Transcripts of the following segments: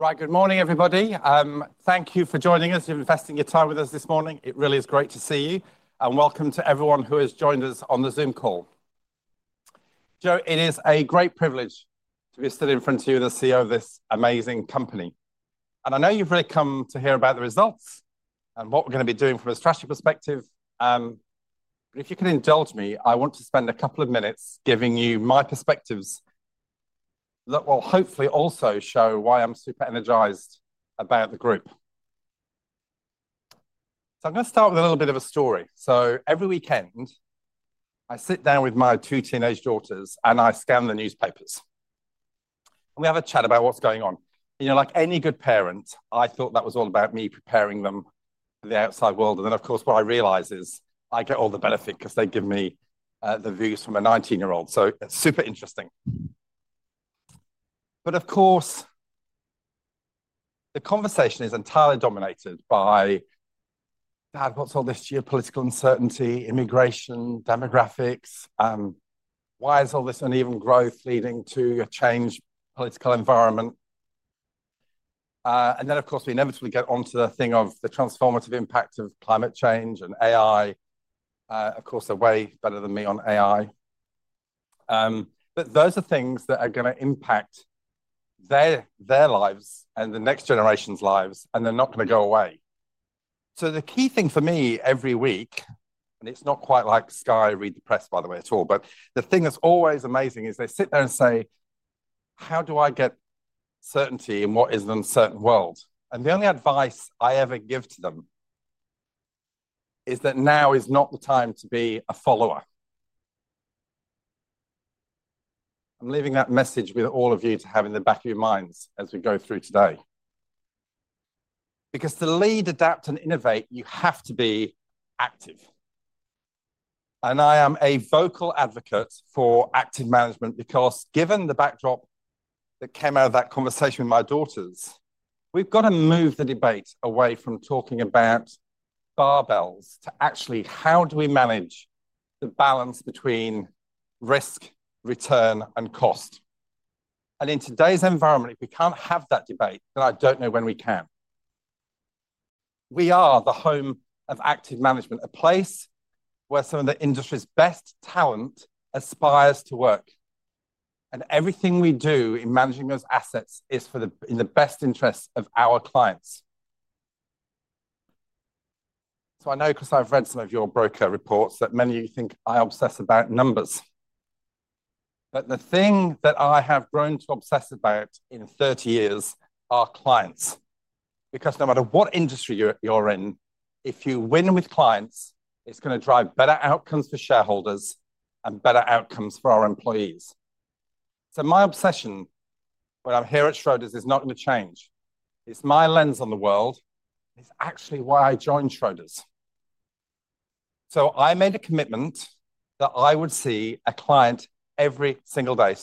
Right, good morning, everybody. Thank you for joining us. You've invested your time with us this morning. It really is great to see you. And welcome to everyone who has joined us on the Zoom call. So, it is a great privilege to be sitting in front of you as the CEO of this amazing company. And I know you've really come to hear about the results and what we're going to be doing from a strategy perspective. But if you can indulge me, I want to spend a couple of minutes giving you my perspectives, that will hopefully also show why I'm super energized about the group. So I'm going to start with a little bit of a story. So every weekend, I sit down with my two teenage daughters and I scan the newspapers. And we have a chat about what's going on. You know, like any good parent, I thought that was all about me preparing them for the outside world, and then, of course, what I realize is I get all the benefit because they give me the views from a 19-year-old, so it's super interesting, but of course, the conversation is entirely dominated by, "Dad what's all this geopolitical uncertainty, immigration, demographics? Why is all this uneven growth leading to a changed political environment?" And then, of course, we inevitably get on to the thing of the transformative impact of climate change and AI. Of course, they're way better than me on AI, but those are things that are going to impact their lives and the next generation's lives, and they're not going to go away. So the key thing for me every week, and it's not quite like Sky read the press, by the way, at all, but the thing that's always amazing is they sit there and say, "How do I get certainty in what is an uncertain world?" And the only advice I ever give to them is that now is not the time to be a follower. I'm leaving that message with all of you to have in the back of your minds as we go through today. Because to lead, adapt, and innovate, you have to be active. And I am a vocal advocate for active management because, given the backdrop that came out of that conversation with my daughters, we've got to move the debate away from talking about barbells to actually how do we manage the balance between risk, return, and cost. And in today's environment, if we can't have that debate, then I don't know when we can. We are the home of active management, a place where some of the industry's best talent aspires to work. And everything we do in managing those assets is in the best interests of our clients. So I know because I've read some of your broker reports that many of you think I obsess about numbers. But the thing that I have grown to obsess about in 30 years are clients. Because no matter what industry you're in, if you win with clients, it's going to drive better outcomes for shareholders and better outcomes for our employees. So my obsession when I'm here at Schroders is not going to change. It's my lens on the world. It's actually why I joined Schroders. I made a commitment that I would see a client every single day.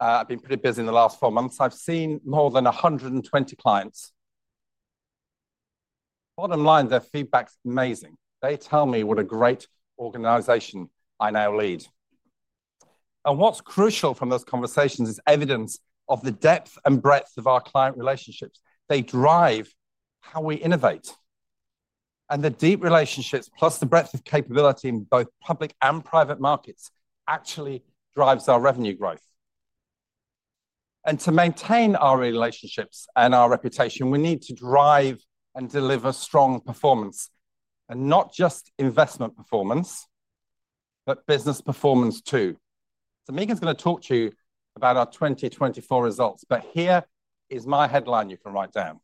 I've been pretty busy in the last four months. I've seen more than 120 clients. Bottom line, their feedback's amazing. They tell me what a great organization I now lead. What's crucial from those conversations is evidence of the depth and breadth of our client relationships. They drive how we innovate. The deep relationships, plus the breadth of capability in both Public and Private Markets, actually drives our revenue growth. To maintain our relationships and our reputation, we need to drive and deliver strong performance. Not just investment performance, but business performance too. Meagen's going to talk to you about our 2024 results, but here is my headline you can write down.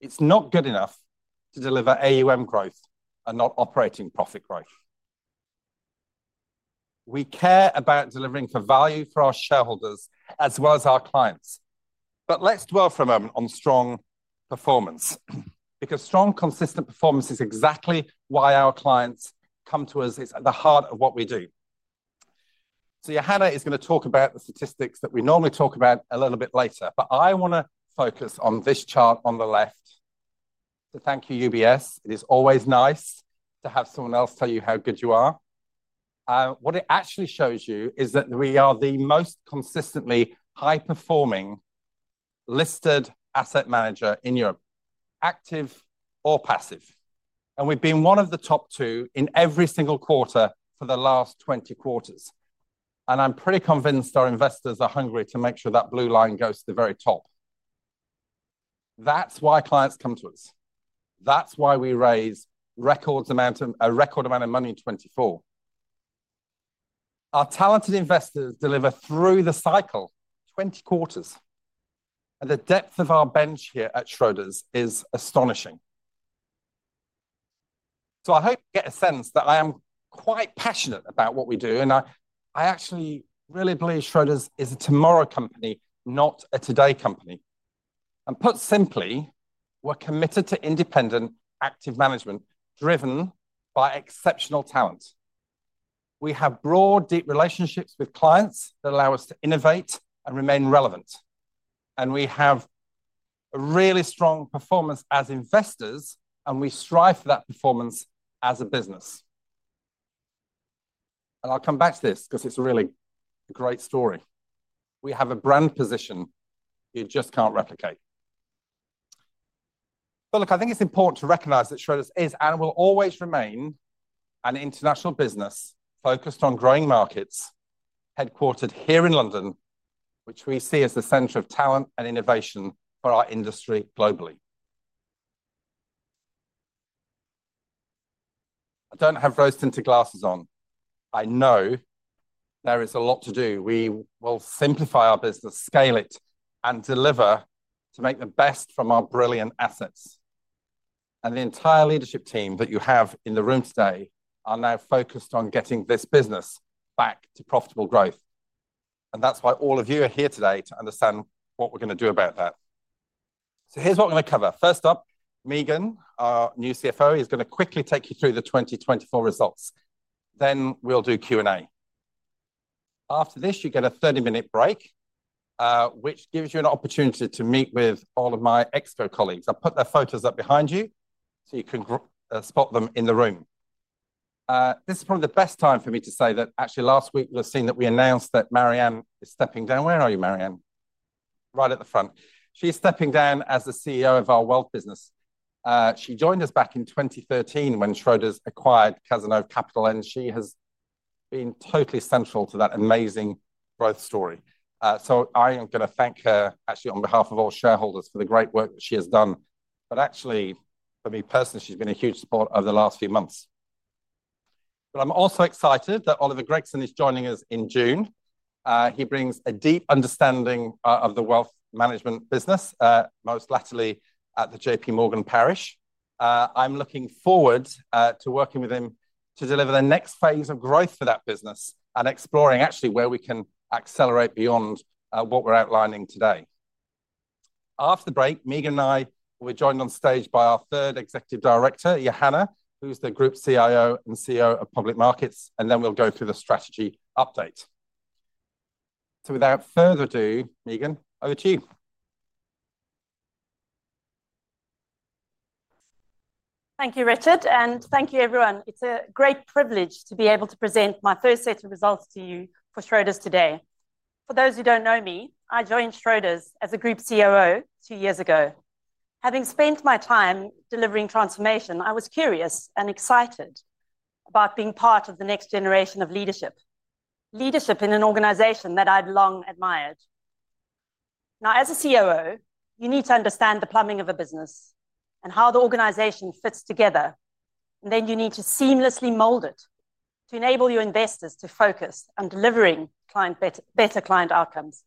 It's not good enough to deliver AUM growth and not operating profit growth. We care about delivering value for our shareholders as well as our clients, but let's dwell for a moment on strong performance. Because strong, consistent performance is exactly why our clients come to us. It's at the heart of what we do, so Johanna is going to talk about the statistics that we normally talk about a little bit later, but I want to focus on this chart on the left, so thank you, UBS. It is always nice to have someone else tell you how good you are. What it actually shows you is that we are the most consistently high-performing listed asset manager in Europe, active or passive, and we've been one of the top two in every single quarter for the last 20 quarters, and I'm pretty convinced our investors are hungry to make sure that blue line goes to the very top. That's why clients come to us. That's why we raise a record amount of money in 2024. Our talented investors deliver through the cycle, 20 quarters, and the depth of our bench here at Schroders is astonishing, so I hope you get a sense that I am quite passionate about what we do, and I actually really believe Schroders is a tomorrow company, not a today company, and put simply, we're committed to independent, active management driven by exceptional talent. We have broad, deep relationships with clients that allow us to innovate and remain relevant, and we have a really strong performance as investors, and we strive for that performance as a business, and I'll come back to this because it's really a great story. We have a brand position you just can't replicate. But look, I think it's important to recognize that Schroders is and will always remain an international business focused on growing markets, headquartered here in London, which we see as the center of talent and innovation for our industry globally. I don't have rose-tinted glasses on. I know there is a lot to do. We will simplify our business, scale it, and deliver to make the best from our brilliant assets. And the entire leadership team that you have in the room today are now focused on getting this business back to profitable growth. And that's why all of you are here today to understand what we're going to do about that. So here's what we're going to cover. First up, Meagen, our new CFO, is going to quickly take you through the 2024 results. Then we'll do Q&A. After this, you get a 30-minute break, which gives you an opportunity to meet with all of my ExCo colleagues. I'll put their photos up behind you so you can spot them in the room. This is probably the best time for me to say that actually last week we were seeing that we announced that Mary-Anne is stepping down. Where are you, Mary-Anne? Right at the front. She's stepping down as the CEO of our Wealth business. She joined us back in 2013 when Schroders acquired Cazenove Capital, and she has been totally central to that amazing growth story. So I am going to thank her actually on behalf of all shareholders for the great work that she has done. But actually, for me personally, she's been a huge support over the last few months. But I'm also excited that Oliver Gregson is joining us in June. He brings a deep understanding of the Wealth Management business, most recently at the JPMorgan Parish. I'm looking forward to working with him to deliver the next phase of growth for that business and exploring actually where we can accelerate beyond what we're outlining today. After the break, Meagen and I will be joined on stage by our third executive director, Johanna, who's the Group CIO and CEO of Public Markets, and then we'll go through the Strategy Update. Without further ado, Meagen, over to you. Thank you, Richard, and thank you, everyone. It's a great privilege to be able to present my first set of results to you for Schroders today. For those who don't know me, I joined Schroders as a Group COO two years ago. Having spent my time delivering transformation, I was curious and excited about being part of the next generation of leadership, leadership in an organization that I'd long admired. Now, as a COO, you need to understand the plumbing of a business and how the organization fits together. And then you need to seamlessly mold it to enable your investors to focus on delivering better client outcomes.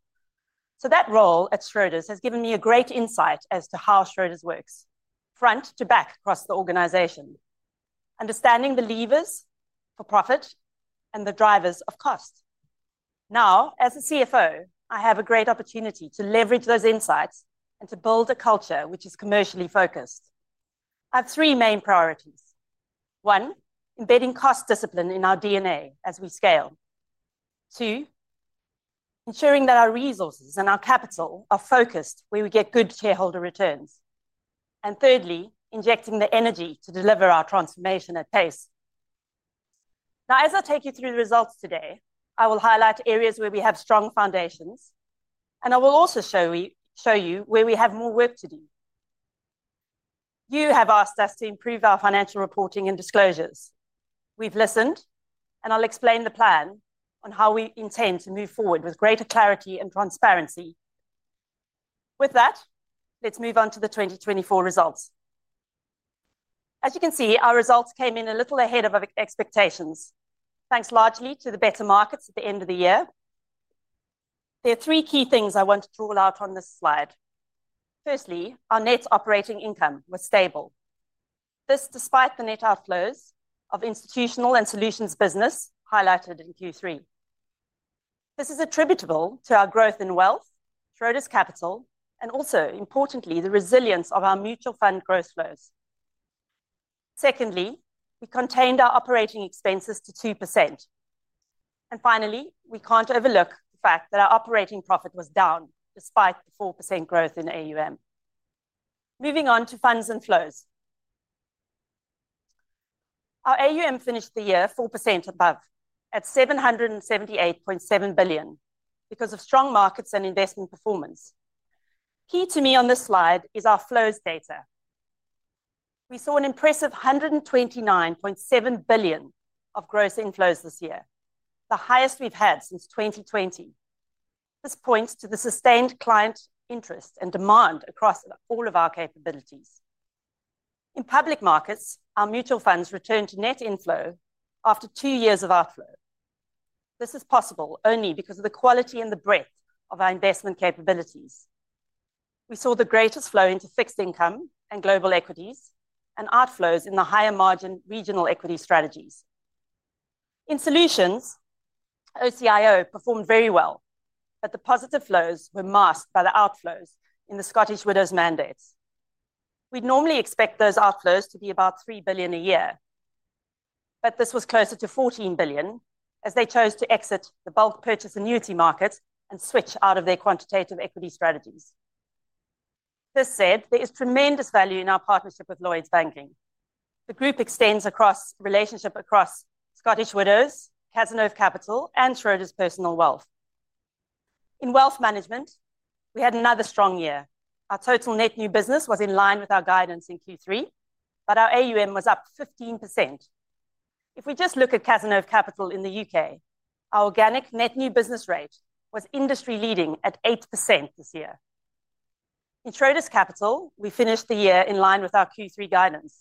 So that role at Schroders has given me a great insight as to how Schroders works, front to back across the organization, understanding the levers for profit and the drivers of cost. Now, as a CFO, I have a great opportunity to leverage those insights and to build a culture which is commercially focused. I have three main priorities. One, embedding cost discipline in our DNA as we scale. Two, ensuring that our resources and our capital are focused where we get good shareholder returns. And thirdly, injecting the energy to deliver our transformation at pace. Now, as I take you through the results today, I will highlight areas where we have strong foundations, and I will also show you where we have more work to do. You have asked us to improve our financial reporting and disclosures. We've listened, and I'll explain the plan on how we intend to move forward with greater clarity and transparency. With that, let's move on to the 2024 results. As you can see, our results came in a little ahead of expectations, thanks largely to the better markets at the end of the year. There are three key things I want to draw out on this slide. Firstly, our net operating income was stable. This despite the net outflows of Institutional and Solutions business highlighted in Q3. This is attributable to our growth in Wealth, Schroders Capital, and also, importantly, the resilience of our Mutual Fund gross flows. Secondly, we contained our operating expenses to 2%, and finally, we can't overlook the fact that our operating profit was down despite the 4% growth in AUM. Moving on to funds and flows. Our AUM finished the year 4% above at 778.7 billion because of strong markets and investment performance. Key to me on this slide is our flows data. We saw an impressive 129.7 billion of gross inflows this year, the highest we've had since 2020. This points to the sustained client interest and demand across all of our capabilities. In Public Markets, our Mutual Funds returned to net inflow after two years of outflow. This is possible only because of the quality and the breadth of our investment capabilities. We saw the greatest flow into fixed income and global equities and outflows in the higher margin regional equity strategies. In Solutions, OCIO performed very well, but the positive flows were masked by the outflows in the Scottish Widows mandates. We'd normally expect those outflows to be about 3 billion a year, but this was closer to 14 billion as they chose to exit the bulk purchase annuity market and switch out of their quantitative equity strategies. This said, there is tremendous value in our partnership with Lloyds Banking. The group extends across relationships across Scottish Widows, Cazenove Capital, and Schroders Personal Wealth. In Wealth Management, we had another strong year. Our total net new business was in line with our guidance in Q3, but our AUM was up 15%. If we just look at Cazenove Capital in the U.K., our organic net new business rate was industry leading at 8% this year. In Schroders Capital, we finished the year in line with our Q3 guidance.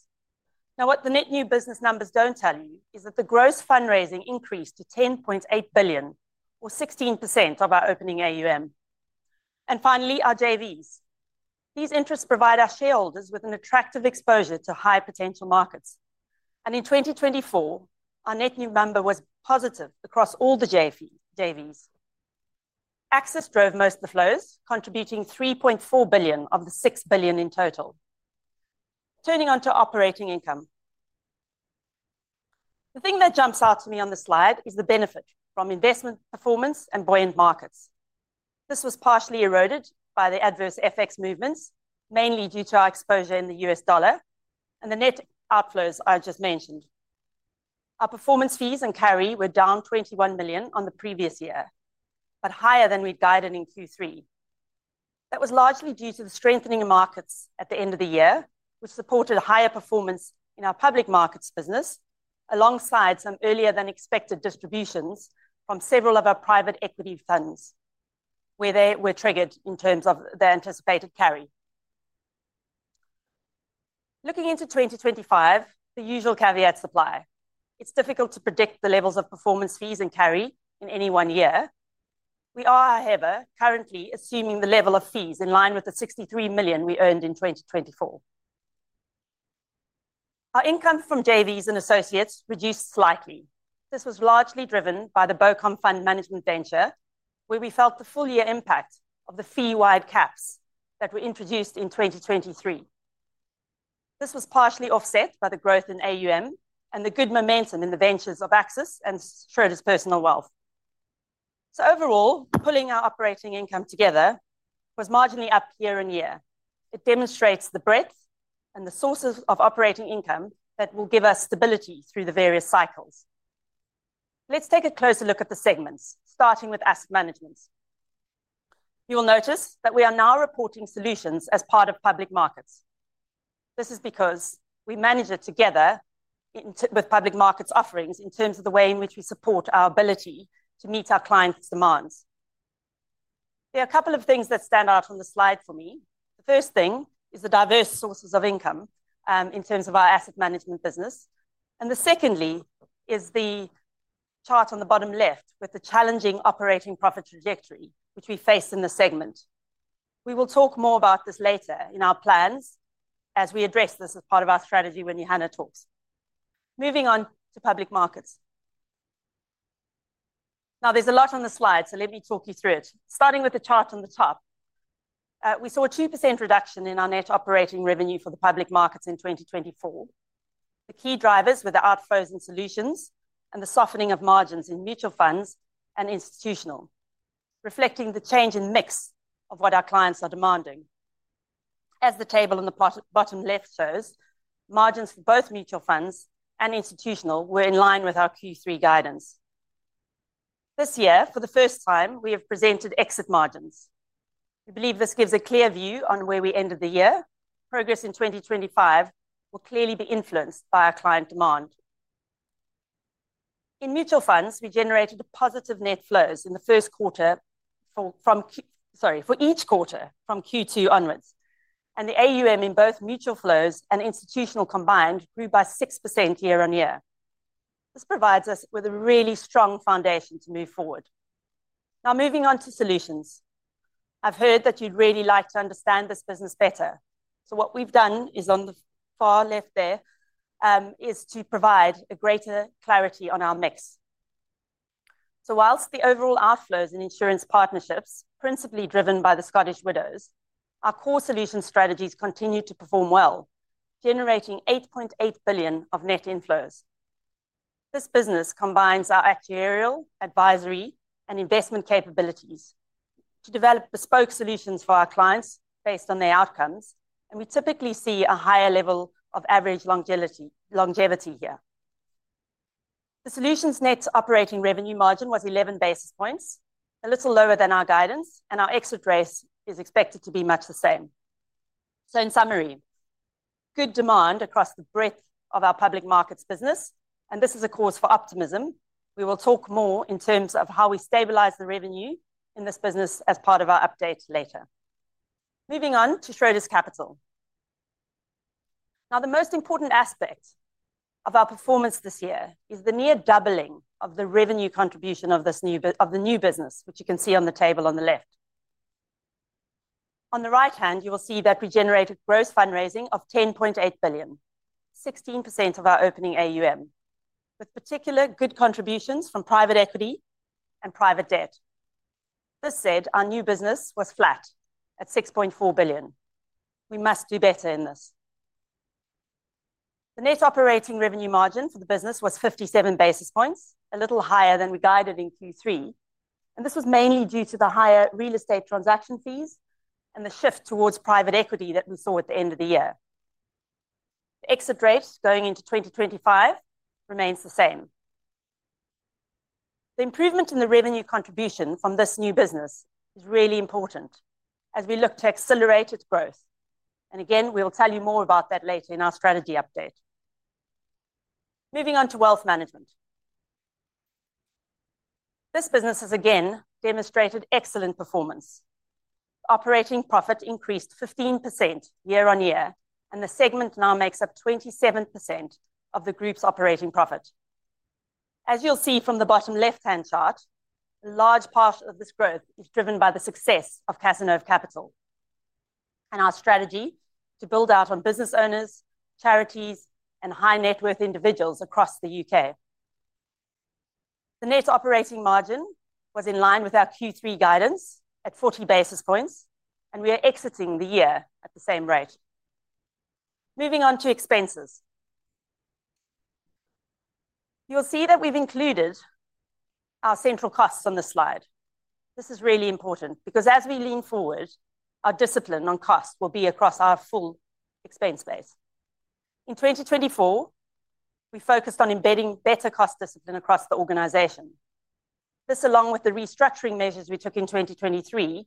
Now, what the net new business numbers don't tell you is that the gross fundraising increased to 10.8 billion, or 16% of our opening AUM. Finally, our JVs. These interests provide our shareholders with an attractive exposure to high potential markets. In 2024, our net new number was positive across all the JVs. Axis drove most of the flows, contributing 3.4 billion of the 6 billion in total. Turning on to operating income. The thing that jumps out to me on the slide is the benefit from investment performance and buoyant markets. This was partially eroded by the adverse FX movements, mainly due to our exposure in the U.S. dollar and the net outflows I just mentioned. Our performance fees and carry were down 21 million on the previous year, but higher than we'd guided in Q3. That was largely due to the strengthening of markets at the end of the year, which supported higher performance in our Public Markets business, alongside some earlier than expected distributions from several of our Private Equity funds, where they were triggered in terms of the anticipated carry. Looking into 2025, the usual caveats apply. It's difficult to predict the levels of performance fees and carry in any one year. We are, however, currently assuming the level of fees in line with the 63 million we earned in 2024. Our income from JVs and associates reduced slightly. This was largely driven by the BOCOM Fund Management venture, where we felt the full year impact of the fee wide caps that were introduced in 2023. This was partially offset by the growth in AUM and the good momentum in the ventures of Axis and Schroders Personal Wealth. So overall, pulling our operating income together was marginally up year-on-year. It demonstrates the breadth and the sources of operating income that will give us stability through the various cycles. Let's take a closer look at the segments, starting with Asset Management. You will notice that we are now reporting Solutions as part of Public Markets. This is because we manage it together with Public Markets offerings in terms of the way in which we support our ability to meet our clients' demands. There are a couple of things that stand out on the slide for me. The first thing is the diverse sources of income in terms of our asset management business, and the secondly is the chart on the bottom left with the challenging operating profit trajectory, which we faced in the segment. We will talk more about this later in our plans as we address this as part of our strategy when Johanna talks. Moving on to Public Markets. Now, there's a lot on the slide, so let me talk you through it. Starting with the chart on the top, we saw a 2% reduction in our net operating revenue for the Public Markets in 2024. The key drivers were the outflows in Solutions and the softening of margins in Mutual Funds and Institutional, reflecting the change in mix of what our clients are demanding. As the table on the bottom left shows, margins for both Mutual Funds and Institutional were in line with our Q3 guidance. This year, for the first time, we have presented exit margins. We believe this gives a clear view on where we ended the year. Progress in 2025 will clearly be influenced by our client demand. In Mutual Funds, we generated positive net flows in the first quarter from, sorry, for each quarter from Q2 onwards. And the AUM in both Mutual Funds and Institutional combined grew by 6% year on year. This provides us with a really strong foundation to move forward. Now, moving on to Solutions. I've heard that you'd really like to understand this business better. So what we've done is, on the far left, there is to provide a greater clarity on our mix. So while the overall outflows in insurance partnerships, principally driven by the Scottish Widows, our core Solution strategies continue to perform well, generating 8.8 billion of net inflows. This business combines our actuarial, advisory, and investment capabilities to develop bespoke solutions for our clients based on their outcomes, and we typically see a higher level of average longevity here. The Solution's net operating revenue margin was 11 basis points, a little lower than our guidance, and our exit rate is expected to be much the same. So in summary, good demand across the breadth of our Public Markets business, and this is a cause for optimism. We will talk more in terms of how we stabilize the revenue in this business as part of our update later. Moving on to Schroders Capital. Now, the most important aspect of our performance this year is the near doubling of the revenue contribution of the new business, which you can see on the table on the left. On the right hand, you will see that we generated gross fundraising of 10.8 billion, 16% of our opening AUM, with particular good contributions from Private Equity and Private Debt. This said, our new business was flat at 6.4 billion. We must do better in this. The net operating revenue margin for the business was 57 basis points, a little higher than we guided in Q3, and this was mainly due to the higher Real Estate transaction fees and the shift towards Private Equity that we saw at the end of the year. The exit rate going into 2025 remains the same. The improvement in the revenue contribution from this new business is really important as we look to accelerate its growth, and again, we'll tell you more about that later in our Strategy Update. Moving on to Wealth Management. This business has again demonstrated excellent performance. Operating profit increased 15% year on year, and the segment now makes up 27% of the group's operating profit. As you'll see from the bottom left-hand chart, a large part of this growth is driven by the success of Cazenove Capital and our strategy to build out on business owners, charities, and high net worth individuals across the U.K. The net operating margin was in line with our Q3 guidance at 40 basis points, and we are exiting the year at the same rate. Moving on to expenses. You'll see that we've included our central costs on this slide. This is really important because as we lean forward, our discipline on costs will be across our full expense base. In 2024, we focused on embedding better cost discipline across the organization. This, along with the restructuring measures we took in 2023,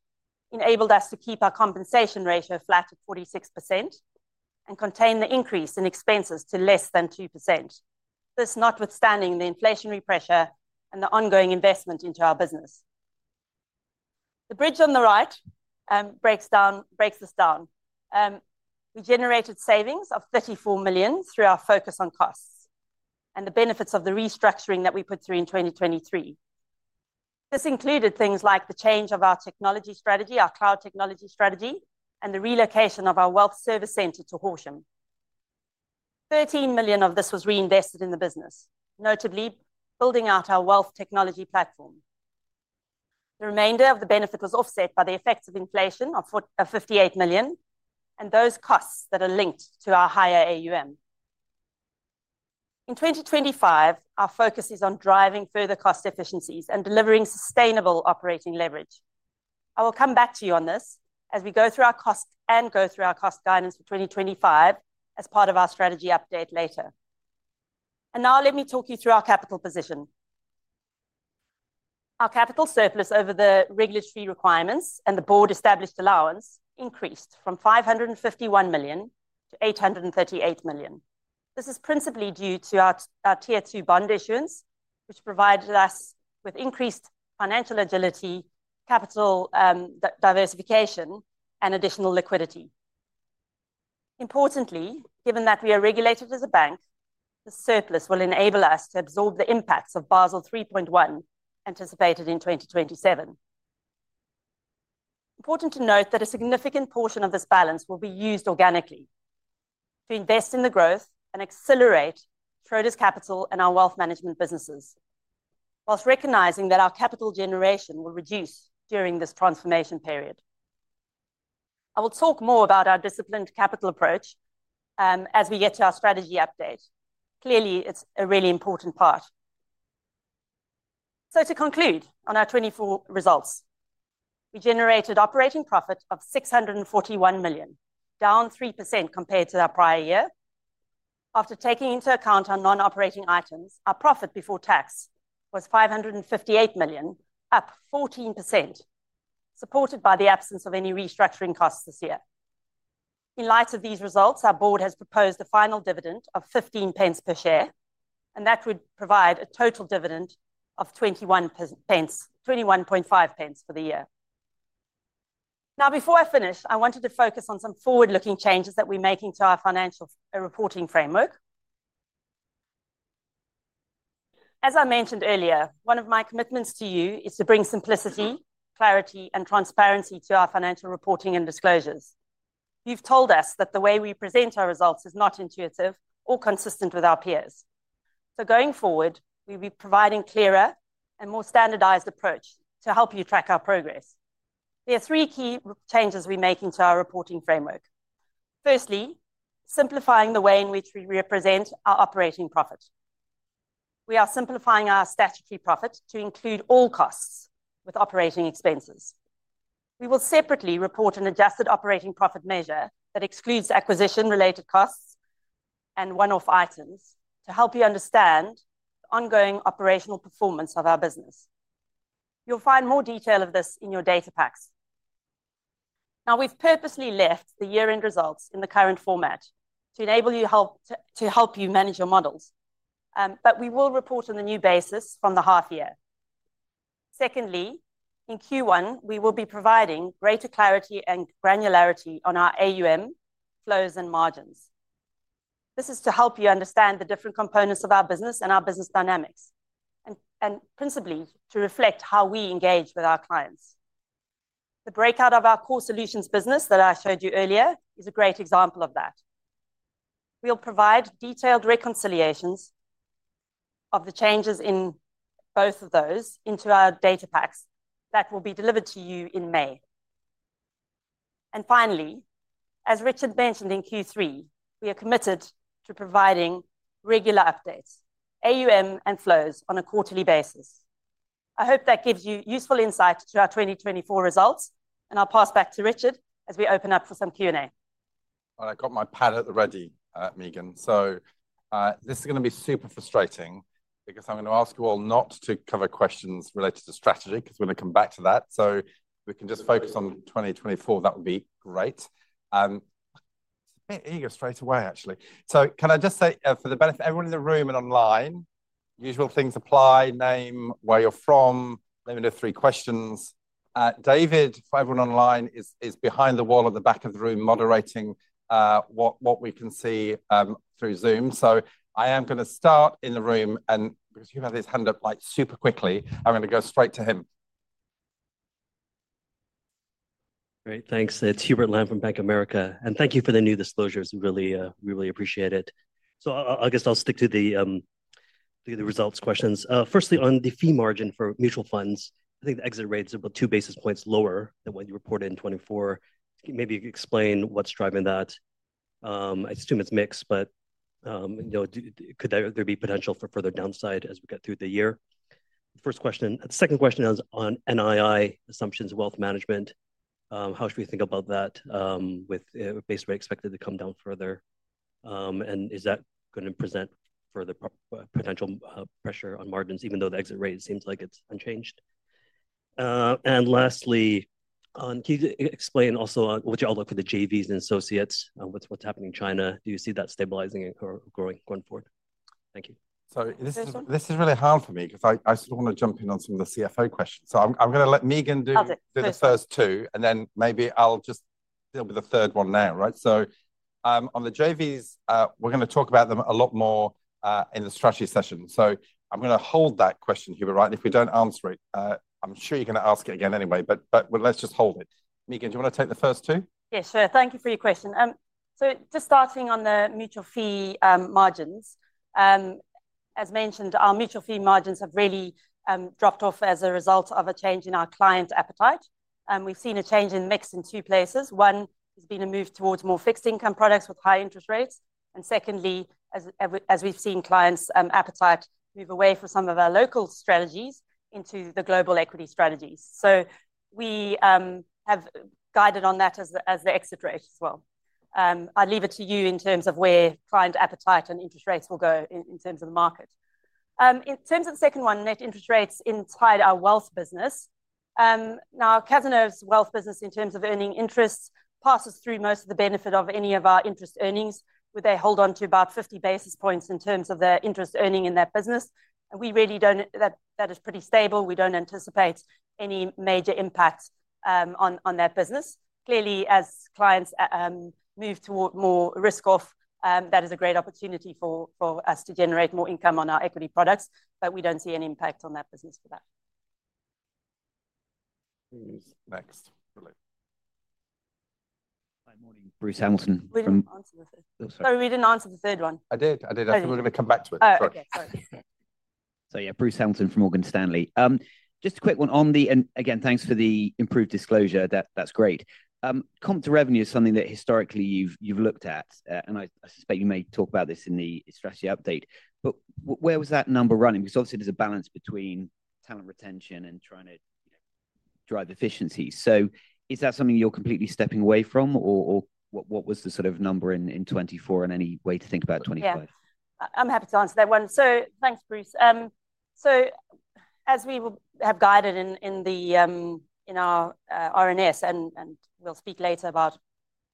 enabled us to keep our compensation ratio flat at 46% and contain the increase in expenses to less than 2%. This notwithstanding the inflationary pressure and the ongoing investment into our business. The bridge on the right breaks this down. We generated savings of 34 million through our focus on costs and the benefits of the restructuring that we put through in 2023. This included things like the change of our technology strategy, our cloud technology strategy, and the relocation of our Wealth service center to Horsham. 13 million of this was reinvested in the business, notably building out our Wealth technology platform. The remainder of the benefit was offset by the effects of inflation of 58 million and those costs that are linked to our higher AUM. In 2025, our focus is on driving further cost efficiencies and delivering sustainable operating leverage. I will come back to you on this as we go through our cost and go through our cost guidance for 2025 as part of our Strategy Update later. Now let me talk you through our capital position. Our capital surplus over the regulatory requirements and the Board established allowance increased from 551 million to 838 million. This is principally due to our Tier 2 bond issuance, which provided us with increased financial agility, capital diversification, and additional liquidity. Importantly, given that we are regulated as a bank, the surplus will enable us to absorb the impacts of Basel 3.1 anticipated in 2027. Important to note that a significant portion of this balance will be used organically to invest in the growth and accelerate Schroders Capital and our Wealth Management businesses, whilst recognizing that our capital generation will reduce during this transformation period. I will talk more about our disciplined capital approach as we get to our Strategy Update. Clearly, it's a really important part. So to conclude on our 2024 results, we generated operating profit of 641 million, down 3% compared to our prior year. After taking into account our non-operating items, our profit before tax was 558 million, up 14%, supported by the absence of any restructuring costs this year. In light of these results, our Board has proposed a final dividend of 0.15 per share, and that would provide a total dividend of 0.215 for the year. Now, before I finish, I wanted to focus on some forward-looking changes that we're making to our financial reporting framework. As I mentioned earlier, one of my commitments to you is to bring simplicity, clarity, and transparency to our financial reporting and disclosures. You've told us that the way we present our results is not intuitive or consistent with our peers. So going forward, we'll be providing a clearer and more standardized approach to help you track our progress. There are three key changes we're making to our reporting framework. Firstly, simplifying the way in which we represent our operating profit. We are simplifying our statutory profit to include all costs with operating expenses. We will separately report an adjusted operating profit measure that excludes acquisition-related costs and one-off items to help you understand the ongoing operational performance of our business. You'll find more detail of this in your data packs. Now, we've purposely left the year-end results in the current format to enable you to manage your models, but we will report on the new basis from the half year. Secondly, in Q1, we will be providing greater clarity and granularity on our AUM flows and margins. This is to help you understand the different components of our business and our business dynamics, and principally to reflect how we engage with our clients. The breakout of our core Solutions business that I showed you earlier is a great example of that. We'll provide detailed reconciliations of the changes in both of those into our data packs that will be delivered to you in May. And finally, as Richard mentioned in Q3, we are committed to providing regular updates, AUM and flows on a quarterly basis. I hope that gives you useful insight into our 2024 results, and I'll pass back to Richard as we open up for some Q&A. I've got my pad at the ready, Meagen. So this is going to be super frustrating because I'm going to ask you all not to cover questions related to strategy because we're going to come back to that. So we can just focus on 2024. That would be great. There you go straight away, actually. So can I just say for the benefit of everyone in the room and online, usual things apply, name, where you're from, let me know three questions. David, for everyone online, is behind the wall at the back of the room moderating what we can see through Zoom. I am going to start in the room, and because Hubert has his hand up like super quickly, I'm going to go straight to him. Great, thanks. It's Hubert Lam from Bank of America. And thank you for the new disclosures. We really appreciate it. I guess I'll stick to the results questions. First, on the fee margin for Mutual Funds, I think the exit rate is about two basis points lower than what you reported in 2024. Maybe you could explain what's driving that. I assume it's mixed, but could there be potential for further downside as we get through the year? The second question is on NII assumptions, Wealth Management. How should we think about that with a base rate expected to come down further? And is that going to present further potential pressure on margins, even though the exit rate seems like it's unchanged? And lastly, can you explain also what you all look for the JVs and associates with what's happening in China? Do you see that stabilizing or growing going forward? Thank you. Sorry, this is really hard for me because I sort of want to jump in on some of the CFO questions. So I'm going to let Meagen do the first two, and then maybe I'll just deal with the third one now, right? So on the JVs, we're going to talk about them a lot more in the strategy session. So I'm going to hold that question, Hubert, right? If we don't answer it, I'm sure you're going to ask it again anyway, but let's just hold it. Meagen, do you want to take the first two? Yes, sure. Thank you for your question. So just starting on the mutual fee margins, as mentioned, our mutual fee margins have really dropped off as a result of a change in our client appetite. We've seen a change in mix in two places. One has been a move towards more fixed income products with high interest rates, and secondly, as we've seen clients' appetite move away from some of our local strategies into the global equity strategies, so we have guided on that as the exit rate as well. I'll leave it to you in terms of where client appetite and interest rates will go in terms of the market. In terms of the second one, net interest rates inside our Wealth business. Now, Cazenove's Wealth business, in terms of earning interest, passes through most of the benefit of any of our interest earnings, where they hold on to about 50 basis points in terms of their interest earning in that business. And we really don't think that is pretty stable. We don't anticipate any major impact on that business. Clearly, as clients move toward more risk-off, that is a great opportunity for us to generate more income on our equity products, but we don't see any impact on that business for that. Next. Good morning, Bruce Hamilton. We didn't answer the third one. Sorry, we didn't answer the third one. I did. I did. I think we're going to come back to it. Sorry. So yeah, Bruce Hamilton from Morgan Stanley. Just a quick one on the, and again, thanks for the improved disclosure. That's great. Comp to revenue is something that historically you've looked at, and I suspect you may talk about this in the Strategy Update. But where was that number running? Because obviously, there's a balance between talent retention and trying to drive efficiencies. So is that something you're completely stepping away from, or what was the sort of number in 2024 and any way to think about 2025? Yeah, I'm happy to answer that one. So thanks, Bruce. So as we have guided in our RNS, and we'll speak later about,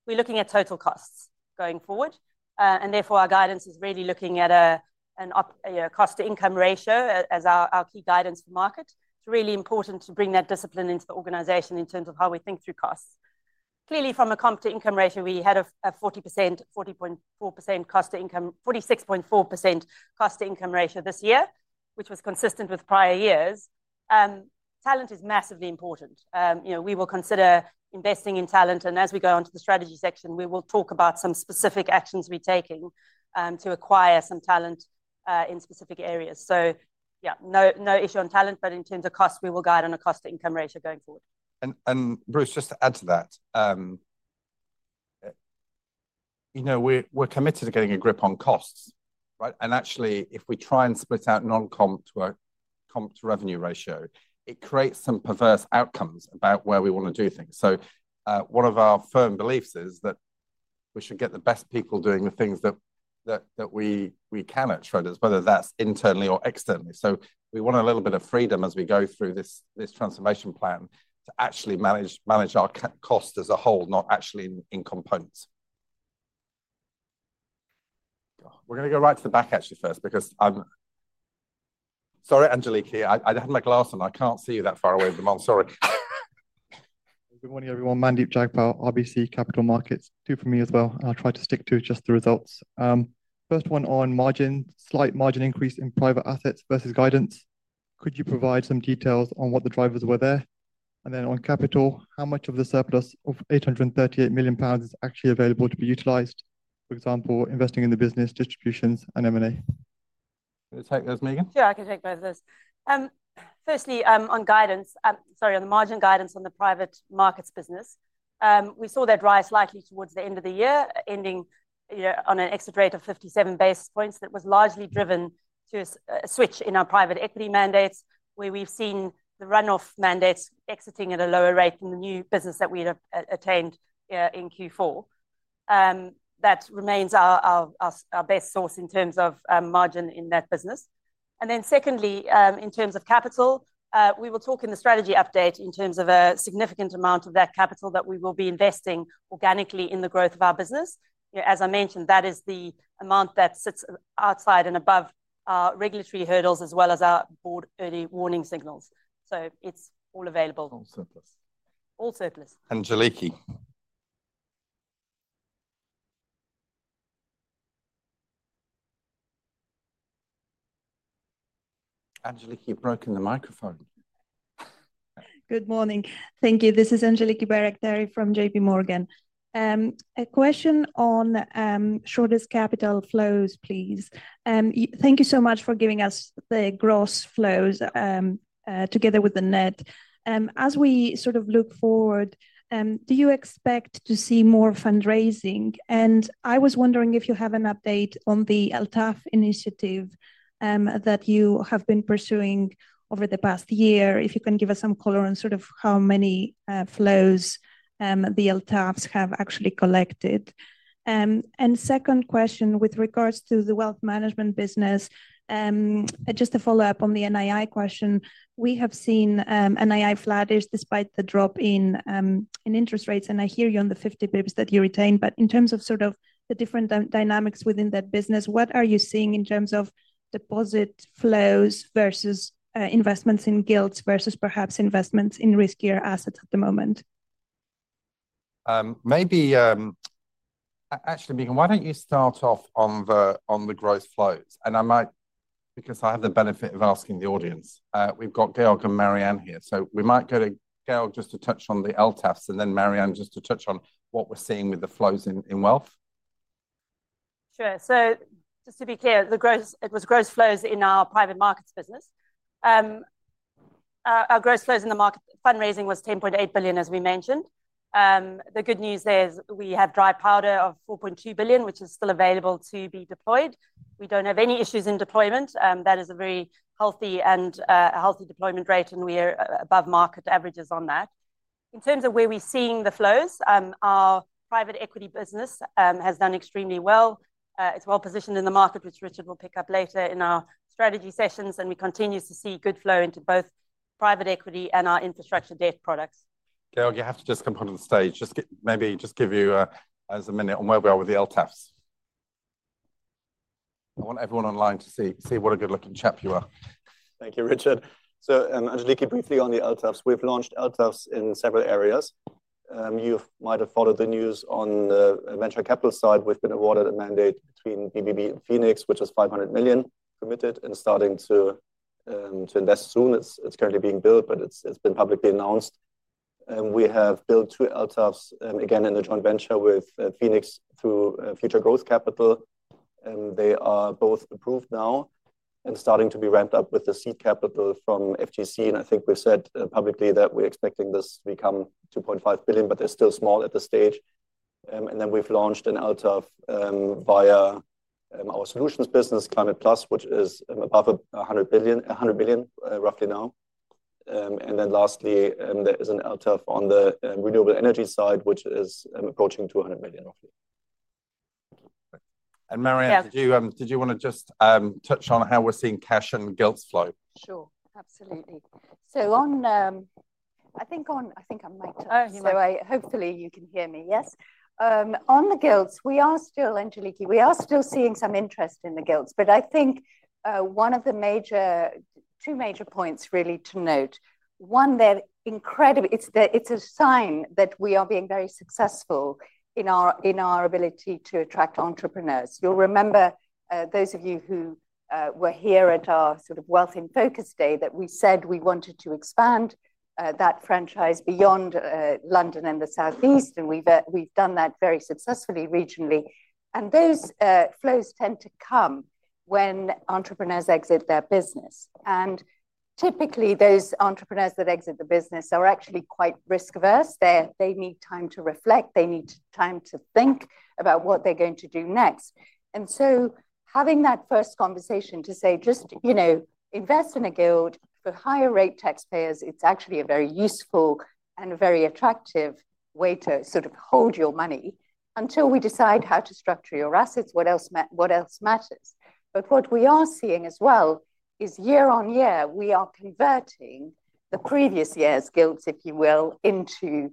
we're looking at total costs going forward. And therefore, our guidance is really looking at a cost-to-income ratio as our key guidance for market. It's really important to bring that discipline into the organization in terms of how we think through costs. Clearly, from a comp to income ratio, we had a 40%, 40.4% cost-to-income, 46.4% cost-to-income ratio this year, which was consistent with prior years. Talent is massively important. We will consider investing in talent, and as we go on to the strategy section, we will talk about some specific actions we're taking to acquire some talent in specific areas, so yeah, no issue on talent, but in terms of cost, we will guide on a cost-to-income ratio going forward. And Bruce, just to add to that, we're committed to getting a grip on costs, right? And actually, if we try and split out non-comp to revenue ratio, it creates some perverse outcomes about where we want to do things, so one of our firm beliefs is that we should get the best people doing the things that we can at Schroders, whether that's internally or externally. So we want a little bit of freedom as we go through this transformation plan to actually manage our cost as a whole, not actually in components. We're going to go right to the back, actually, first, because I'm sorry, Angeliki, I had my glasses on. I can't see you that far away with the Zoom, sorry. Good morning, everyone. Mandeep Jagpal, RBC Capital Markets, two for me as well. I'll try to stick to just the results. First one on margin, slight margin increase in private assets versus guidance. Could you provide some details on what the drivers were there? And then on capital, how much of the surplus of 838 million pounds is actually available to be utilized, for example, investing in the business, distributions, and M&A? Take those, Meagen. Yeah, I can take both of those. Firstly, on guidance, sorry, on the margin guidance on the Private Markets business, we saw that rise likely towards the end of the year, ending on an exit rate of 57 basis points. That was largely driven to a switch in our Private Equity mandates, where we've seen the runoff mandates exiting at a lower rate than the new business that we'd obtained in Q4. That remains our best source in terms of margin in that business. And then secondly, in terms of capital, we will talk in the Strategy Update in terms of a significant amount of that capital that we will be investing organically in the growth of our business. As I mentioned, that is the amount that sits outside and above our regulatory hurdles as well as our Board early warning signals. So it's all available. All surplus. All surplus. Angeliki. Angeliki, you've broken the microphone. Good morning. Thank you. This is Angeliki Bairaktari from JPMorgan. A question on Schroders Capital flows, please. Thank you so much for giving us the gross flows together with the net. As we sort of look forward, do you expect to see more fundraising? And I was wondering if you have an update on the LTAF initiative that you have been pursuing over the past year, if you can give us some color on sort of how many flows the LTAFs have actually collected. And second question with regards to the Wealth Management business, just a follow-up on the NII question. We have seen NII flattish despite the drop in interest rates, and I hear you on the 50 bps that you retain. But in terms of sort of the different dynamics within that business, what are you seeing in terms of deposit flows versus investments in gilts versus perhaps investments in riskier assets at the moment? Maybe actually, Meagen, why don't you start off on the growth flows? And I might, because I have the benefit of asking the audience, we've got Georg and Mary-Anne here. So we might go to Georg just to touch on the LTAFs and then Mary-Anne just to touch on what we're seeing with the flows in Wealth. Sure. So just to be clear, it was gross flow in our Private Markets business. Our gross flows in the market fundraising was 10.8 billion, as we mentioned. The good news there is we have dry powder of 4.2 billion, which is still available to be deployed. We don't have any issues in deployment. That is a very healthy and healthy deployment rate, and we are above market averages on that. In terms of where we're seeing the flows, our Private Equity business has done extremely well. It's well positioned in the market, which Richard will pick up later in our strategy sessions, and we continue to see good flow into both Private Equity and our Infrastructure Debt products. Georg, you have to just come onto the stage. Maybe just give you a minute on where we are with the LTAFs. I want everyone online to see what a good-looking chap you are. Thank you, Richard. So Angeliki, briefly on the LTAFs. We've launched LTAFs in several areas. You might have followed the news on the venture capital side. We've been awarded a mandate between BBB and Phoenix, which is 500 million committed and starting to invest soon. It's currently being built, but it's been publicly announced. We have built two LTAFs again in the joint venture with Phoenix through Future Growth Capital. They are both approved now and starting to be ramped up with the seed capital from FGC. I think we've said publicly that we're expecting this to become 2.5 billion, but they're still small at this stage. Then we've launched an LTAF via our Solutions business, Climate+, which is above 100 billion, roughly now. Then lastly, there is an LTAF on the renewable energy side, which is approaching 200 million roughly. Mary-Anne, did you want to just touch on how we're seeing cash and gilts flow? Sure, absolutely. I think I might touch on that. Hopefully you can hear me, yes. On the gilts, we are still, Angeliki, we are still seeing some interest in the gilts. But I think one of the two major points really to note, one, they're incredible. It's a sign that we are being very successful in our ability to attract entrepreneurs. You'll remember those of you who were here at our sort of Wealth in Focus Day that we said we wanted to expand that franchise beyond London and the Southeast. And we've done that very successfully regionally. And those flows tend to come when entrepreneurs exit their business. And typically, those entrepreneurs that exit the business are actually quite risk-averse. They need time to reflect. They need time to think about what they're going to do next. Having that first conversation to say, just invest in a gilt for higher rate taxpayers. It's actually a very useful and a very attractive way to sort of hold your money until we decide how to structure your assets, what else matters. But what we are seeing as well is year on year, we are converting the previous year's gilts, if you will, into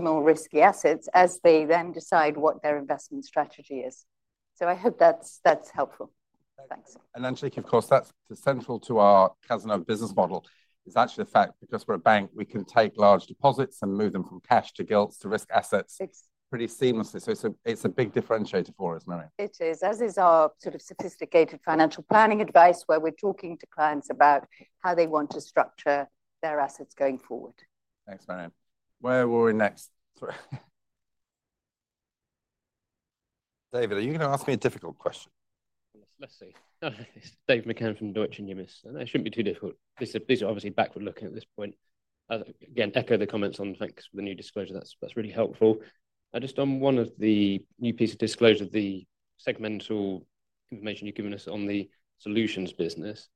more risky assets as they then decide what their investment strategy is. I hope that's helpful. Thanks. Angeliki, of course, that's central to our Cazenove business model. It's actually the fact because we're a bank, we can take large deposits and move them from cash to gilts to risk assets pretty seamlessly. So it's a big differentiator for us, Mary-Anne. It is, as is our sort of sophisticated financial planning advice where we're talking to clients about how they want to structure their assets going forward. Thanks, Mary-Anne. Where were we next? David, are you going to ask me a difficult question? Let's see. David McCann from Deutsche Numis. That shouldn't be too difficult. These are obviously backward-looking at this point. Again, echo the comments on thanks for the new disclosure. That's really helpful. Just on one of the new pieces of disclosure, the segmental information you've given us on the Solutions business,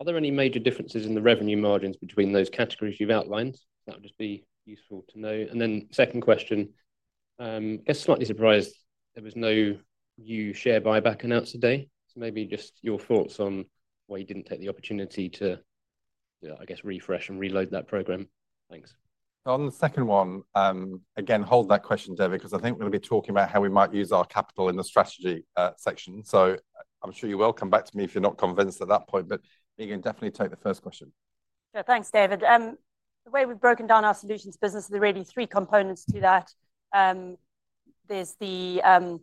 are there any major differences in the revenue margins between those categories you've outlined? That would just be useful to know. And then second question, I guess slightly surprised, there was no new share buyback announced today. So maybe just your thoughts on why you didn't take the opportunity to, I guess, refresh and reload that program. Thanks. On the second one, again, hold that question, David, because I think we're going to be talking about how we might use our capital in the strategy section. So I'm sure you will come back to me if you're not convinced at that point. But Meagen, definitely take the first question. Sure. Thanks, David. The way we've broken down our Solutions business, there are really three components to that. There's the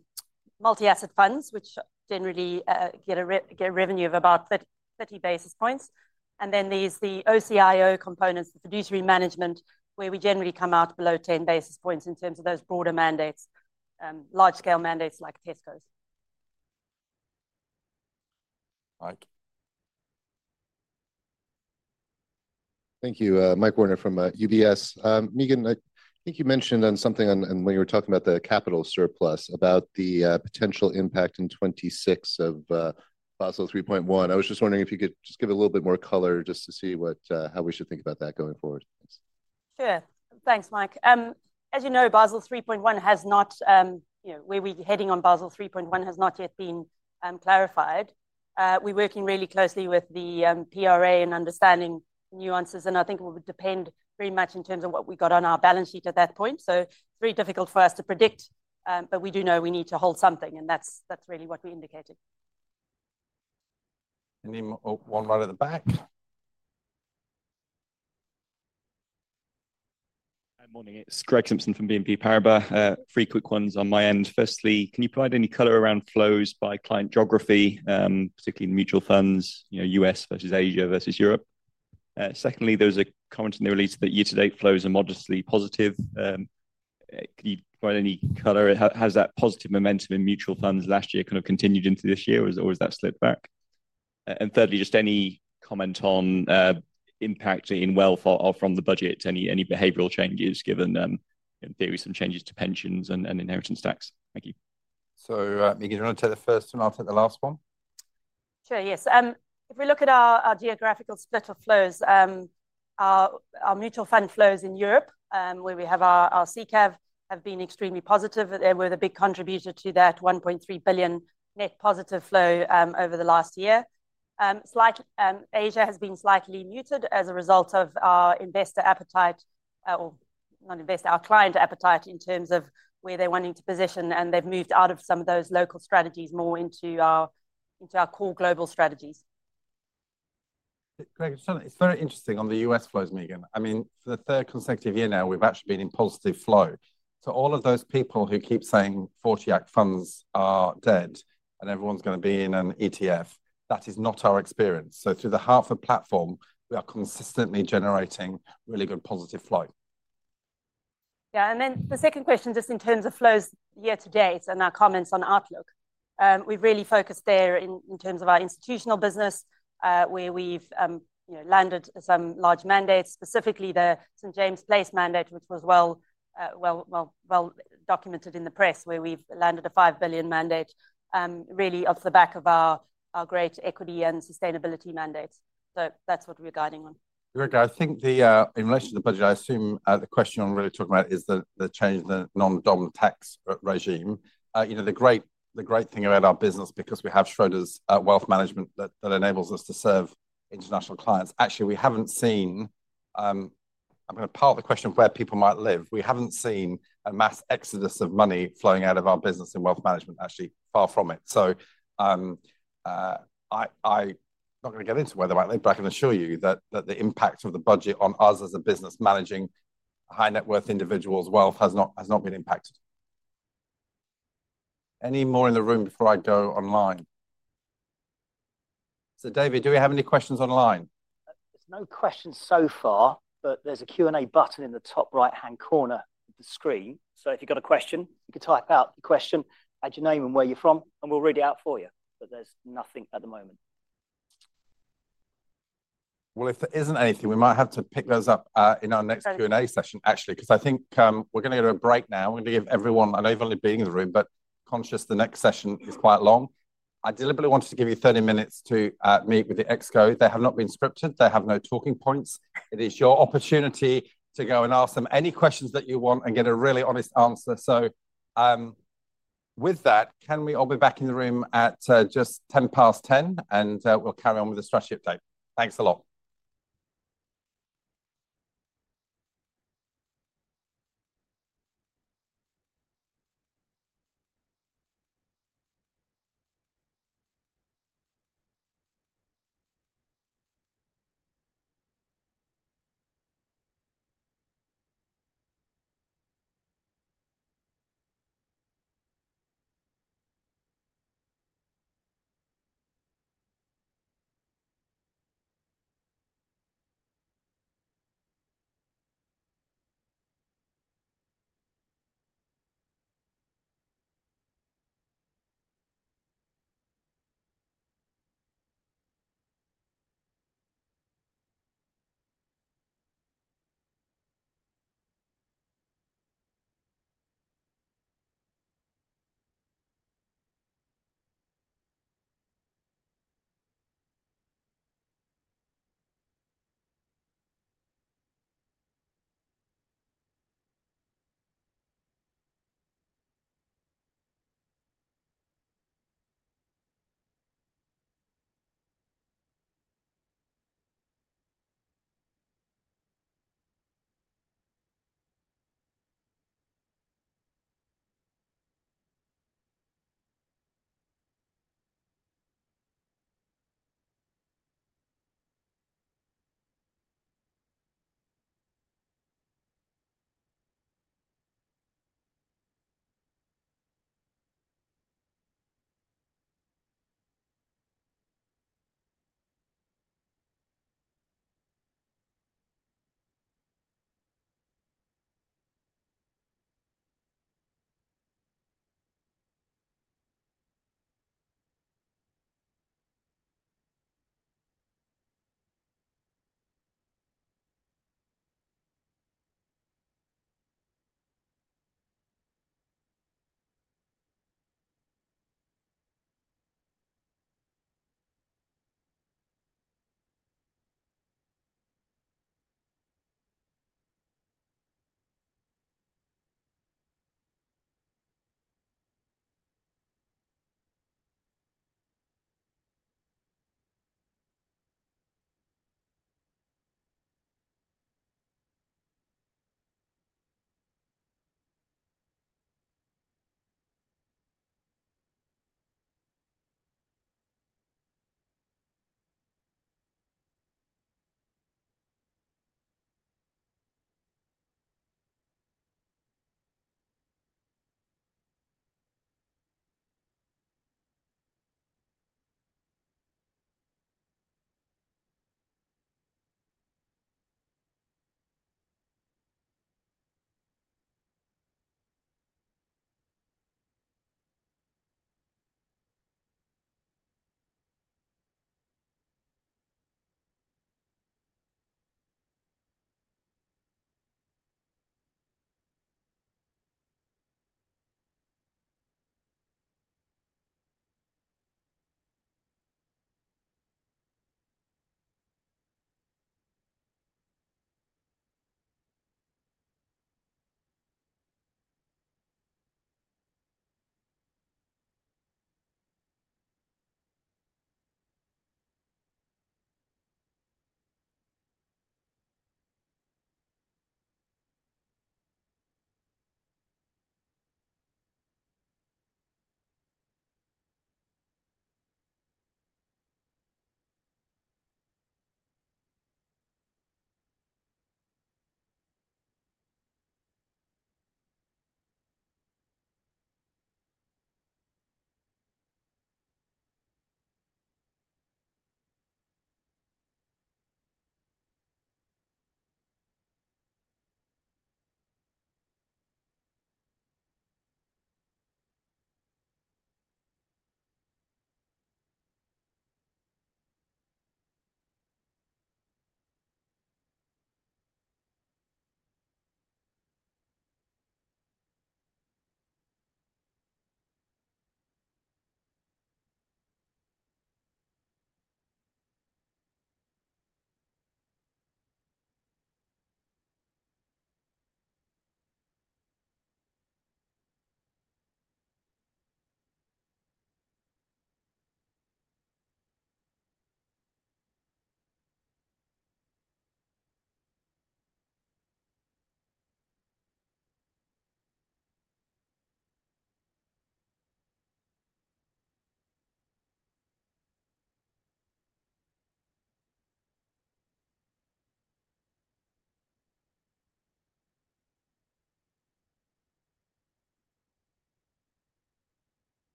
Multi-asset funds, which generally get a revenue of about 30 basis points. And then there's the OCIO components, the fiduciary management, where we generally come out below 10 basis points in terms of those broader mandates, large-scale mandates like Tesco's. Mike. Thank you. Mike Werner from UBS. Meagen, I think you mentioned something when you were talking about the capital surplus about the potential impact in 2026 of Basel 3.1. I was just wondering if you could just give a little bit more color just to see how we should think about that going forward. Sure. Thanks, Mike. As you know, Basel 3.1 has not, where we're heading on Basel 3.1 has not yet been clarified. We're working really closely with the PRA and understanding nuances. And I think it would depend very much in terms of what we got on our balance sheet at that point. So it's very difficult for us to predict, but we do know we need to hold something. And that's really what we indicated. Anyone right at the back? Hi, morning. It's Greg Simpson from BNP Paribas. Three quick ones on my end. Firstly, can you provide any color around flows by client geography, particularly in Mutual Funds, U.S. versus Asia versus Europe? Secondly, there was a comment in the release that year-to-date flows are modestly positive. Can you provide any color? Has that positive momentum in Mutual Funds last year kind of continued into this year, or has that slipped back? And thirdly, just any comment on impact in Wealth from the budget, any behavioral changes given in theory some changes to pensions and inheritance tax? Thank you. So Meagen, do you want to take the first one? I'll take the last one. Sure, yes. If we look at our geographical split of flows, our Mutual Fund flows in Europe, where we have our SICAV, have been extremely positive. They were the big contributor to that 1.3 billion net positive flow over the last year. Asia has been slightly muted as a result of our investor appetite, or not investor, our client appetite in terms of where they're wanting to position. They've moved out of some of those local strategies more into our core global strategies. Greg, it's very interesting on the U.S. flows, Meagen. I mean, for the third consecutive year now, we've actually been in positive flow. All of those people who keep saying 40 Act funds are dead and everyone's going to be in an ETF, that is not our experience. Through the heart of platform, we are consistently generating really good positive flow. Then the second question, just in terms of flows year-to-date and our comments on outlook, we've really focused there in terms of our Institutional business, where we've landed some large mandates, specifically the St. James's Place mandate, which was well documented in the press, where we've landed a 5 billion mandate really off the back of our great equity and sustainability mandates. That's what we're guiding on. Greg, I think in relation to the budget, I assume the question you're really talking about is the change in the non-dom tax regime. The great thing about our business, because we have Schroders Wealth Management that enables us to serve international clients, actually we haven't seen. I'm going to park the question of where people might live. We haven't seen a mass exodus of money flowing out of our business in Wealth Management, actually far from it. So I'm not going to get into where they might live, but I can assure you that the impact of the budget on us as a business managing high net worth individuals' wealth has not been impacted. Any more in the room before I go online? So David, do we have any questions online? There's no questions so far, but there's a Q&A button in the top right-hand corner of the screen. So if you've got a question, you can type out the question, add your name and where you're from, and we'll read it out for you. But there's nothing at the moment. Well, if there isn't anything, we might have to pick those up in our next Q&A session, actually, because I think we're going to get a break now. We're going to give everyone. I know you've only been in the room, but conscious the next session is quite long. I deliberately wanted to give you 30 minutes to meet with the ExCo. They have not been scripted. They have no talking points. It is your opportunity to go and ask them any questions that you want and get a really honest answer. So with that, I'll be back in the room at just 10:10 A.M., and we'll carry on with the Strategy Update. Thanks a lot.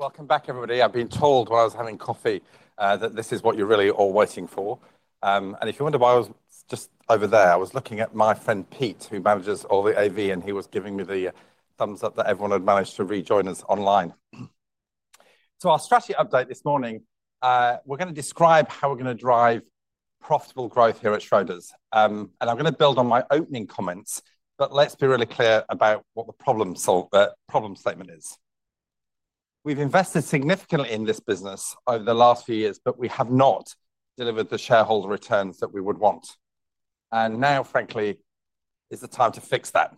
Welcome back, everybody. I've been told while I was having coffee that this is what you're really all waiting for, and if you wonder why I was just over there, I was looking at my friend Pete, who manages all the AV, and he was giving me the thumbs up that everyone had managed to rejoin us online. Our Strategy Update this morning, we're going to describe how we're going to drive profitable growth here at Schroders. I'm going to build on my opening comments, but let's be really clear about what the problem statement is. We've invested significantly in this business over the last few years, but we have not delivered the shareholder returns that we would want. Now, frankly, is the time to fix that.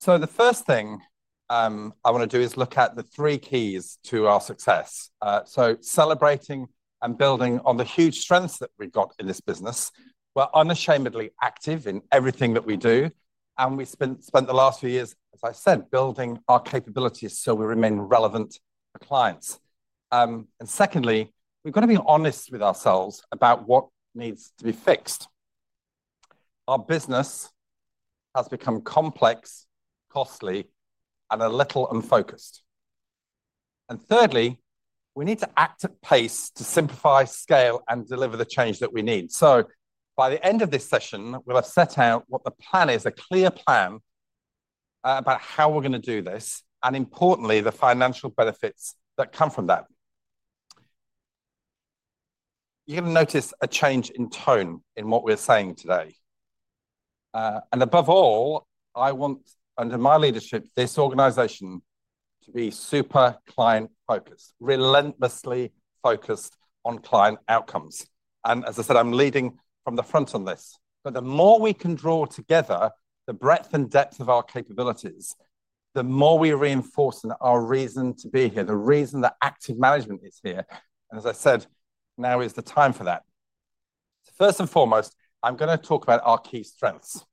The first thing I want to do is look at the three keys to our success. So celebrating and building on the huge strengths that we've got in this business. We're unashamedly active in everything that we do, and we spent the last few years, as I said, building our capabilities so we remain relevant for clients. And secondly, we've got to be honest with ourselves about what needs to be fixed. Our business has become complex, costly, and a little unfocused. And thirdly, we need to act at pace to simplify, scale, and deliver the change that we need. So by the end of this session, we'll have set out what the plan is, a clear plan about how we're going to do this, and importantly, the financial benefits that come from that. You're going to notice a change in tone in what we're saying today. And above all, I want, under my leadership, this organization to be super client-focused, relentlessly focused on client outcomes. And as I said, I'm leading from the front on this. But the more we can draw together the breadth and depth of our capabilities, the more we reinforce our reason to be here, the reason that active management is here. And as I said, now is the time for that. So first and foremost, I'm going to talk about our key strengths.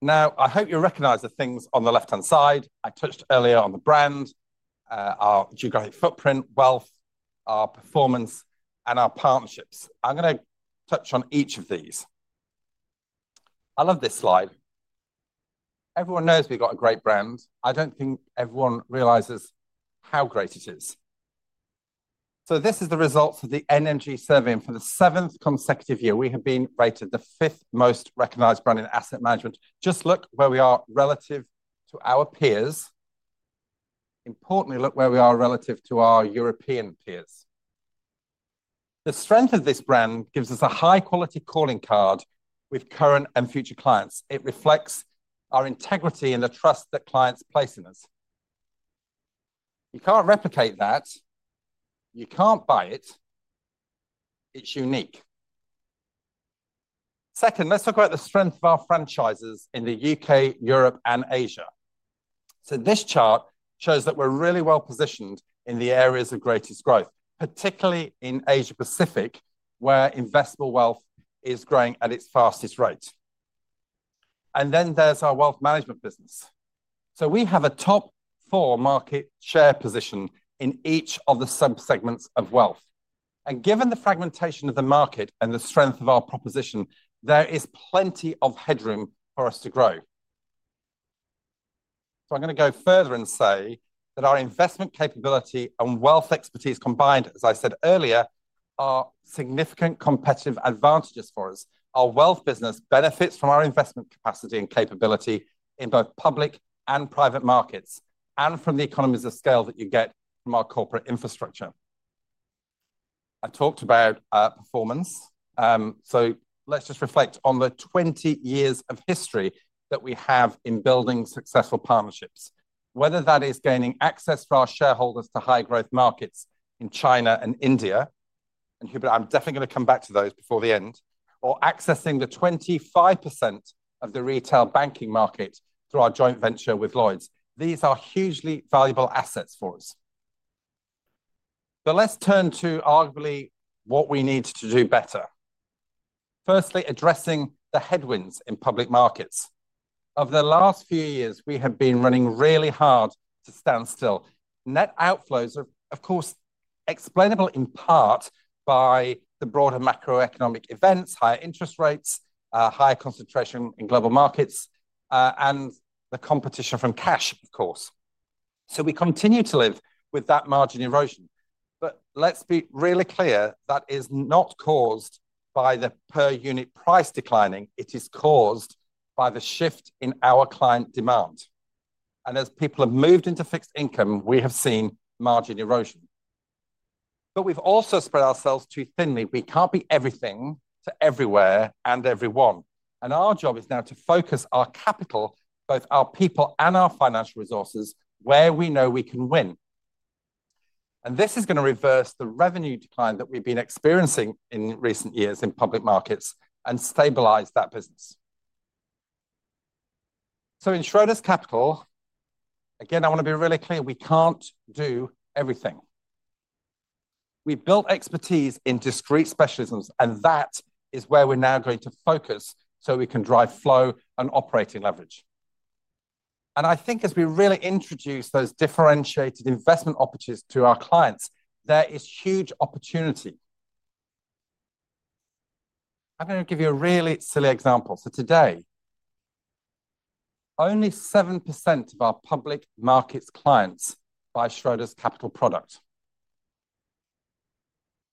Now, I hope you recognize the things on the left-hand side. I touched earlier on the brand, our geographic footprint, Wealth, our performance, and our partnerships. I'm going to touch on each of these. I love this slide. Everyone knows we've got a great brand. I don't think everyone realizes how great it is. So this is the result of the NMG survey for the seventh consecutive year. We have been rated the fifth most recognized brand in asset management. Just look where we are relative to our peers. Importantly, look where we are relative to our European peers. The strength of this brand gives us a high-quality calling card with current and future clients. It reflects our integrity and the trust that clients place in us. You can't replicate that. You can't buy it. It's unique. Second, let's talk about the strength of our franchises in the U.K., Europe, and Asia. So this chart shows that we're really well positioned in the areas of greatest growth, particularly in Asia-Pacific, where investable wealth is growing at its fastest rate. And then there's our Wealth Management business. So we have a top four market share position in each of the subsegments of Wealth. And given the fragmentation of the market and the strength of our proposition, there is plenty of headroom for us to grow. So I'm going to go further and say that our investment capability and wealth expertise combined, as I said earlier, are significant competitive advantages for us. Our Wealth business benefits from our investment capacity and capability in both Public and Private Markets and from the economies of scale that you get from our corporate infrastructure. I talked about performance. So let's just reflect on the 20 years of history that we have in building successful partnerships, whether that is gaining access for our shareholders to high-growth markets in China and India, and I'm definitely going to come back to those before the end, or accessing the 25% of the retail banking market through our joint venture with Lloyds. These are hugely valuable assets for us. But let's turn to arguably what we need to do better. Firstly, addressing the headwinds in Public Markets. Over the last few years, we have been running really hard to stand still. Net outflows are, of course, explainable in part by the broader macroeconomic events, higher interest rates, higher concentration in global markets, and the competition from cash, of course. So we continue to live with that margin erosion. But let's be really clear, that is not caused by the per-unit price declining. It is caused by the shift in our client demand. And as people have moved into fixed income, we have seen margin erosion. But we've also spread ourselves too thinly. We can't be everything to everywhere and everyone. And our job is now to focus our capital, both our people and our financial resources, where we know we can win. And this is going to reverse the revenue decline that we've been experiencing in recent years in Public Markets and stabilize that business. So in Schroders Capital, again, I want to be really clear, we can't do everything. We've built expertise in discrete specialisms, and that is where we're now going to focus so we can drive flow and operating leverage. And I think as we really introduce those differentiated investment opportunities to our clients, there is huge opportunity. I'm going to give you a really silly example. So today, only 7% of our Public Markets clients buy Schroders Capital product.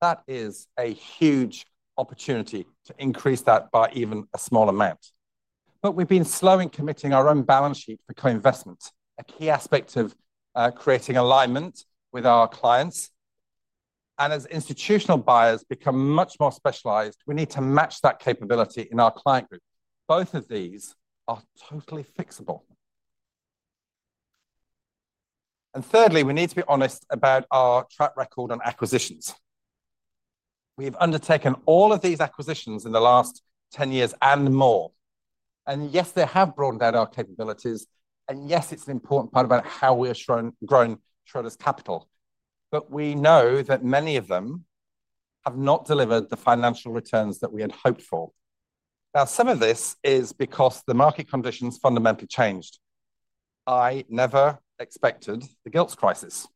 That is a huge opportunity to increase that by even a small amount. But we've been slow in committing our own balance sheet for co-investment, a key aspect of creating alignment with our clients. And as Institutional buyers become much more specialized, we need to match that capability in our Client Group. Both of these are totally fixable. And thirdly, we need to be honest about our track record on acquisitions. We've undertaken all of these acquisitions in the last 10 years and more, and yes, they have broadened out our capabilities, and yes, it's an important part about how we have grown Schroders Capital, but we know that many of them have not delivered the financial returns that we had hoped for. Now, some of this is because the market conditions fundamentally changed. I never expected the gilts crisis,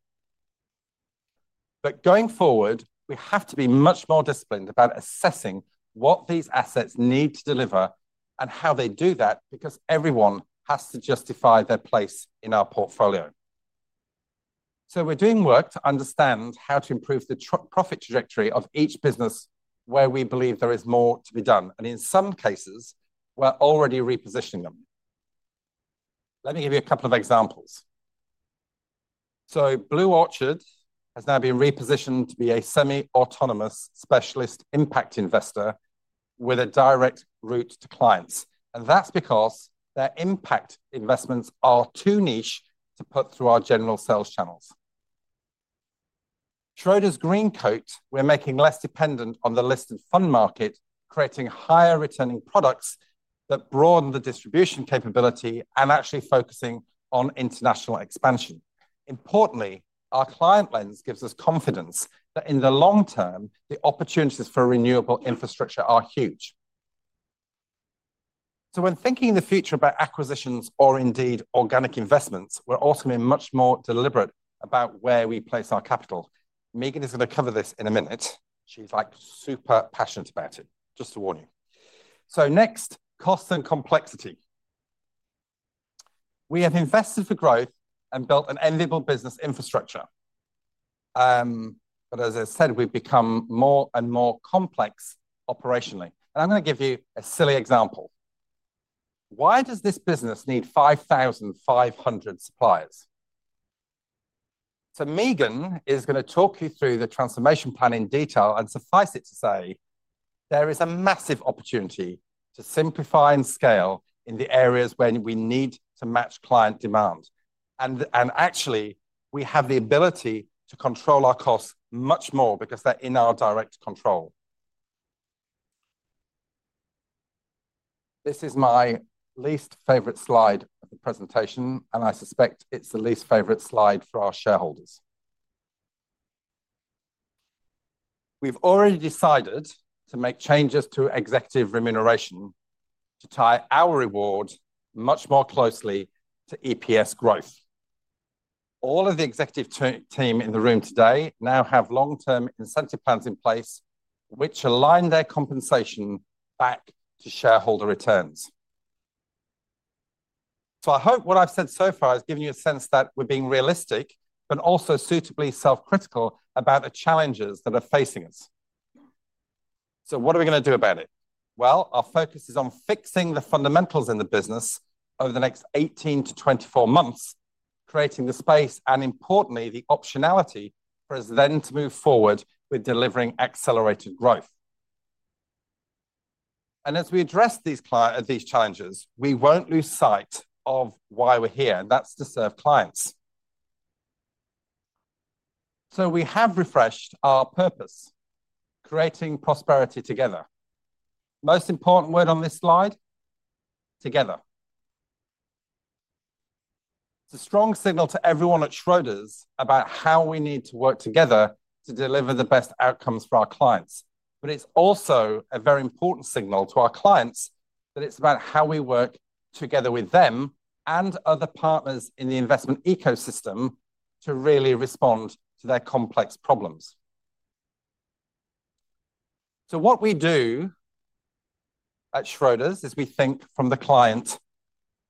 but going forward, we have to be much more disciplined about assessing what these assets need to deliver and how they do that because everyone has to justify their place in our portfolio, so we're doing work to understand how to improve the profit trajectory of each business where we believe there is more to be done, and in some cases, we're already repositioning them. Let me give you a couple of examples. So BlueOrchard has now been repositioned to be a semi-autonomous specialist impact investor with a direct route to clients. And that's because their impact investments are too niche to put through our general sales channels. Schroders Greencoat, we're making less dependent on the listed fund market, creating higher returning products that broaden the distribution capability and actually focusing on international expansion. Importantly, our client lens gives us confidence that in the long term, the opportunities for renewable infrastructure are huge. So when thinking in the future about acquisitions or indeed organic investments, we're also being much more deliberate about where we place our capital. Meagen is going to cover this in a minute. She's like super passionate about it, just to warn you. So next, cost and complexity. We have invested for growth and built an enviable business infrastructure. But as I said, we've become more and more complex operationally. And I'm going to give you a silly example. Why does this business need 5,500 suppliers? So Meagen is going to talk you through the transformation plan in detail and suffice it to say, there is a massive opportunity to simplify and scale in the areas where we need to match client demand. And actually, we have the ability to control our costs much more because they're in our direct control. This is my least favorite slide of the presentation, and I suspect it's the least favorite slide for our shareholders. We've already decided to make changes to executive remuneration to tie our reward much more closely to EPS growth. All of the executive team in the room today now have long-term incentive plans in place, which align their compensation back to shareholder returns. I hope what I've said so far has given you a sense that we're being realistic, but also suitably self-critical about the challenges that are facing us. What are we going to do about it? Our focus is on fixing the fundamentals in the business over the next 18-24 months, creating the space and, importantly, the optionality for us then to move forward with delivering accelerated growth. As we address these challenges, we won't lose sight of why we're here, and that's to serve clients. We have refreshed our purpose: creating prosperity together. Most important word on this slide: together. It's a strong signal to everyone at Schroders about how we need to work together to deliver the best outcomes for our clients. But it's also a very important signal to our clients that it's about how we work together with them and other partners in the investment ecosystem to really respond to their complex problems. So what we do at Schroders is we think from the client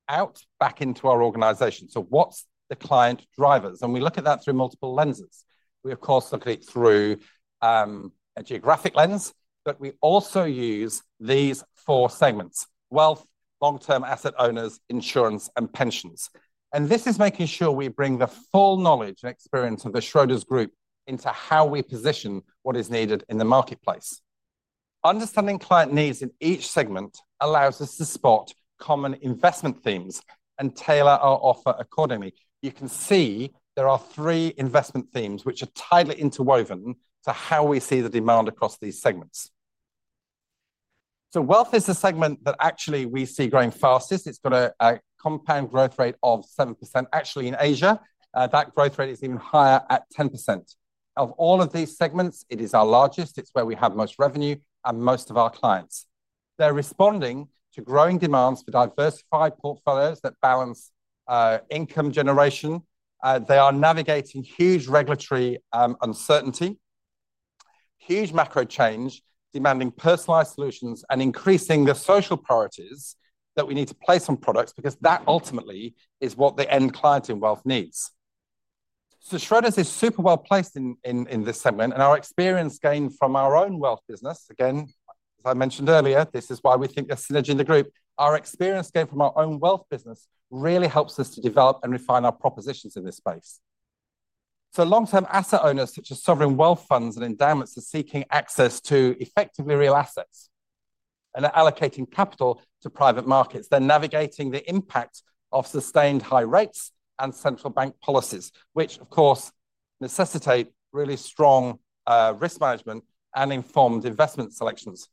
out back into our organization. So what's the client drivers? And we look at that through multiple lenses. We, of course, look at it through a geographic lens, but we also use these four segments: Wealth, Long-Term Asset Owners, Insurance, and Pensions. And this is making sure we bring the full knowledge and experience of the Schroders group into how we position what is needed in the marketplace. Understanding client needs in each segment allows us to spot common investment themes and tailor our offer accordingly. You can see there are three investment themes which are tightly interwoven to how we see the demand across these segments. So Wealth is the segment that actually we see growing fastest. It's got a compound growth rate of 7%. Actually, in Asia, that growth rate is even higher at 10%. Of all of these segments, it is our largest. It's where we have most revenue and most of our clients. They're responding to growing demands for diversified portfolios that balance income generation. They are navigating huge regulatory uncertainty, huge macro change, demanding personalized solutions and increasing the social priorities that we need to place on products because that ultimately is what the end client in Wealth needs. So Schroders is super well placed in this segment. Our experience gained from our own Wealth business, again, as I mentioned earlier, this is why we think there's synergy in the group. Our experience gained from our own Wealth business really helps us to develop and refine our propositions in this space. Long-Term Asset Owners such as sovereign wealth funds and endowments are seeking access to effectively real assets. They're allocating capital to Private Markets. They're navigating the impact of sustained high rates and central bank policies, which, of course, necessitate really strong risk management and informed investment selections.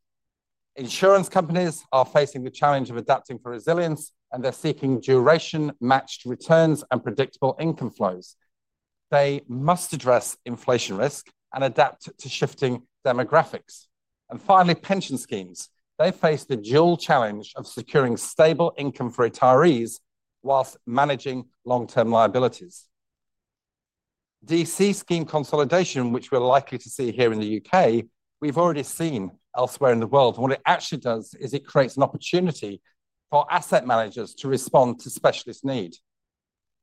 Insurance companies are facing the challenge of adapting for resilience, and they're seeking duration-matched returns and predictable income flows. They must address inflation risk and adapt to shifting demographics. Finally, Pension schemes. They face the dual challenge of securing stable income for retirees whilst managing long-term liabilities. DC scheme consolidation, which we're likely to see here in the U.K., we've already seen elsewhere in the world. And what it actually does is it creates an opportunity for asset managers to respond to specialist need.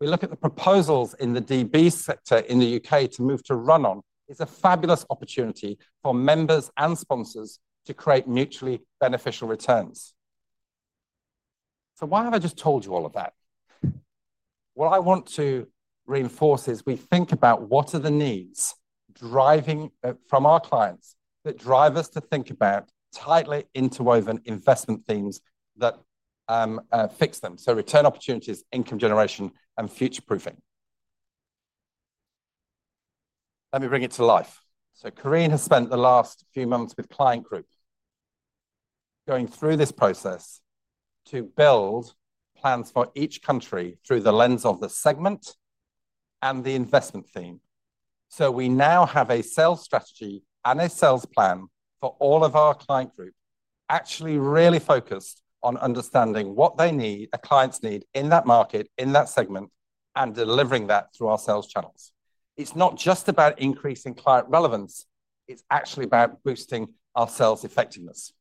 We look at the proposals in the DB sector in the U.K. to move to run-on. It's a fabulous opportunity for members and sponsors to create mutually beneficial returns. So why have I just told you all of that? What I want to reinforce is we think about what are the needs driving from our clients that drive us to think about tightly interwoven investment themes that fix them. So return opportunities, income generation, and future proofing. Let me bring it to life. Karine has spent the last few months with Client Group going through this process to build plans for each country through the lens of the segment and the investment theme. We now have a sales strategy and a sales plan for all of our Client Group, actually really focused on understanding what they need, our clients need in that market, in that segment, and delivering that through our sales channels. It's not just about increasing client relevance. It's actually about boosting our sales effectiveness.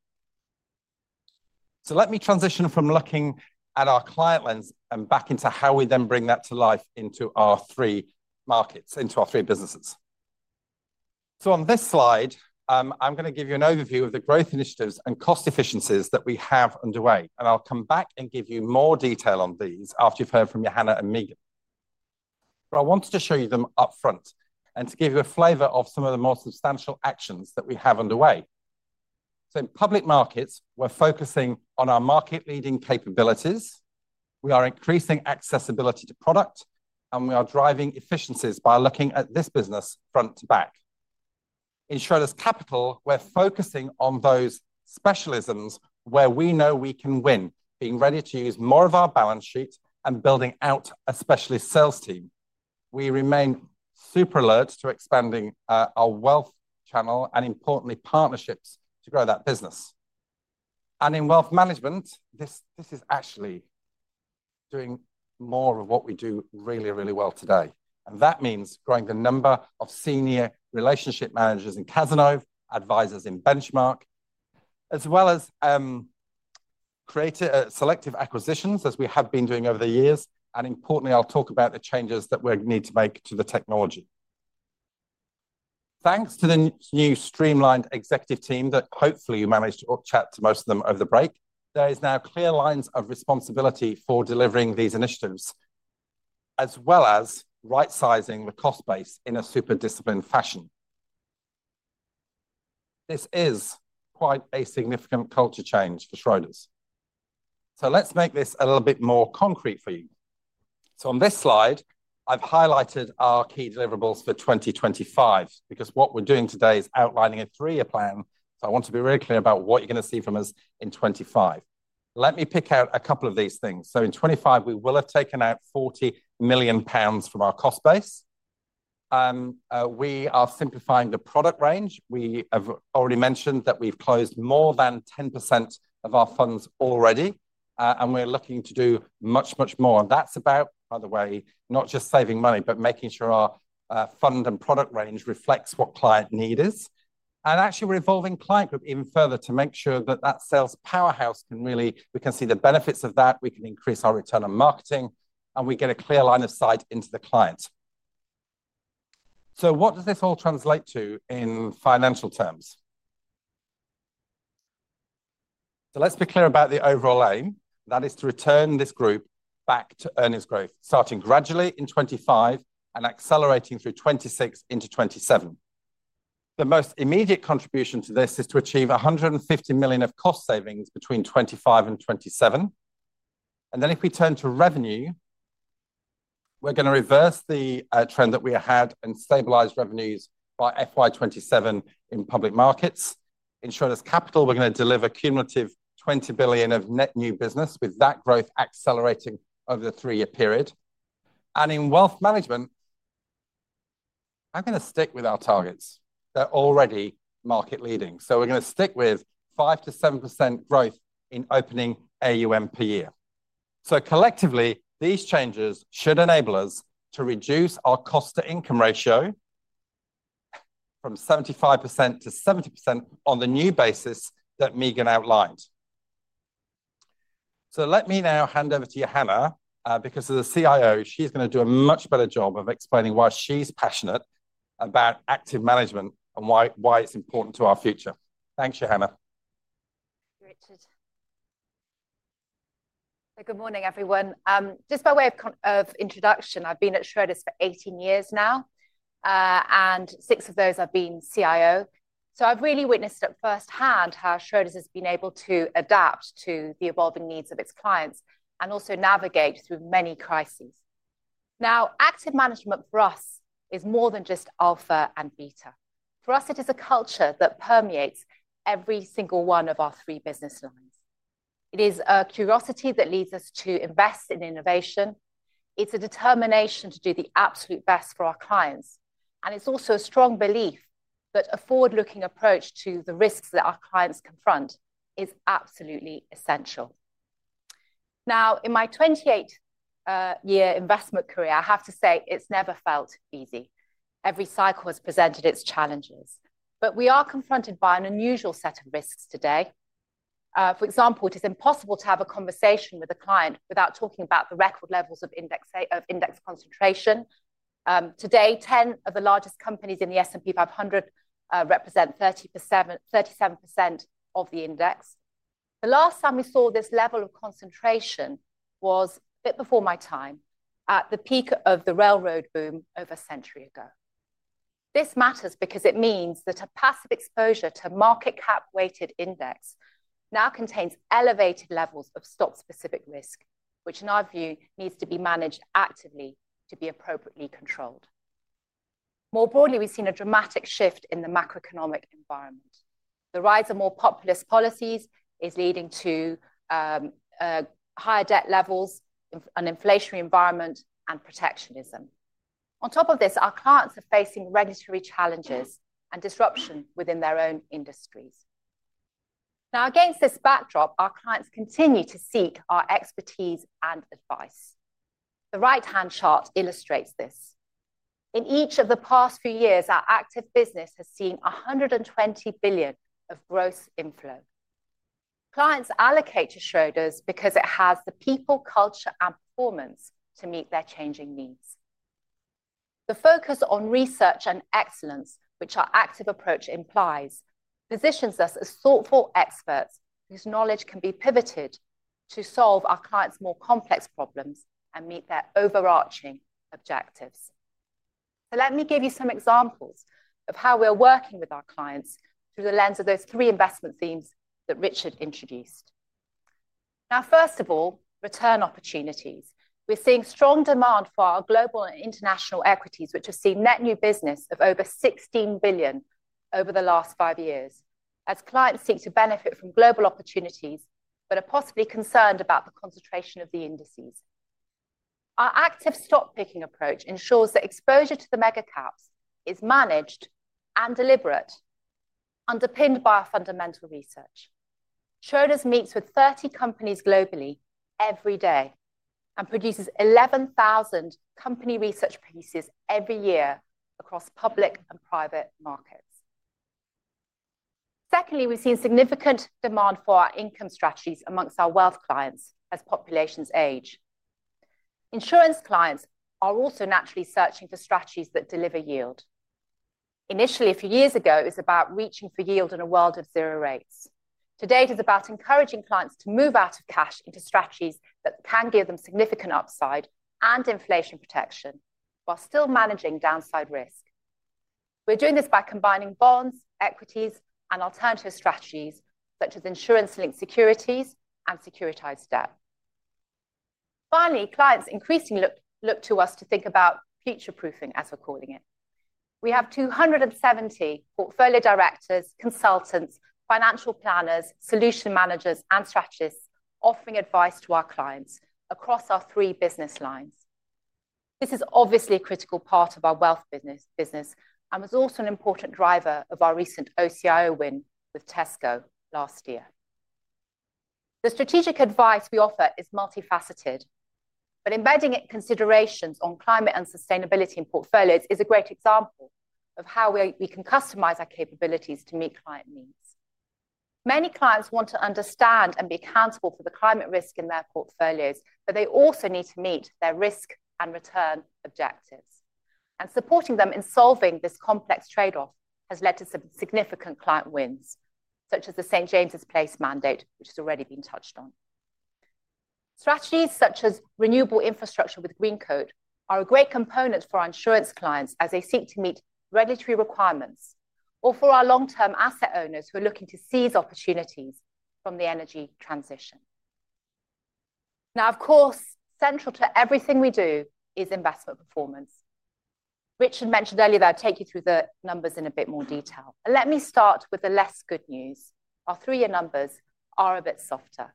Let me transition from looking at our client lens and back into how we then bring that to life into our three markets, into our three businesses. On this slide, I'm going to give you an overview of the growth initiatives and cost efficiencies that we have underway. I'll come back and give you more detail on these after you've heard from Johanna and Meagen. I wanted to show you them upfront and to give you a flavor of some of the more substantial actions that we have underway. In Public Markets, we're focusing on our market-leading capabilities. We are increasing accessibility to product, and we are driving efficiencies by looking at this business front to back. In Schroders Capital, we're focusing on those specialisms where we know we can win, being ready to use more of our balance sheet and building out a specialist sales team. We remain super alert to expanding our Wealth channel and, importantly, partnerships to grow that business. In Wealth Management, this is actually doing more of what we do really, really well today. That means growing the number of senior relationship managers in Cazenove, advisors in Benchmark, as well as creating selective acquisitions as we have been doing over the years. Importantly, I'll talk about the changes that we need to make to the technology. Thanks to the new streamlined executive team that hopefully you managed to chat to most of them over the break, there is now clear lines of responsibility for delivering these initiatives, as well as right-sizing the cost base in a super disciplined fashion. This is quite a significant culture change for Schroders. Let's make this a little bit more concrete for you. On this slide, I've highlighted our key deliverables for 2025 because what we're doing today is outlining a three-year plan. I want to be really clear about what you're going to see from us in 2025. Let me pick out a couple of these things. So in 2025, we will have taken out 40 million pounds from our cost base. We are simplifying the product range. We have already mentioned that we've closed more than 10% of our funds already, and we're looking to do much, much more. And that's about, by the way, not just saving money, but making sure our fund and product range reflects what client need is. And actually, we're evolving Client Group even further to make sure that that sales powerhouse can really, we can see the benefits of that. We can increase our return on marketing, and we get a clear line of sight into the client. So what does this all translate to in financial terms? So let's be clear about the overall aim. That is to return this group back to earnings growth, starting gradually in 2025 and accelerating through 2026 into 2027. The most immediate contribution to this is to achieve 150 million of cost savings between 2025 and 2027. And then if we turn to revenue, we're going to reverse the trend that we had and stabilize revenues by FY 2027 in Public Markets. In Schroders Capital, we're going to deliver cumulative 20 billion of net new business with that growth accelerating over the three-year period. And in Wealth Management, I'm going to stick with our targets. They're already market-leading. So we're going to stick with 5%-7% growth in opening AUM per year. So collectively, these changes should enable us to reduce our cost-to-income ratio from 75%-70% on the new basis that Meagen outlined. So let me now hand over to Johanna, because as a CIO, she's going to do a much better job of explaining why she's passionate about active management and why it's important to our future. Thanks, Johanna. Richard. Good morning, everyone. Just by way of introduction, I've been at Schroders for 18 years now, and six of those I've been CIO. So I've really witnessed at firsthand how Schroders has been able to adapt to the evolving needs of its clients and also navigate through many crises. Now, active management for us is more than just alpha and beta. For us, it is a culture that permeates every single one of our three business lines. It is a curiosity that leads us to invest in innovation. It's a determination to do the absolute best for our clients. It's also a strong belief that a forward-looking approach to the risks that our clients confront is absolutely essential. Now, in my 28-year investment career, I have to say it's never felt easy. Every cycle has presented its challenges. But we are confronted by an unusual set of risks today. For example, it is impossible to have a conversation with a client without talking about the record levels of index concentration. Today, 10 of the largest companies in the S&P 500 represent 37% of the index. The last time we saw this level of concentration was a bit before my time, at the peak of the railroad boom over a century ago. This matters because it means that a passive exposure to a market cap-weighted index now contains elevated levels of stock-specific risk, which in our view needs to be managed actively to be appropriately controlled. More broadly, we've seen a dramatic shift in the macroeconomic environment. The rise of more populist policies is leading to higher debt levels, an inflationary environment, and protectionism. On top of this, our clients are facing regulatory challenges and disruption within their own industries. Now, against this backdrop, our clients continue to seek our expertise and advice. The right-hand chart illustrates this. In each of the past few years, our active business has seen 120 billion of gross inflow. Clients allocate to Schroders because it has the people, culture, and performance to meet their changing needs. The focus on research and excellence, which our active approach implies, positions us as thoughtful experts whose knowledge can be pivoted to solve our clients' more complex problems and meet their overarching objectives. So let me give you some examples of how we're working with our clients through the lens of those three investment themes that Richard introduced. Now, first of all, return opportunities. We're seeing strong demand for our global and international equities, which have seen net new business of over 16 billion over the last five years as clients seek to benefit from global opportunities but are possibly concerned about the concentration of the indices. Our active stock-picking approach ensures that exposure to the mega caps is managed and deliberate, underpinned by our fundamental research. Schroders meets with 30 companies globally every day and produces 11,000 company research pieces every year across Public and Private Markets. Secondly, we've seen significant demand for our income strategies among our Wealth clients as populations age. Insurance clients are also naturally searching for strategies that deliver yield. Initially, a few years ago, it was about reaching for yield in a world of zero rates. Today, it is about encouraging clients to move out of cash into strategies that can give them significant upside and inflation protection while still managing downside risk. We're doing this by combining bonds, equities, and alternative strategies such as insurance-linked securities and securitized debt. Finally, clients increasingly look to us to think about future proofing, as we're calling it. We have 270 portfolio directors, consultants, financial planners, solution managers, and strategists offering advice to our clients across our three business lines. This is obviously a critical part of our Wealth business and was also an important driver of our recent OCIO win with Tesco last year. The strategic advice we offer is multifaceted, but embedding it in considerations on climate and sustainability in portfolios is a great example of how we can customize our capabilities to meet client needs. Many clients want to understand and be accountable for the climate risk in their portfolios, but they also need to meet their risk and return objectives and supporting them in solving this complex trade-off has led to some significant client wins, such as the St. James's Place mandate, which has already been touched on. Strategies such as renewable infrastructure with Greencoat are a great component for our Insurance clients as they seek to meet regulatory requirements or for our Long-Term Asset Owners who are looking to seize opportunities from the energy transition. Now, of course, central to everything we do is investment performance. Richard mentioned earlier that I'll take you through the numbers in a bit more detail. Let me start with the less good news. Our three-year numbers are a bit softer.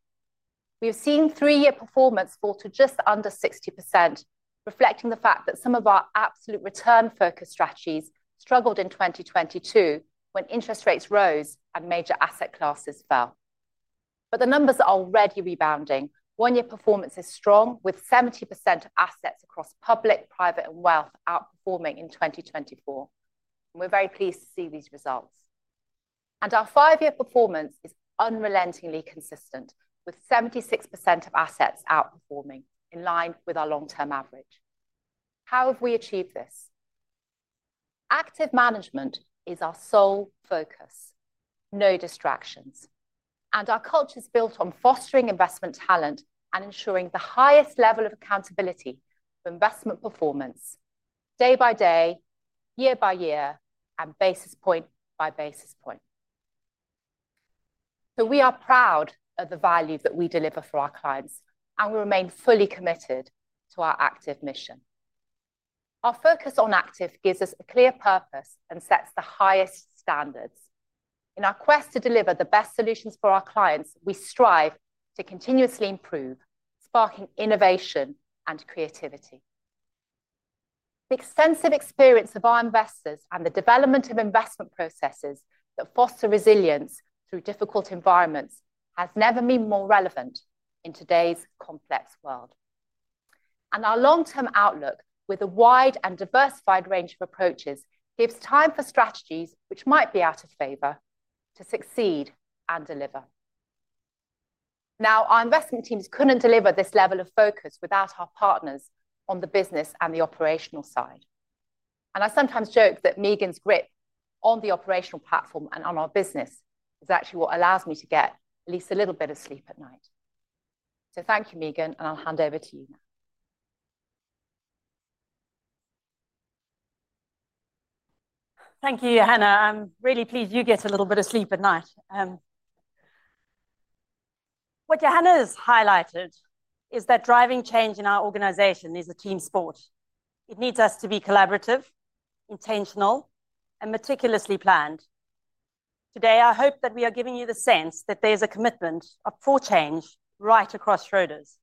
We've seen three-year performance fall to just under 60%, reflecting the fact that some of our absolute return-focused strategies struggled in 2022 when interest rates rose and major asset classes fell. The numbers are already rebounding. One-year performance is strong with 70% of assets across Public, Private, and Wealth outperforming in 2024. We're very pleased to see these results. Our five-year performance is unrelentingly consistent with 76% of assets outperforming in line with our long-term average. How have we achieved this? Active management is our sole focus, no distractions. Our culture is built on fostering investment talent and ensuring the highest level of accountability for investment performance day by day, year by year, and basis point by basis point. So we are proud of the value that we deliver for our clients, and we remain fully committed to our active mission. Our focus on active gives us a clear purpose and sets the highest standards. In our quest to deliver the best solutions for our clients, we strive to continuously improve, sparking innovation and creativity. The extensive experience of our investors and the development of investment processes that foster resilience through difficult environments has never been more relevant in today's complex world. Our long-term outlook with a wide and diversified range of approaches gives time for strategies which might be out of favor to succeed and deliver. Now, our investment teams couldn't deliver this level of focus without our partners on the business and the operational side. And I sometimes joke that Meagen's grip on the operational platform and on our business is actually what allows me to get at least a little bit of sleep at night. So thank you, Meagen, and I'll hand over to you now. Thank you, Johanna. I'm really pleased you get a little bit of sleep at night. What Johanna has highlighted is that driving change in our organization is a team sport. It needs us to be collaborative, intentional, and meticulously planned. Today, I hope that we are giving you the sense that there's a commitment for change right across Schroders,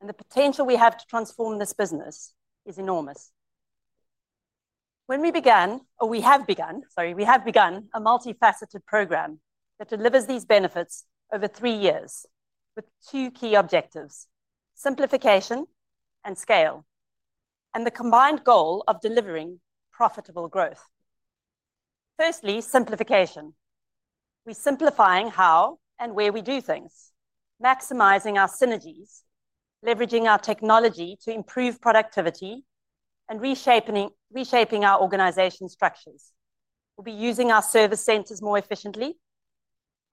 and the potential we have to transform this business is enormous. We have begun a multifaceted program that delivers these benefits over three years with two key objectives: simplification and scale, and the combined goal of delivering profitable growth. Firstly, simplification. We're simplifying how and where we do things, maximizing our synergies, leveraging our technology to improve productivity, and reshaping our organization structures. We'll be using our service centers more efficiently,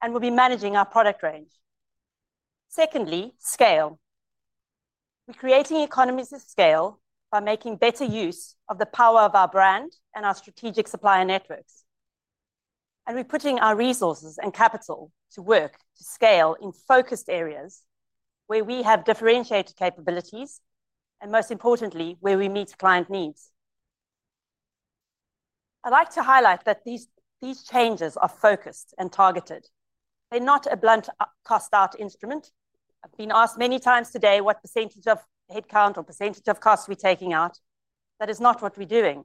and we'll be managing our product range. Secondly, scale. We're creating economies of scale by making better use of the power of our brand and our strategic supplier networks, and we're putting our resources and capital to work to scale in focused areas where we have differentiated capabilities and, most importantly, where we meet client needs. I'd like to highlight that these changes are focused and targeted. They're not a blunt cost-out instrument. I've been asked many times today what percentage of headcount or percentage of costs we're taking out. That is not what we're doing.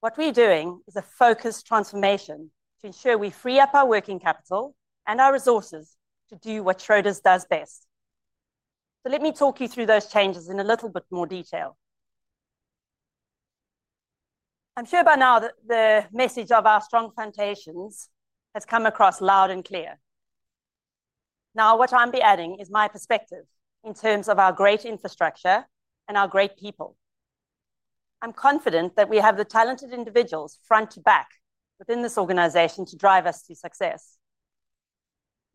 What we're doing is a focused transformation to ensure we free up our working capital and our resources to do what Schroders does best. So let me talk you through those changes in a little bit more detail. I'm sure by now that the message of our strong foundations has come across loud and clear. Now, what I'll be adding is my perspective in terms of our great infrastructure and our great people. I'm confident that we have the talented individuals front to back within this organization to drive us to success.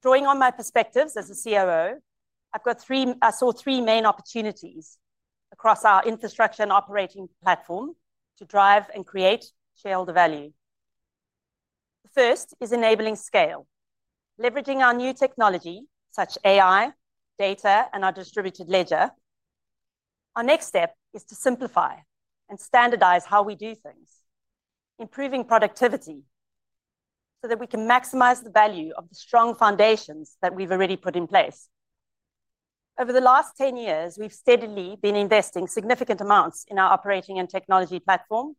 Drawing on my perspectives as a COO, I've got three—I see three main opportunities across our infrastructure and operating platform to drive and create shareholder value. The first is enabling scale, leveraging our new technology such as AI, data, and our distributed ledger. Our next step is to simplify and standardize how we do things, improving productivity so that we can maximize the value of the strong foundations that we've already put in place. Over the last 10 years, we've steadily been investing significant amounts in our operating and technology platform.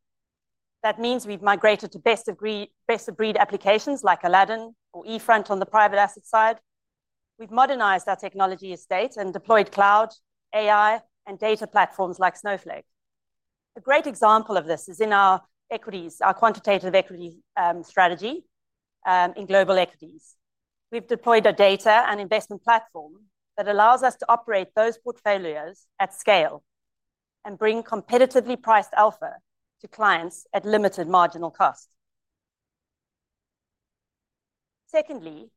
That means we've migrated to best-of-breed applications like Aladdin or eFront on the Private asset side. We've modernized our technology estate and deployed cloud, AI, and data platforms like Snowflake. A great example of this is in our equities, our quantitative equity strategy in global equities. We've deployed a data and investment platform that allows us to operate those portfolios at scale and bring competitively priced alpha to clients at limited marginal cost. Secondly,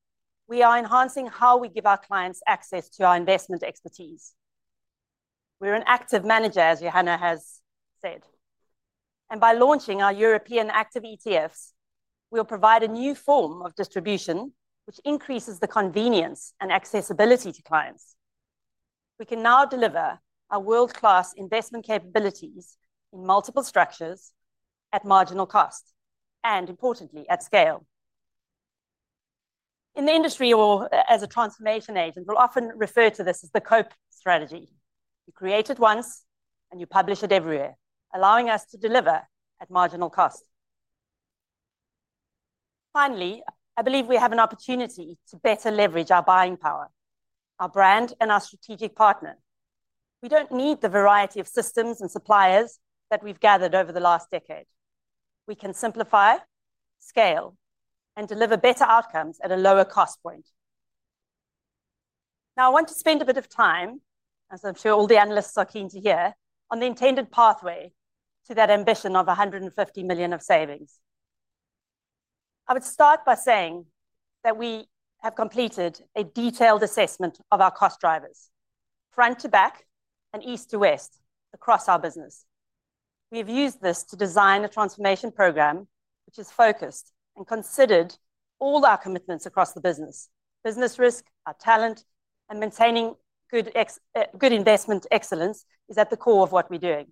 we are enhancing how we give our clients access to our investment expertise. We're an active manager, as Johanna has said, and by launching our European active ETFs, we'll provide a new form of distribution, which increases the convenience and accessibility to clients. We can now deliver our world-class investment capabilities in multiple structures at marginal cost and, importantly, at scale. In the industry, or as a transformation agent, we'll often refer to this as the COPE strategy. You create it once, and you publish it everywhere, allowing us to deliver at marginal cost. Finally, I believe we have an opportunity to better leverage our buying power, our brand, and our strategic partners. We don't need the variety of systems and suppliers that we've gathered over the last decade. We can simplify, scale, and deliver better outcomes at a lower cost point. Now, I want to spend a bit of time, as I'm sure all the analysts are keen to hear, on the intended pathway to that ambition of 150 million of savings. I would start by saying that we have completed a detailed assessment of our cost drivers, front to back and east to west across our business. We have used this to design a transformation program which is focused and considered all our commitments across the business. Business risk, our talent, and maintaining good investment excellence is at the core of what we're doing.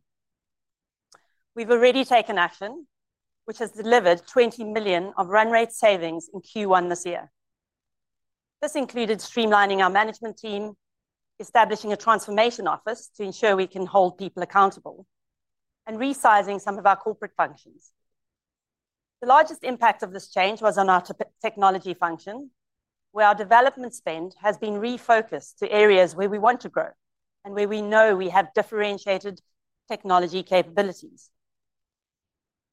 We've already taken action, which has delivered 20 million of run rate savings in Q1 this year. This included streamlining our management team, establishing a transformation office to ensure we can hold people accountable, and resizing some of our corporate functions. The largest impact of this change was on our technology function, where our development spend has been refocused to areas where we want to grow and where we know we have differentiated technology capabilities.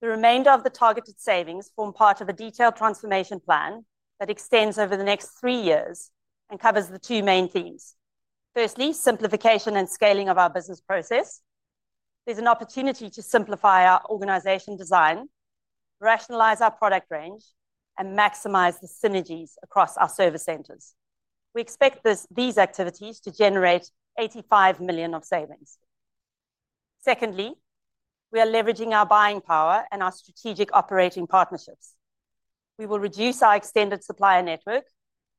The remainder of the targeted savings form part of a detailed transformation plan that extends over the next three years and covers the two main themes. Firstly, simplification and scaling of our business process. There's an opportunity to simplify our organization design, rationalize our product range, and maximize the synergies across our service centers. We expect these activities to generate 85 million of savings. Secondly, we are leveraging our buying power and our strategic operating partnerships. We will reduce our extended supplier network,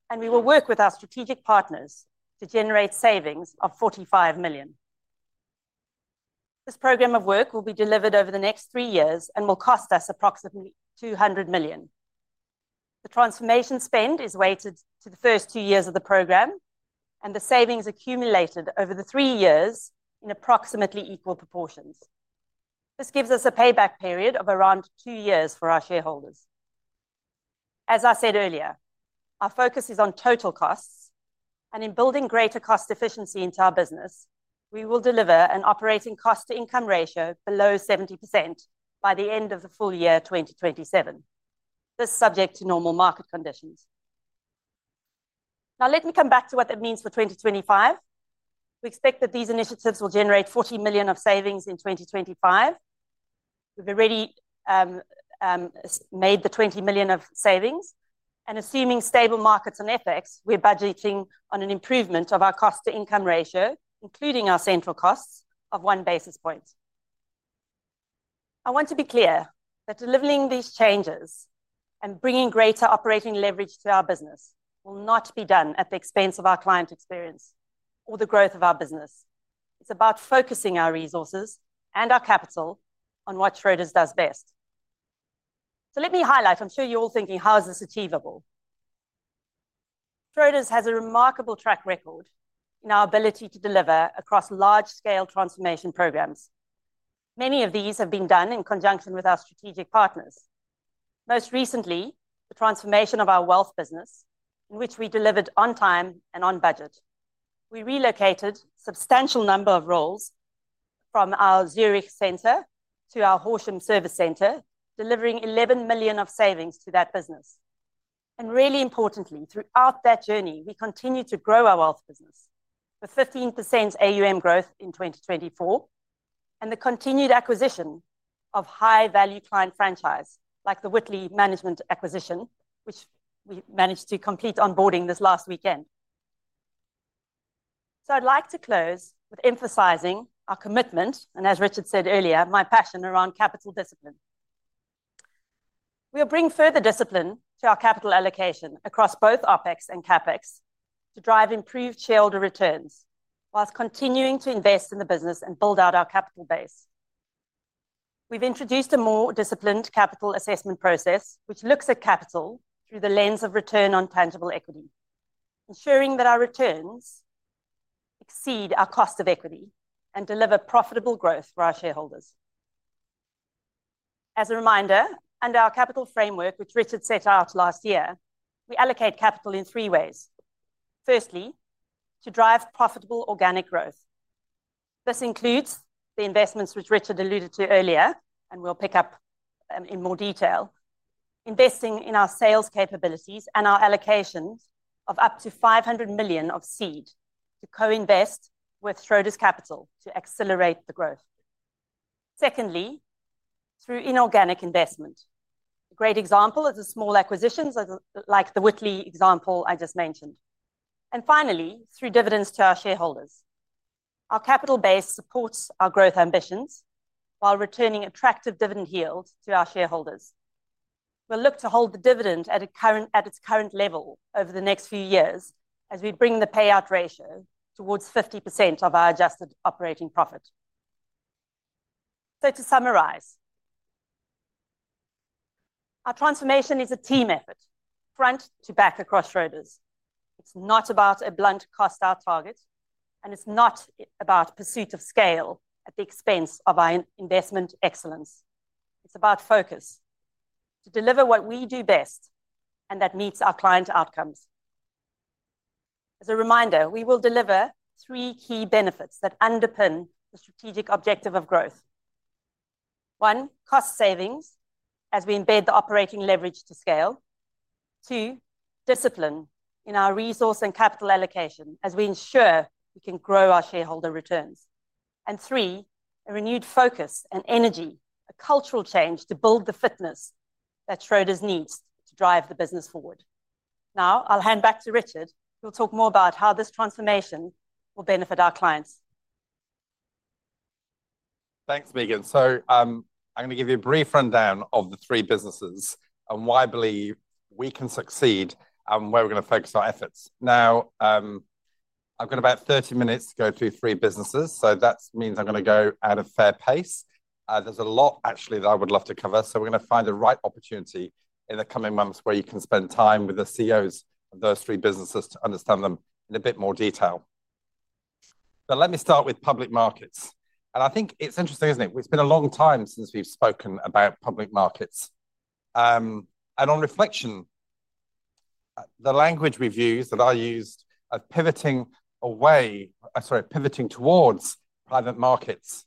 and we will work with our strategic partners to generate savings of 45 million. This program of work will be delivered over the next three years and will cost us approximately 200 million. The transformation spend is weighted to the first two years of the program, and the savings accumulated over the three years in approximately equal proportions. This gives us a payback period of around two years for our shareholders. As I said earlier, our focus is on total costs, and in building greater cost efficiency into our business, we will deliver an operating cost-to-income ratio below 70% by the end of the full year 2027. This is subject to normal market conditions. Now, let me come back to what that means for 2025. We expect that these initiatives will generate 40 million of savings in 2025. We've already made the 20 million of savings, and assuming stable markets and FX, we're budgeting on an improvement of our cost-to-income ratio, including our central costs of 1 basis point. I want to be clear that delivering these changes and bringing greater operating leverage to our business will not be done at the expense of our client experience or the growth of our business. It's about focusing our resources and our capital on what Schroders does best. So let me highlight, I'm sure you're all thinking, how is this achievable? Schroders has a remarkable track record in our ability to deliver across large-scale transformation programs. Many of these have been done in conjunction with our strategic partners. Most recently, the transformation of our Wealth business, in which we delivered on time and on budget. We relocated a substantial number of roles from our Zurich center to our Horsham service center, delivering 11 million of savings to that business. Really importantly, throughout that journey, we continue to grow our Wealth business with 15% AUM growth in 2024 and the continued acquisition of high-value client franchise, like the Whitley Asset Management acquisition, which we managed to complete onboarding this last weekend. I'd like to close with emphasizing our commitment, and as Richard said earlier, my passion around capital discipline. We will bring further discipline to our capital allocation across both OpEx and CapEx to drive improved shareholder returns whilst continuing to invest in the business and build out our capital base. We've introduced a more disciplined capital assessment process, which looks at capital through the lens of return on tangible equity, ensuring that our returns exceed our cost of equity and deliver profitable growth for our shareholders. As a reminder, under our capital framework, which Richard set out last year, we allocate capital in three ways. Firstly, to drive profitable organic growth. This includes the investments which Richard alluded to earlier, and we'll pick up in more detail, investing in our sales capabilities and our allocations of up to 500 million of seed to co-invest with Schroders Capital to accelerate the growth. Secondly, through inorganic investment. A great example is the small acquisitions like the Whitley example I just mentioned. And finally, through dividends to our shareholders. Our capital base supports our growth ambitions while returning attractive dividend yields to our shareholders. We'll look to hold the dividend at its current level over the next few years as we bring the payout ratio towards 50% of our adjusted operating profit. So to summarize, our transformation is a team effort, front to back across Schroders. It's not about a blunt cost-out target, and it's not about pursuit of scale at the expense of our investment excellence. It's about focus to deliver what we do best and that meets our client outcomes. As a reminder, we will deliver three key benefits that underpin the strategic objective of growth. One, cost savings as we embed the operating leverage to scale. Two, discipline in our resource and capital allocation as we ensure we can grow our shareholder returns. And three, a renewed focus and energy, a cultural change to build the fitness that Schroders needs to drive the business forward. Now, I'll hand back to Richard, who will talk more about how this transformation will benefit our clients. Thanks, Meagen. So I'm going to give you a brief rundown of the three businesses and why I believe we can succeed and where we're going to focus our efforts. Now, I've got about 30 minutes to go through three businesses, so that means I'm going to go at a fair pace. There's a lot, actually, that I would love to cover, so we're going to find the right opportunity in the coming months where you can spend time with the CEOs of those three businesses to understand them in a bit more detail. Now, let me start with Public Markets. And I think it's interesting, isn't it? It's been a long time since we've spoken about Public Markets. And on reflection, the language we've used, that I used, of pivoting away, sorry, pivoting towards Private Markets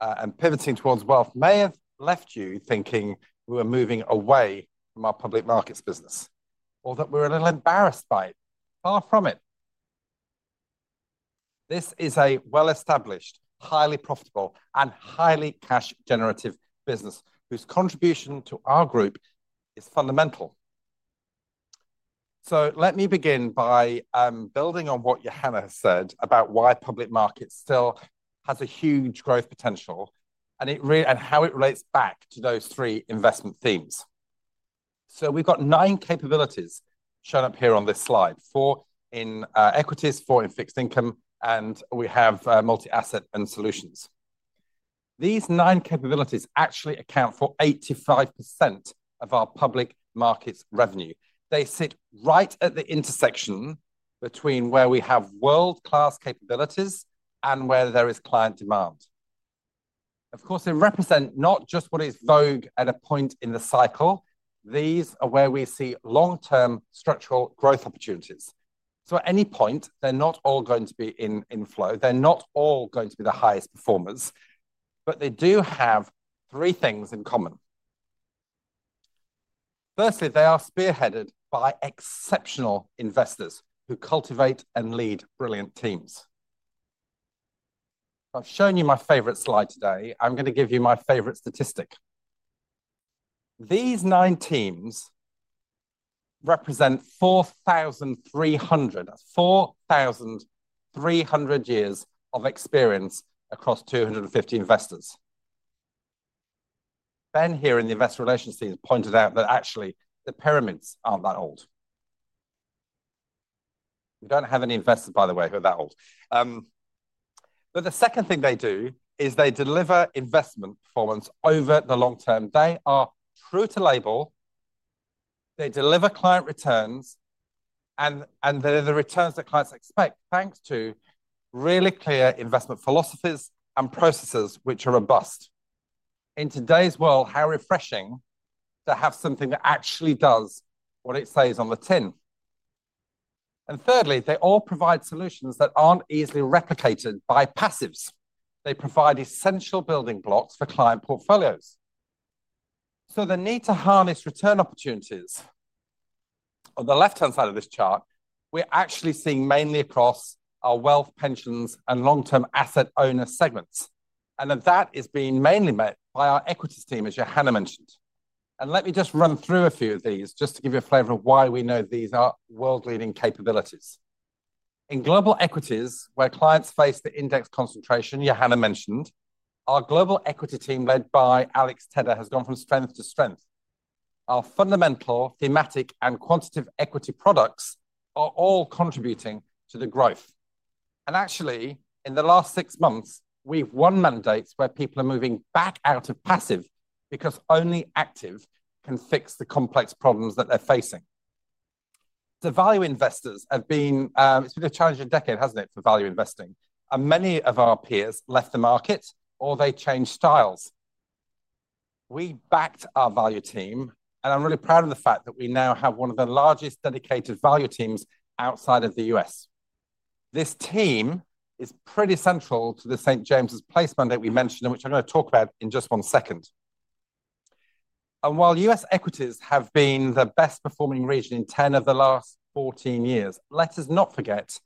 and pivoting towards Wealth may have left you thinking we were moving away from our Public Markets business, or that we were a little embarrassed by it. Far from it. This is a well-established, highly profitable, and highly cash-generative business whose contribution to our group is fundamental, so let me begin by building on what Johanna said about why Public Markets still has a huge growth potential and how it relates back to those three investment themes, so we've got nine capabilities shown up here on this slide, four in equities, four in fixed income, and we have Multi-asset and Solutions. These nine capabilities actually account for 85% of our Public Markets revenue. They sit right at the intersection between where we have world-class capabilities and where there is client demand. Of course, they represent not just what is vogue at a point in the cycle. These are where we see long-term structural growth opportunities, so at any point, they're not all going to be in flow. They're not all going to be the highest performers, but they do have three things in common. Firstly, they are spearheaded by exceptional investors who cultivate and lead brilliant teams. I've shown you my favorite slide today. I'm going to give you my favorite statistic. These nine teams represent 4,300, 4,300 years of experience across 250 investors. Ben here in the investor relations team pointed out that actually the pyramids aren't that old. We don't have any investors, by the way, who are that old. But the second thing they do is they deliver investment performance over the long term. They are true to label. They deliver client returns, and they're the returns that clients expect thanks to really clear investment philosophies and processes which are robust. In today's world, how refreshing to have something that actually does what it says on the tin. And thirdly, they all provide solutions that aren't easily replicated by passives. They provide essential building blocks for client portfolios. So the need to harness return opportunities on the left-hand side of this chart, we're actually seeing mainly across our Wealth, Pensions, and Long-Term Asset Owner segments. And that is being mainly met by our equities team, as Johanna mentioned. And let me just run through a few of these just to give you a flavor of why we know these are world-leading capabilities. In global equities, where clients face the index concentration Johanna mentioned, our global equity team led by Alex Tedder has gone from strength to strength. Our fundamental, thematic, and quantitative equity products are all contributing to the growth. Actually, in the last six months, we've won mandates where people are moving back out of passive because only active can fix the complex problems that they're facing. The value investors have been. It's been a challenging decade, hasn't it, for value investing? Many of our peers left the market or they changed styles. We backed our value team, and I'm really proud of the fact that we now have one of the largest dedicated value teams outside of the U.S. This team is pretty central to the St. James's Place mandate we mentioned, which I'm going to talk about in just one second. While U.S. equities have been the best-performing region in 10 of the last 14 years, let us not forget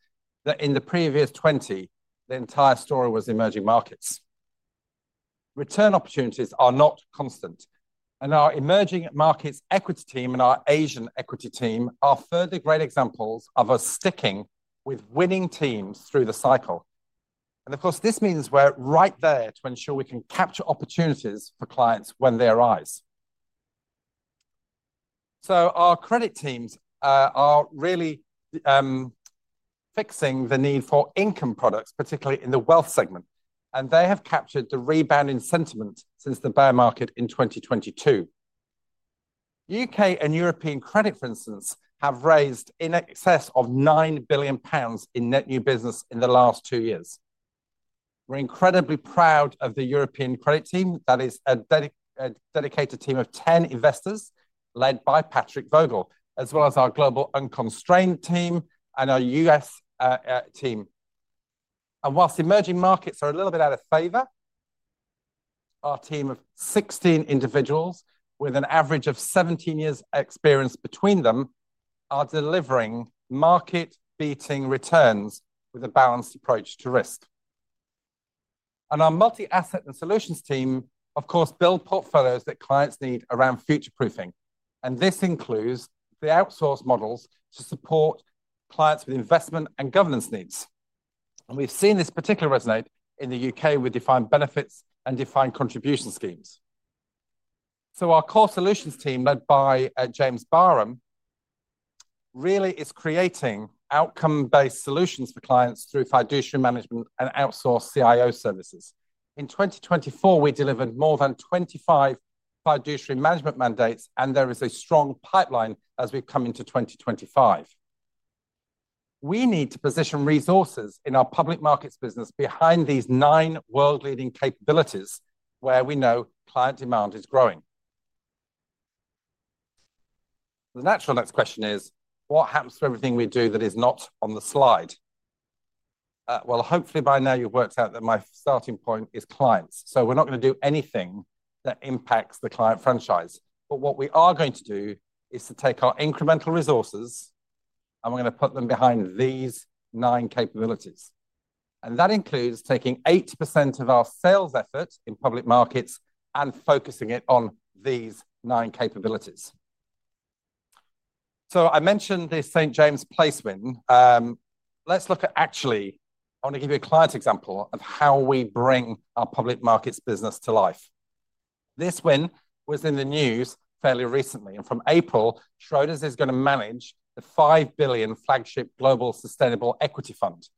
that in the previous 20, the entire story was emerging markets. Return opportunities are not constant, and our emerging markets equity team and our Asian equity team are further great examples of us sticking with winning teams through the cycle. And of course, this means we're right there to ensure we can capture opportunities for clients when they arise. So our credit teams are really fixing the need for income products, particularly in the Wealth segment, and they have captured the rebounding sentiment since the bear market in 2022. U.K. and European credit, for instance, have raised in excess of 9 billion pounds in net new business in the last two years. We're incredibly proud of the European credit team. That is a dedicated team of 10 investors led by Patrick Vogel, as well as our global unconstrained team and our U.S. team. Whilst emerging markets are a little bit out of favor, our team of 16 individuals with an average of 17 years' experience between them are delivering market-beating returns with a balanced approach to risk. Our Multi-asset and Solutions team, of course, build portfolios that clients need around future-proofing. This includes the outsource models to support clients with investment and governance needs. We've seen this particularly resonate in the U.K. with Defined Benefit and Defined Contribution schemes. Our core Solutions team, led by James Barham, really is creating outcome-based solutions for clients through fiduciary management and outsource CIO services. In 2024, we delivered more than 25 fiduciary management mandates, and there is a strong pipeline as we come into 2025. We need to position resources in our Public Markets business behind these nine world-leading capabilities where we know client demand is growing. The natural next question is, what happens to everything we do that is not on the slide? Well, hopefully by now you've worked out that my starting point is clients. So we're not going to do anything that impacts the client franchise. But what we are going to do is to take our incremental resources, and we're going to put them behind these nine capabilities. And that includes taking 80% of our sales effort in Public Markets and focusing it on these nine capabilities. So I mentioned the St. James's Place win. Let's look at. Actually, I want to give you a client example of how we bring our Public Markets business to life. This win was in the news fairly recently. And from April, Schroders is going to manage the 5 billion flagship Global Sustainable Equity Fund.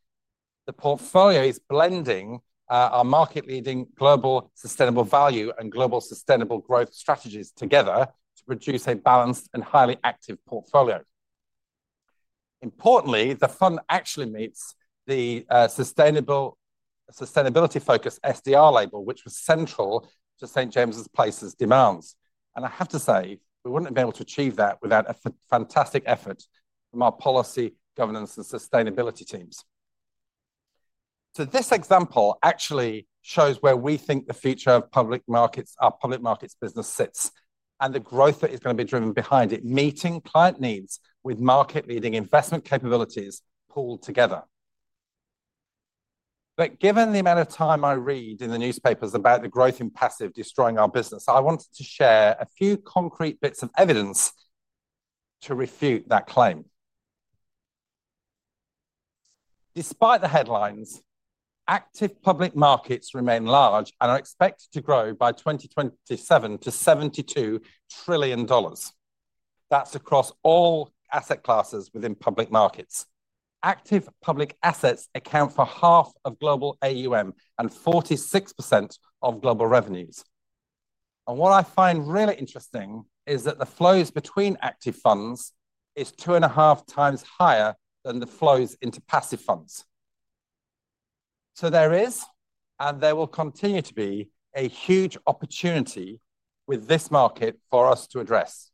The portfolio is blending our market-leading Global Sustainable Value and Global Sustainable Growth strategies together to produce a balanced and highly active portfolio. Importantly, the fund actually meets the sustainability-focused SDR label, which was central to St. James's Place's demands, and I have to say, we wouldn't have been able to achieve that without a fantastic effort from our policy, governance, and sustainability teams, so this example actually shows where we think the future of Public Markets, our Public Markets business sits, and the growth that is going to be driven behind it, meeting client needs with market-leading investment capabilities pulled together, but given the amount of time I read in the newspapers about the growth in passive destroying our business, I wanted to share a few concrete bits of evidence to refute that claim. Despite the headlines, active Public Markets remain large and are expected to grow by 2027 to GBP 72 trillion. That's across all asset classes within Public Markets. Active Public assets account for half of global AUM and 46% of global revenues, and what I find really interesting is that the flows between active funds are two and a half times higher than the flows into passive funds, so there is, and there will continue to be, a huge opportunity with this market for us to address,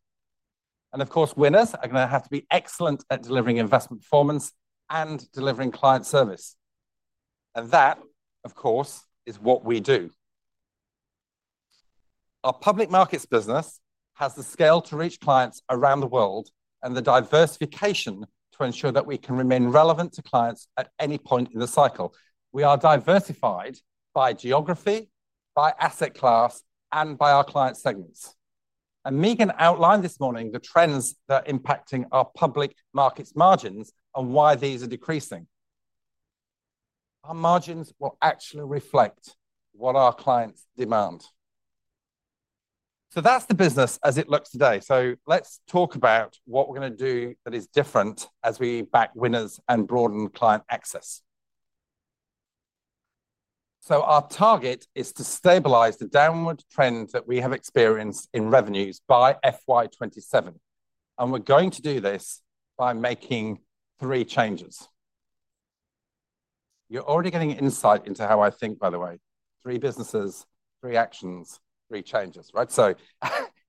and of course, winners are going to have to be excellent at delivering investment performance and delivering client service, and that, of course, is what we do. Our Public Markets business has the scale to reach clients around the world and the diversification to ensure that we can remain relevant to clients at any point in the cycle. We are diversified by geography, by asset class, and by our client segments. And Meagen outlined this morning the trends that are impacting our Public Markets margins and why these are decreasing. Our margins will actually reflect what our clients demand. So that's the business as it looks today. So let's talk about what we're going to do that is different as we back winners and broaden client access. So our target is to stabilize the downward trend that we have experienced in revenues by FY 2027. And we're going to do this by making three changes. You're already getting insight into how I think, by the way. Three businesses, three actions, three changes, right? So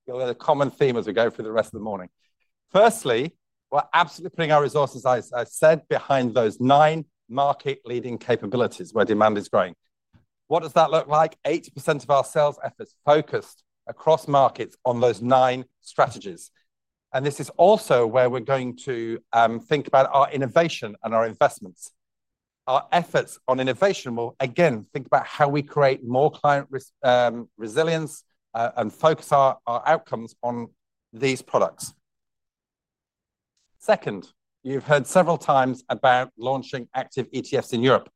you'll hear the common theme as we go through the rest of the morning. Firstly, we're absolutely putting our resources, as I said, behind those nine market-leading capabilities where demand is growing. What does that look like? 80% of our sales efforts focused across markets on those nine strategies. And this is also where we're going to think about our innovation and our investments. Our efforts on innovation will, again, think about how we create more client resilience and focus our outcomes on these products. Second, you've heard several times about launching active ETFs in Europe.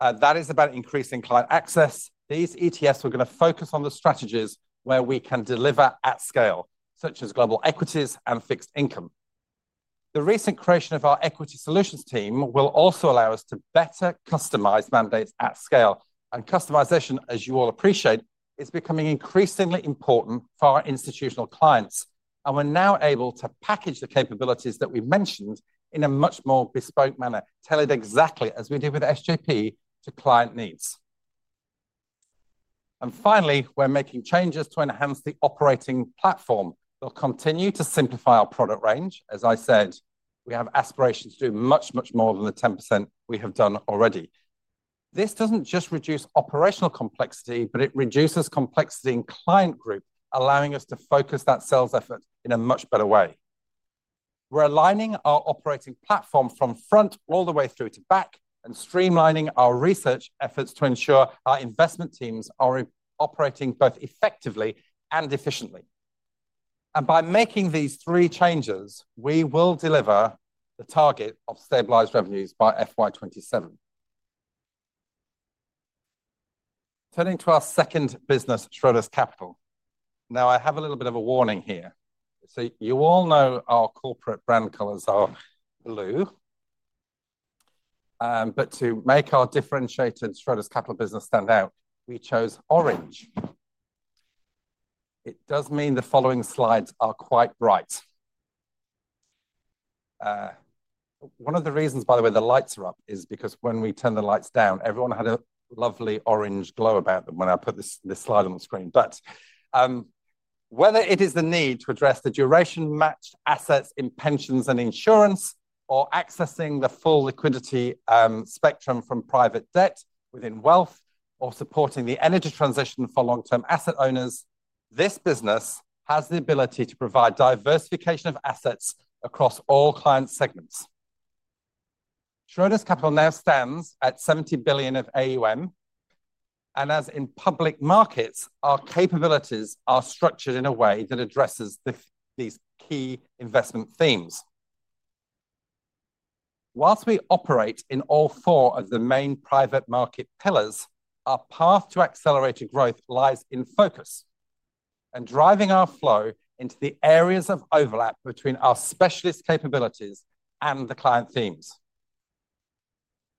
That is about increasing client access. These ETFs are going to focus on the strategies where we can deliver at scale, such as global equities and fixed income. The recent creation of our Equity Solutions team will also allow us to better customize mandates at scale. And customization, as you all appreciate, is becoming increasingly important for our Institutional clients. We're now able to package the capabilities that we mentioned in a much more bespoke manner, tailored exactly as we did with SJP to client needs. And finally, we're making changes to enhance the operating platform. We'll continue to simplify our product range. As I said, we have aspirations to do much, much more than the 10% we have done already. This doesn't just reduce operational complexity, but it reduces complexity in Client Group, allowing us to focus that sales effort in a much better way. We're aligning our operating platform from front all the way through to back and streamlining our research efforts to ensure our investment teams are operating both effectively and efficiently. And by making these three changes, we will deliver the target of stabilized revenues by FY 2027. Turning to our second business, Schroders Capital. Now, I have a little bit of a warning here. So you all know our corporate brand colors are blue. But to make our differentiated Schroders Capital business stand out, we chose orange. It does mean the following slides are quite bright. One of the reasons, by the way, the lights are up is because when we turn the lights down, everyone had a lovely orange glow about them when I put this slide on the screen. But whether it is the need to address the duration-matched assets in Pensions and Insurance, or accessing the full liquidity spectrum from Private Debt within Wealth, or supporting the energy transition for Long-Term Asset Owners, this business has the ability to provide diversification of assets across all client segments. Schroders Capital now stands at 70 billion of AUM. And as in Public Markets, our capabilities are structured in a way that addresses these key investment themes. Whilst we operate in all four of the main Private Market pillars, our path to accelerated growth lies in focus and driving our flow into the areas of overlap between our specialist capabilities and the client themes.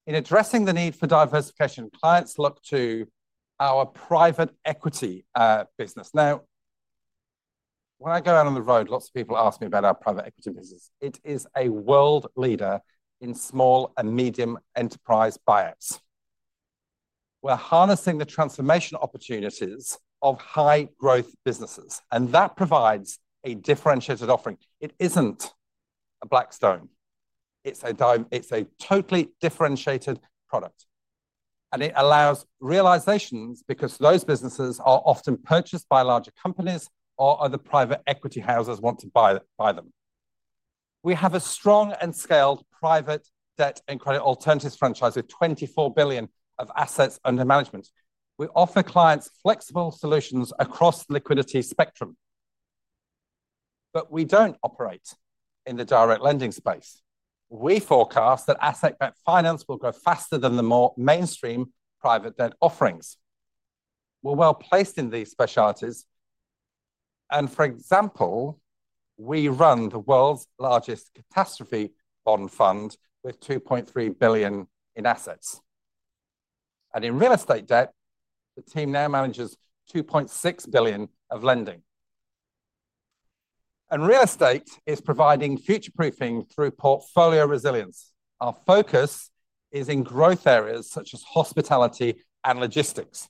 In addressing the need for diversification, clients look to our Private Equity business. Now, when I go out on the road, lots of people ask me about our Private Equity business. It is a world leader in small and medium enterprise buyouts. We're harnessing the transformation opportunities of high-growth businesses, and that provides a differentiated offering. It isn't a Blackstone. It's a totally differentiated product. And it allows realizations because those businesses are often purchased by larger companies or other Private Equity houses want to buy them. We have a strong and scaled Private Debt and Credit Alternatives franchise with 24 billion of assets under management. We offer clients flexible solutions across the liquidity spectrum. But we don't operate in the direct lending space. We forecast that asset-backed finance will grow faster than the more mainstream Private Debt offerings. We're well placed in these specialities. And for example, we run the world's largest catastrophe bond fund with 2.3 billion in assets. And in Real Estate debt, the team now manages 2.6 billion of lending. And Real Estate is providing future-proofing through portfolio resilience. Our focus is in growth areas such as hospitality and logistics.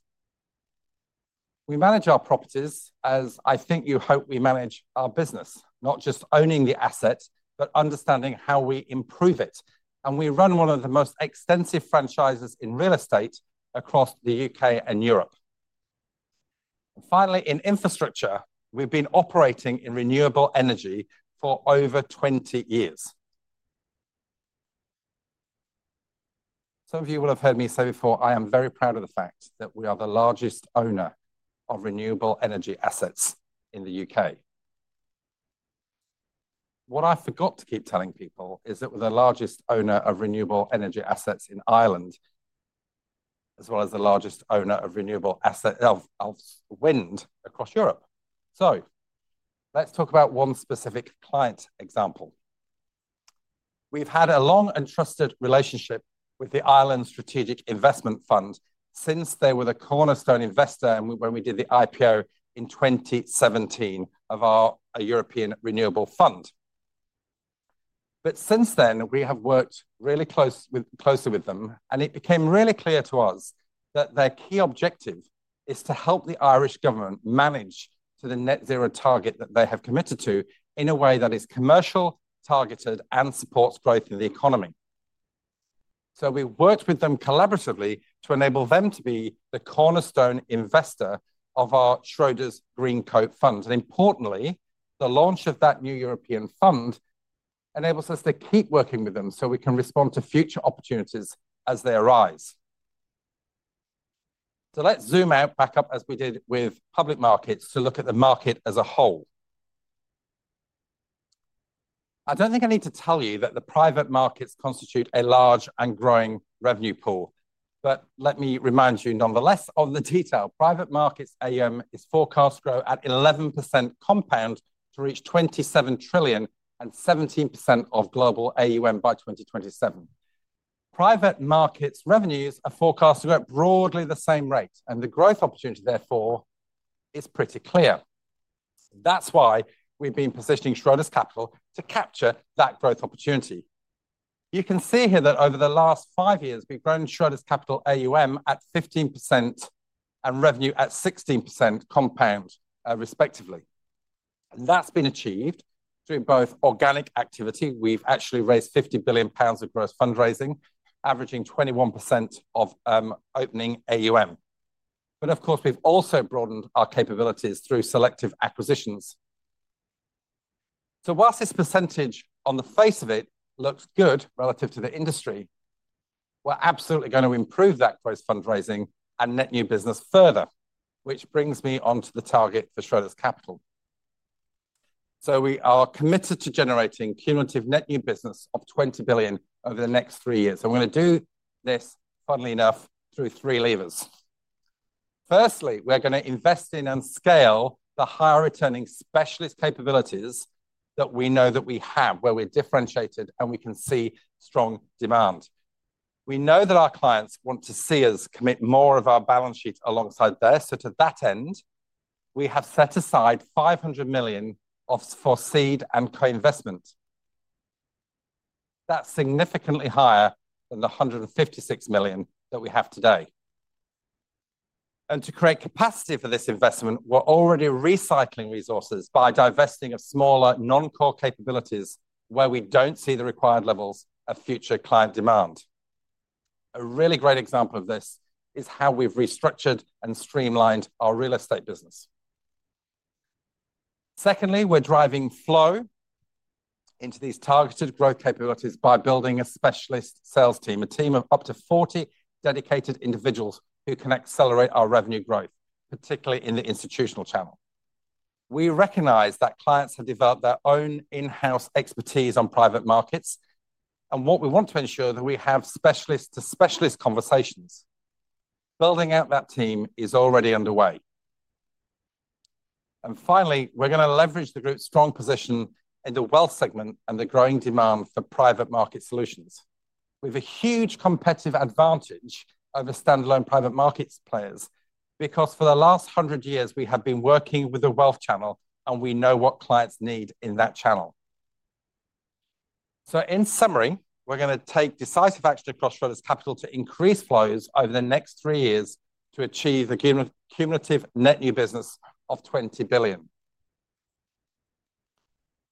We manage our properties as I think you hope we manage our business, not just owning the asset, but understanding how we improve it. And we run one of the most extensive franchises in Real Estate across the U.K. and Europe. And finally, in Infrastructure, we've been operating in renewable energy for over 20 years. Some of you will have heard me say before, I am very proud of the fact that we are the largest owner of renewable energy assets in the U.K. What I forgot to keep telling people is that we're the largest owner of renewable energy assets in Ireland, as well as the largest owner of renewable assets of wind across Europe, so let's talk about one specific client example. We've had a long and trusted relationship with the Ireland Strategic Investment Fund since they were the cornerstone investor when we did the IPO in 2017 of our European Renewable Fund. But since then, we have worked really closely with them, and it became really clear to us that their key objective is to help the Irish government manage to the net zero target that they have committed to in a way that is commercial, targeted, and supports growth in the economy. So we worked with them collaboratively to enable them to be the cornerstone investor of our Schroders Greencoat Fund. And importantly, the launch of that new European fund enables us to keep working with them so we can respond to future opportunities as they arise. So let's zoom out back up as we did with Public Markets to look at the market as a whole. I don't think I need to tell you that the Private Markets constitute a large and growing revenue pool. But let me remind you nonetheless of the detail. Private markets AUM is forecast to grow at 11% compound to reach 27 trillion and 17% of global AUM by 2027. Private markets revenues are forecast to grow at broadly the same rate, and the growth opportunity therefore is pretty clear. That's why we've been positioning Schroders Capital to capture that growth opportunity. You can see here that over the last five years, we've grown Schroders Capital AUM at 15% and revenue at 16% compound, respectively. And that's been achieved through both organic activity. We've actually raised 50 billion pounds of gross fundraising, averaging 21% of opening AUM. But of course, we've also broadened our capabilities through selective acquisitions. So while this percentage on the face of it looks good relative to the industry, we're absolutely going to improve that gross fundraising and net new business further, which brings me on to the target for Schroders Capital. So we are committed to generating cumulative net new business of 20 billion over the next three years. And we're going to do this, funnily enough, through three levers. Firstly, we're going to invest in and scale the higher returning specialist capabilities that we know that we have, where we're differentiated and we can see strong demand. We know that our clients want to see us commit more of our balance sheet alongside theirs. So to that end, we have set aside 500 million for seed and co-investment. That's significantly higher than the 156 million that we have today. And to create capacity for this investment, we're already recycling resources by divesting of smaller non-core capabilities where we don't see the required levels of future client demand. A really great example of this is how we've restructured and streamlined our Real Estate business. Secondly, we're driving flow into these targeted growth capabilities by building a specialist sales team, a team of up to 40 dedicated individuals who can accelerate our revenue growth, particularly in the Institutional channel. We recognize that clients have developed their own in-house expertise on Private Markets, and what we want to ensure is that we have specialist-to-specialist conversations. Building out that team is already underway. And finally, we're going to leverage the group's strong position in the Wealth segment and the growing demand for Private Market solutions. We have a huge competitive advantage over standalone Private Markets players because for the last 100 years, we have been working with the Wealth channel, and we know what clients need in that channel. So in summary, we're going to take decisive action across Schroders Capital to increase flows over the next three years to achieve the cumulative net new business of 20 billion.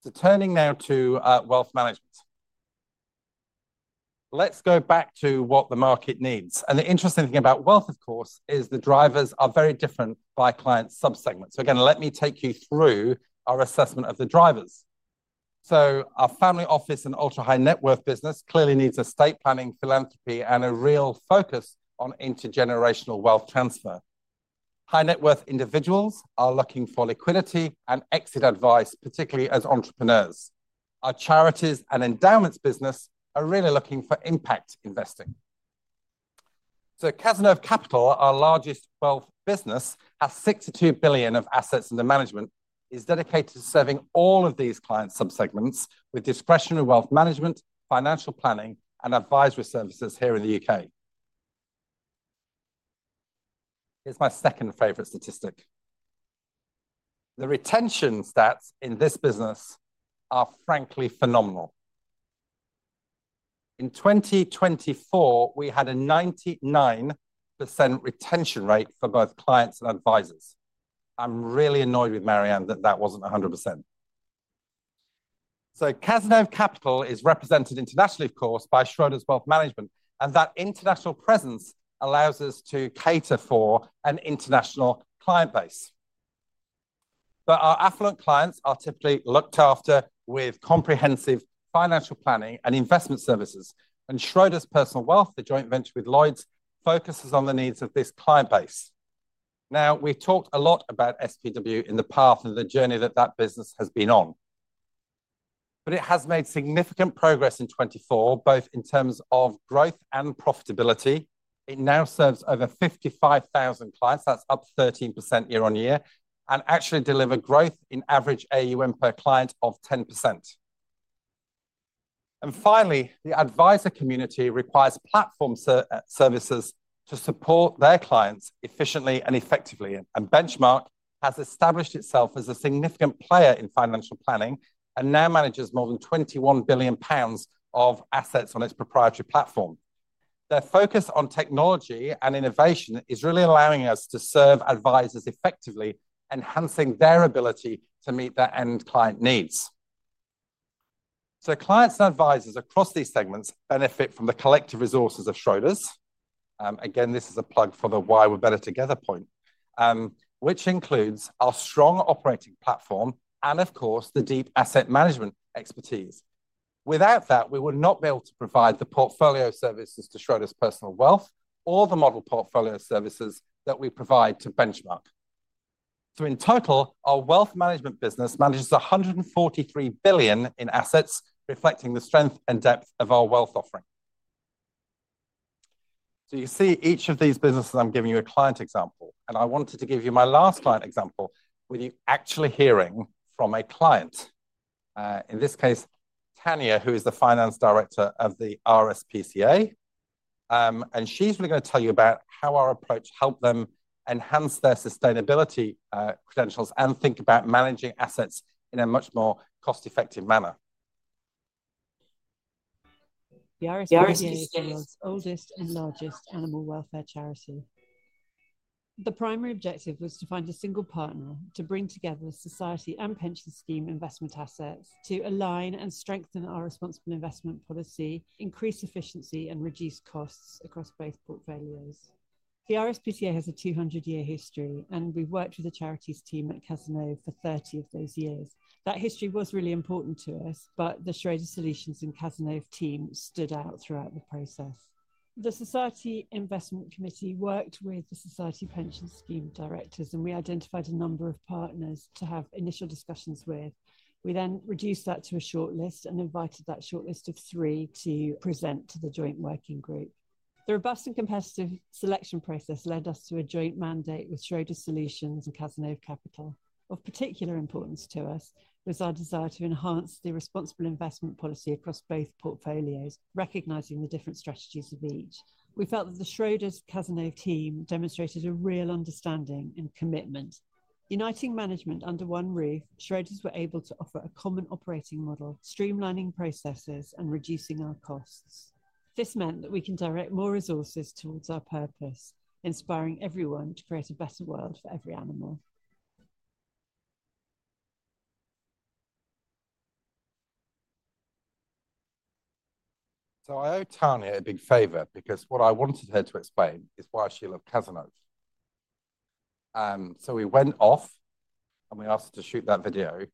So turning now to Wealth Management. Let's go back to what the market needs. And the interesting thing about Wealth, of course, is the drivers are very different by client subsegment. So again, let me take you through our assessment of the drivers. So our family office and ultra-high net worth business clearly needs estate planning, philanthropy, and a real focus on intergenerational wealth transfer. High net worth individuals are looking for liquidity and exit advice, particularly as entrepreneurs. Our charities and endowments business are really looking for impact investing. Cazenove Capital, our largest Wealth business, has 62 billion of assets under management, is dedicated to serving all of these client subsegments with discretionary Wealth Management, financial planning, and advisory services here in the U.K. It's my second favorite statistic. The retention stats in this business are frankly phenomenal. In 2024, we had a 99% retention rate for both clients and advisors. I'm really annoyed with Mary-Anne that that wasn't 100%. Cazenove Capital is represented internationally, of course, by Schroders Wealth Management. That international presence allows us to cater for an international client base. Our affluent clients are typically looked after with comprehensive financial planning and investment services. Schroders Personal Wealth, the joint venture with Lloyds, focuses on the needs of this client base. Now, we've talked a lot about SPW in the path and the journey that that business has been on. But it has made significant progress in 2024, both in terms of growth and profitability. It now serves over 55,000 clients. That's up 13% year on year. And actually delivers growth in average AUM per client of 10%. And finally, the advisor community requires platform services to support their clients efficiently and effectively. And Benchmark has established itself as a significant player in financial planning and now manages more than 21 billion pounds of assets on its proprietary platform. Their focus on technology and innovation is really allowing us to serve advisors effectively, enhancing their ability to meet their end client needs. So clients and advisors across these segments benefit from the collective resources of Schroders. Again, this is a plug for the Why We're Better Together point, which includes our strong operating platform and, of course, the deep asset management expertise. Without that, we would not be able to provide the portfolio services to Schroders Personal Wealth or the model portfolio services that we provide to Benchmark, so in total, our Wealth Management business manages 143 billion in assets, reflecting the strength and depth of our Wealth offering, so you can see each of these businesses, I'm giving you a client example, and I wanted to give you my last client example with you actually hearing from a client, in this case, Tania, who is the Finance Director of the RSPCA, and she's really going to tell you about how our approach helped them enhance their sustainability credentials and think about managing assets in a much more cost-effective manner. The RSPCA is the oldest and largest animal welfare charity. The primary objective was to find a single partner to bring together Society and Pension Scheme investment assets to align and strengthen our responsible investment policy, increase efficiency, and reduce costs across both portfolios. The RSPCA has a 200-year history, and we've worked with the charity's team at Cazenove for 30 of those years. That history was really important to us, but the Schroders Solutions and Cazenove team stood out throughout the process. The Society Investment Committee worked with the Society Pension Scheme directors, and we identified a number of partners to have initial discussions with. We then reduced that to a shortlist and invited that shortlist of three to present to the joint working group. The robust and competitive selection process led us to a joint mandate with Schroders Solutions and Cazenove Capital. Of particular importance to us was our desire to enhance the responsible investment policy across both portfolios, recognizing the different strategies of each. We felt that the Schroders Cazenove team demonstrated a real understanding and commitment. Uniting management under one roof, Schroders were able to offer a common operating model, streamlining processes and reducing our costs. This meant that we can direct more resources towards our purpose, inspiring everyone to create a better world for every animal. So I owe Tania a big favor because what I wanted her to explain is why she loved Cazenove. So we went off and we asked her to shoot that video,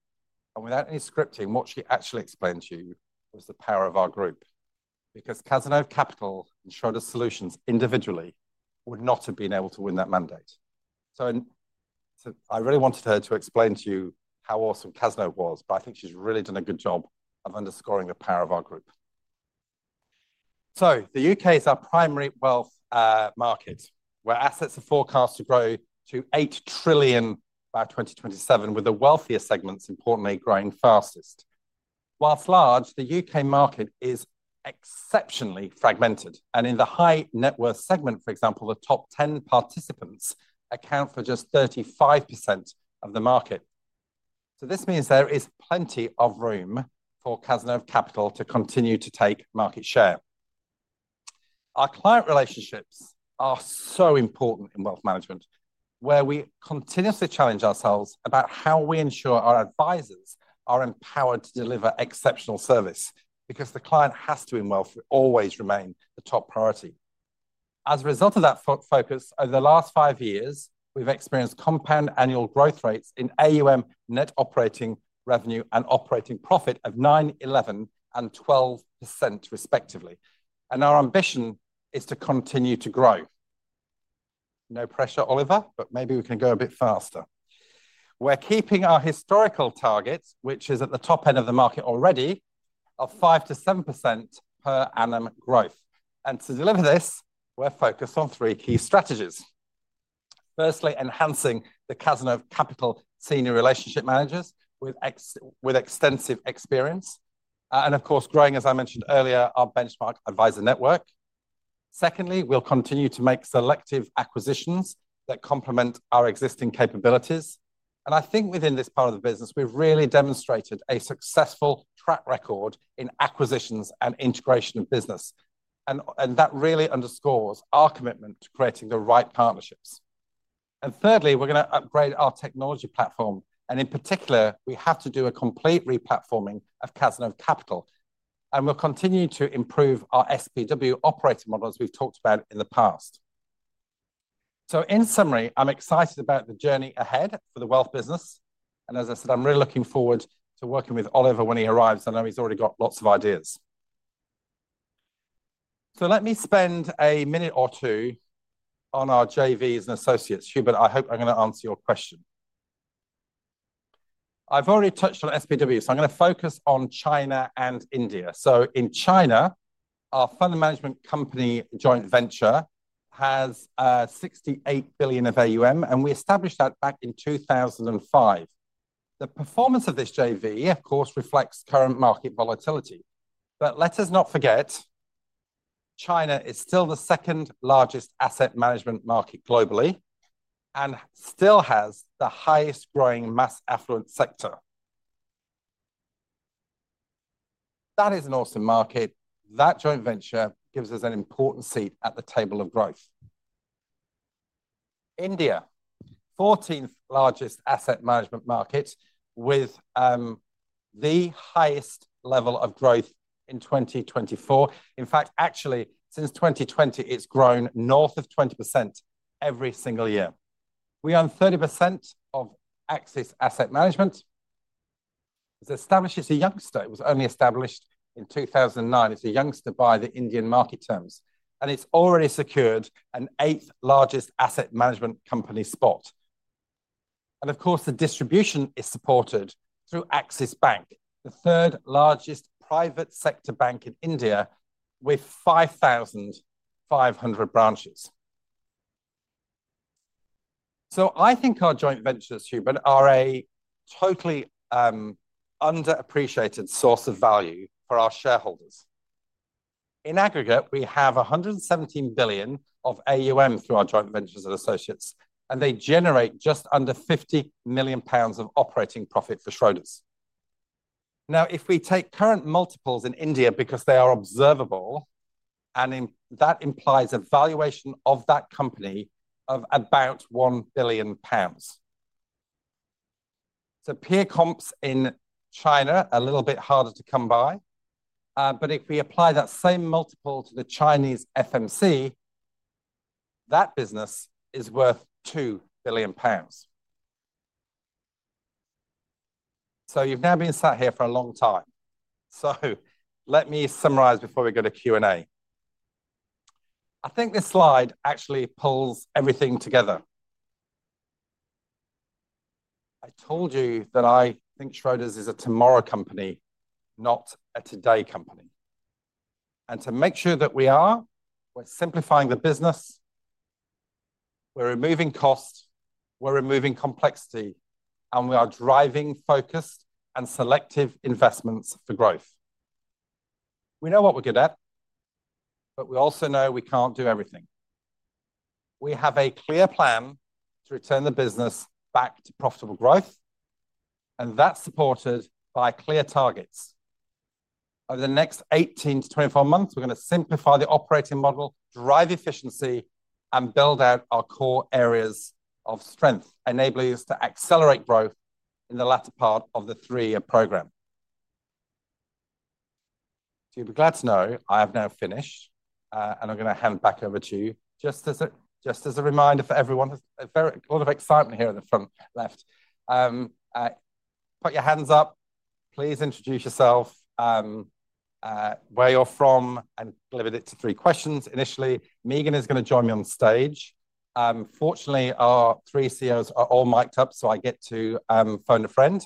and without any scripting, what she actually explained to you was the power of our group. Because Cazenove Capital and Schroders Solutions individually would not have been able to win that mandate. I really wanted her to explain to you how awesome Cazenove was, but I think she's really done a good job of underscoring the power of our group. The U.K. is our primary Wealth market, where assets are forecast to grow to 8 trillion by 2027, with the wealthier segments importantly growing fastest. While large, the U.K. market is exceptionally fragmented. In the high net worth segment, for example, the top 10 participants account for just 35% of the market. This means there is plenty of room for Cazenove Capital to continue to take market share. Our client relationships are so important in Wealth Management, where we continuously challenge ourselves about how we ensure our advisors are empowered to deliver exceptional service, because the client has to, and Wealth will always remain the top priority. As a result of that focus, over the last five years, we've experienced compound annual growth rates in AUM, net operating revenue, and operating profit of 9%, 11%, and 12% respectively. Our ambition is to continue to grow. No pressure, Oliver, but maybe we can go a bit faster. We're keeping our historical targets, which is at the top end of the market already, of 5%-7% per annum growth. To deliver this, we're focused on three key strategies. Firstly, enhancing the Cazenove Capital senior relationship managers with extensive experience. Of course, growing, as I mentioned earlier, our Benchmark advisor network. Secondly, we'll continue to make selective acquisitions that complement our existing capabilities. I think within this part of the business, we've really demonstrated a successful track record in acquisitions and integration of business. That really underscores our commitment to creating the right partnerships. Thirdly, we're going to upgrade our technology platform. In particular, we have to do a complete replatforming of Cazenove Capital. We'll continue to improve our SPW operating model as we've talked about in the past. In summary, I'm excited about the journey ahead for the Wealth business. As I said, I'm really looking forward to working with Oliver when he arrives. I know he's already got lots of ideas. Let me spend a minute or two on our JVs and associates. Hubert, I hope I'm going to answer your question. I've already touched on SPW, so I'm going to focus on China and India. In China, our fund management company joint venture has 68 billion of AUM, and we established that back in 2005. The performance of this JV, of course, reflects current market volatility. But let us not forget, China is still the second largest asset management market globally and still has the highest growing mass affluent sector. That is an awesome market. That joint venture gives us an important seat at the table of growth. India, 14th largest asset management market with the highest level of growth in 2024. In fact, actually, since 2020, it's grown north of 20% every single year. We own 30% of Axis Asset Management. It's established as a youngster. It was only established in 2009. It's a youngster by the Indian market terms. And it's already secured an eighth largest asset management company spot. And of course, the distribution is supported through Axis Bank, the third largest private sector bank in India with 5,500 branches. So I think our joint ventures, Hubert, are a totally underappreciated source of value for our shareholders. In aggregate, we have 117 billion of AUM through our joint ventures and associates, and they generate just under 50 million pounds of operating profit for Schroders. Now, if we take current multiples in India, because they are observable, and that implies a valuation of that company of about 1 billion pounds. So peer comps in China are a little bit harder to come by. But if we apply that same multiple to the Chinese FMC, that business is worth 2 billion pounds. So you've now been sat here for a long time. So let me summarize before we go to Q&A. I think this slide actually pulls everything together. I told you that I think Schroders is a tomorrow company, not a today company. To make sure that we are, we're simplifying the business, we're removing costs, we're removing complexity, and we are driving focused and selective investments for growth. We know what we're good at, but we also know we can't do everything. We have a clear plan to return the business back to profitable growth, and that's supported by clear targets. Over the next 18-24 months, we're going to simplify the operating model, drive efficiency, and build out our core areas of strength, enabling us to accelerate growth in the latter part of the three-year program. You'll be glad to know I have now finished, and I'm going to hand back over to you. Just as a reminder for everyone, there's a lot of excitement here at the front left. Put your hands up. Please introduce yourself, where you're from, and leave it to three questions. Initially, Meagen is going to join me on stage. Fortunately, our three CEOs are all mic'd up, so I get to phone a friend.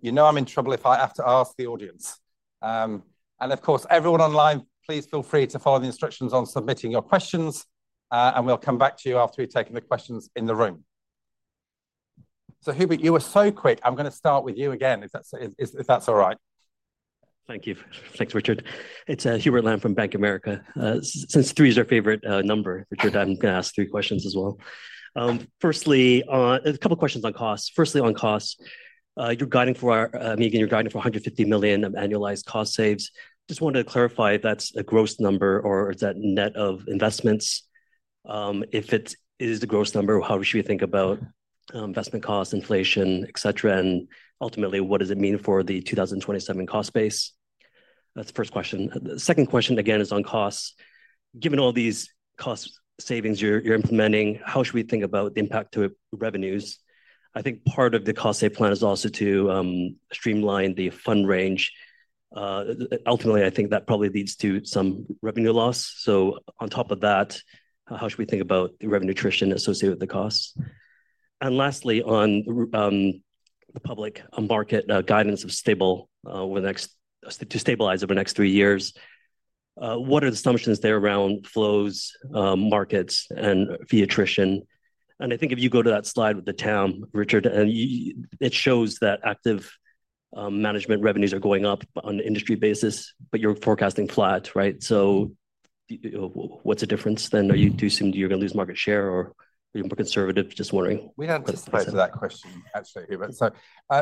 You know I'm in trouble if I have to ask the audience. And of course, everyone online, please feel free to follow the instructions on submitting your questions, and we'll come back to you after we've taken the questions in the room. So Hubert, you were so quick. I'm going to start with you again, if that's all right. Thank you. Thanks, Richard. It's Hubert Lam from Bank of America. Since three is our favorite number, Richard, I'm going to ask three questions as well. Firstly, a couple of questions on costs. Firstly, on costs, you're guiding for our Meagen, you're guiding for 150 million of annualized cost saves. Just wanted to clarify if that's a gross number or is that net of investments. If it is the gross number, how should we think about investment costs, inflation, etc., and ultimately, what does it mean for the 2027 cost base? That's the first question. The second question, again, is on costs. Given all these cost savings you're implementing, how should we think about the impact to revenues? I think part of the cost savings plan is also to streamline the fund range. Ultimately, I think that probably leads to some revenue loss. So on top of that, how should we think about the revenue attrition associated with the costs? And lastly, on the Public Market guidance of stable over the next three years, what are the assumptions there around flows, markets, and fee attrition? And I think if you go to that slide with the TAM, Richard, and it shows that active management revenues are going up on an industry basis, but you're forecasting flat, right? So what's the difference then? Are you too soon to see you're going to lose market share or are you more conservative? Just wondering. We don't have to answer that question, actually, Hubert. So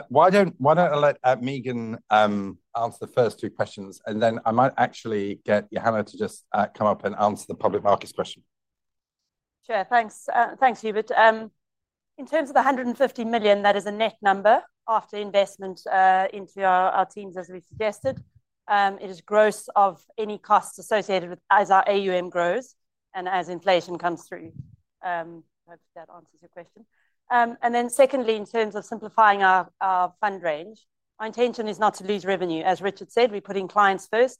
why don't I let Meagen answer the first two questions, and then I might actually get Johanna to just come up and answer the Public Markets question. Sure. Thanks. Thanks, Hubert. In terms of the 150 million, that is a net number after investment into our teams, as we suggested. It is gross of any costs associated with as our AUM grows and as inflation comes through. Hopefully, that answers your question. Then secondly, in terms of simplifying our fund range, our intention is not to lose revenue. As Richard said, we put in clients first,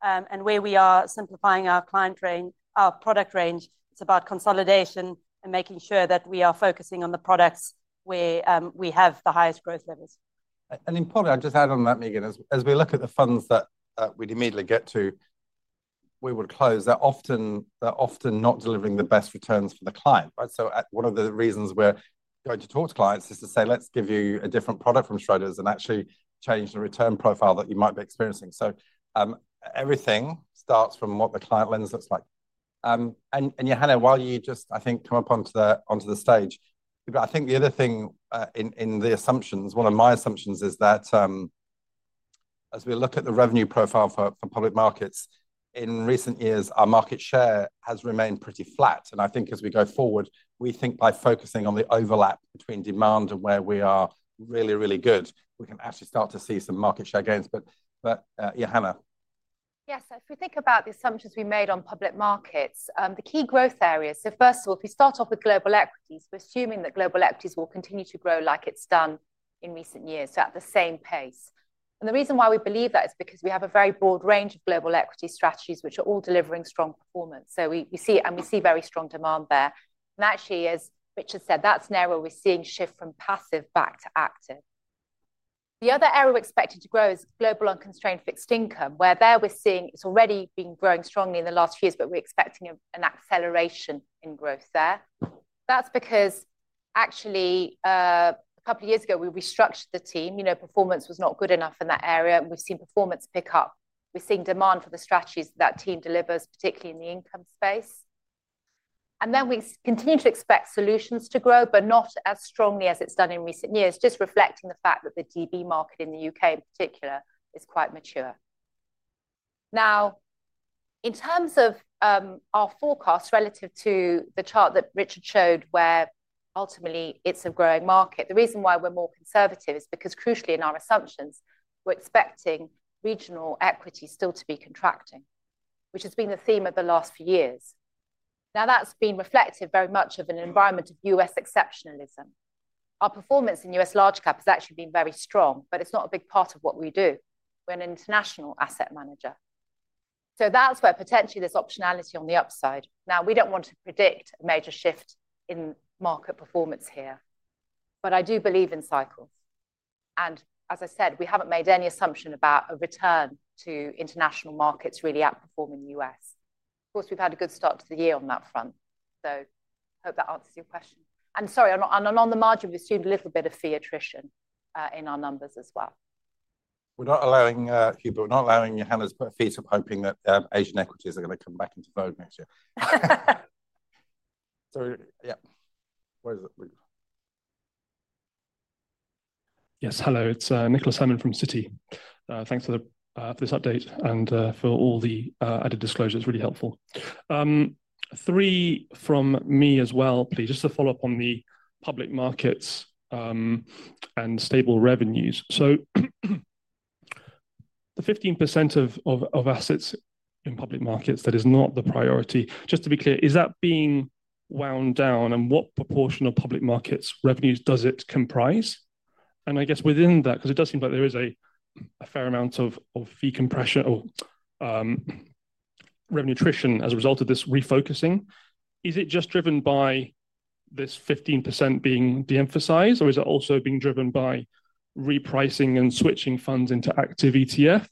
and where we are simplifying our client range, our product range, it's about consolidation and making sure that we are focusing on the products where we have the highest growth levels. Importantly, I'll just add on that, Meagen, as we look at the funds that we'd immediately get to, we would close that often not delivering the best returns for the client, right? One of the reasons we're going to talk to clients is to say, let's give you a different product from Schroders and actually change the return profile that you might be experiencing. Everything starts from what the client lens looks like. Johanna, while you just, I think, come up onto the stage, I think the other thing in the assumptions, one of my assumptions is that as we look at the revenue profile for Public Markets, in recent years, our market share has remained pretty flat. I think as we go forward, we think by focusing on the overlap between demand and where we are really, really good, we can actually start to see some market share gains. But Johanna. Yes, so if we think about the assumptions we made on Public Markets, the key growth areas, so first of all, if we start off with global equities, we're assuming that global equities will continue to grow like it's done in recent years, so at the same pace. And the reason why we believe that is because we have a very broad range of global equity strategies, which are all delivering strong performance. So we see it, and we see very strong demand there. And actually, as Richard said, that's an area we're seeing shift from passive back to active. The other area we're expecting to grow is global unconstrained fixed income, where we're seeing it's already been growing strongly in the last few years, but we're expecting an acceleration in growth there. That's because actually, a couple of years ago, we restructured the team. You know, performance was not good enough in that area, and we've seen performance pick up. We're seeing demand for the strategies that team delivers, particularly in the income space. And then we continue to expect solutions to grow, but not as strongly as it's done in recent years, just reflecting the fact that the DB market in the U.K. in particular is quite mature. Now, in terms of our forecast relative to the chart that Richard showed, where ultimately it's a growing market, the reason why we're more conservative is because crucially in our assumptions, we're expecting regional equity still to be contracting, which has been the theme of the last few years. Now, that's been reflective very much of an environment of U.S. exceptionalism. Our performance in U.S. large cap has actually been very strong, but it's not a big part of what we do. We're an international asset manager. So that's where potentially there's optionality on the upside. Now, we don't want to predict a major shift in market performance here, but I do believe in cycles. As I said, we haven't made any assumption about a return to international markets really outperforming the U.S. Of course, we've had a good start to the year on that front. So I hope that answers your question. And sorry, I mean, on the margin, we've assumed a little bit of fee attrition in our numbers as well. We're not allowing, Hubert, we're not allowing Johanna to put a bet on hoping that Asian equities are going to come back into the fold next year. So yeah. Yes, hello, it's Nicholas Herman from Citi. Thanks for this update and for all the added disclosures. It's really helpful. Three from me as well, please, just to follow up on the Public Markets and stable revenues. So the 15% of assets in Public Markets that is not the priority, just to be clear, is that being wound down and what proportion of Public Markets revenues does it comprise? And I guess within that, because it does seem like there is a fair amount of fee compression or revenue attrition as a result of this refocusing, is it just driven by this 15% being de-emphasized, or is it also being driven by repricing and switching funds into active ETF?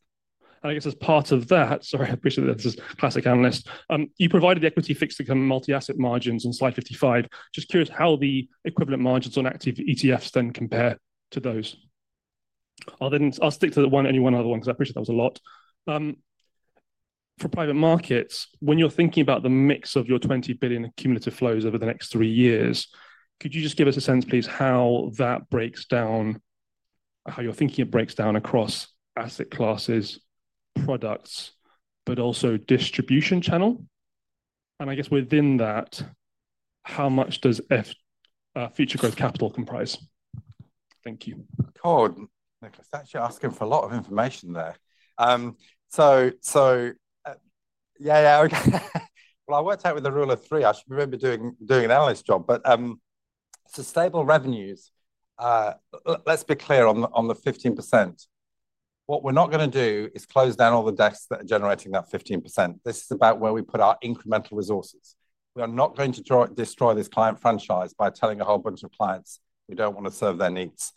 And I guess as part of that, sorry, I appreciate that this is classic analyst. You provided the equity fixed income Multi-asset margins on slide 55. Just curious how the equivalent margins on active ETFs then compare to those. I'll stick to the one and you one other one, because I appreciate that was a lot. For Private Markets, when you're thinking about the mix of your 20 billion cumulative flows over the next three years, could you just give us a sense, please, how that breaks down, how you're thinking it breaks down across asset classes, products, but also distribution channel? And I guess within that, how much does Future Growth Capital comprise? Thank you. God, Nicholas, that's. You're asking for a lot of information there. So yeah, okay. Well, I worked out with the rule of three. I remember doing an analyst job, but for stable revenues, let's be clear on the 15%. What we're not going to do is close down all the desks that are generating that 15%. This is about where we put our incremental resources. We are not going to destroy this client franchise by telling a whole bunch of clients we don't want to serve their needs.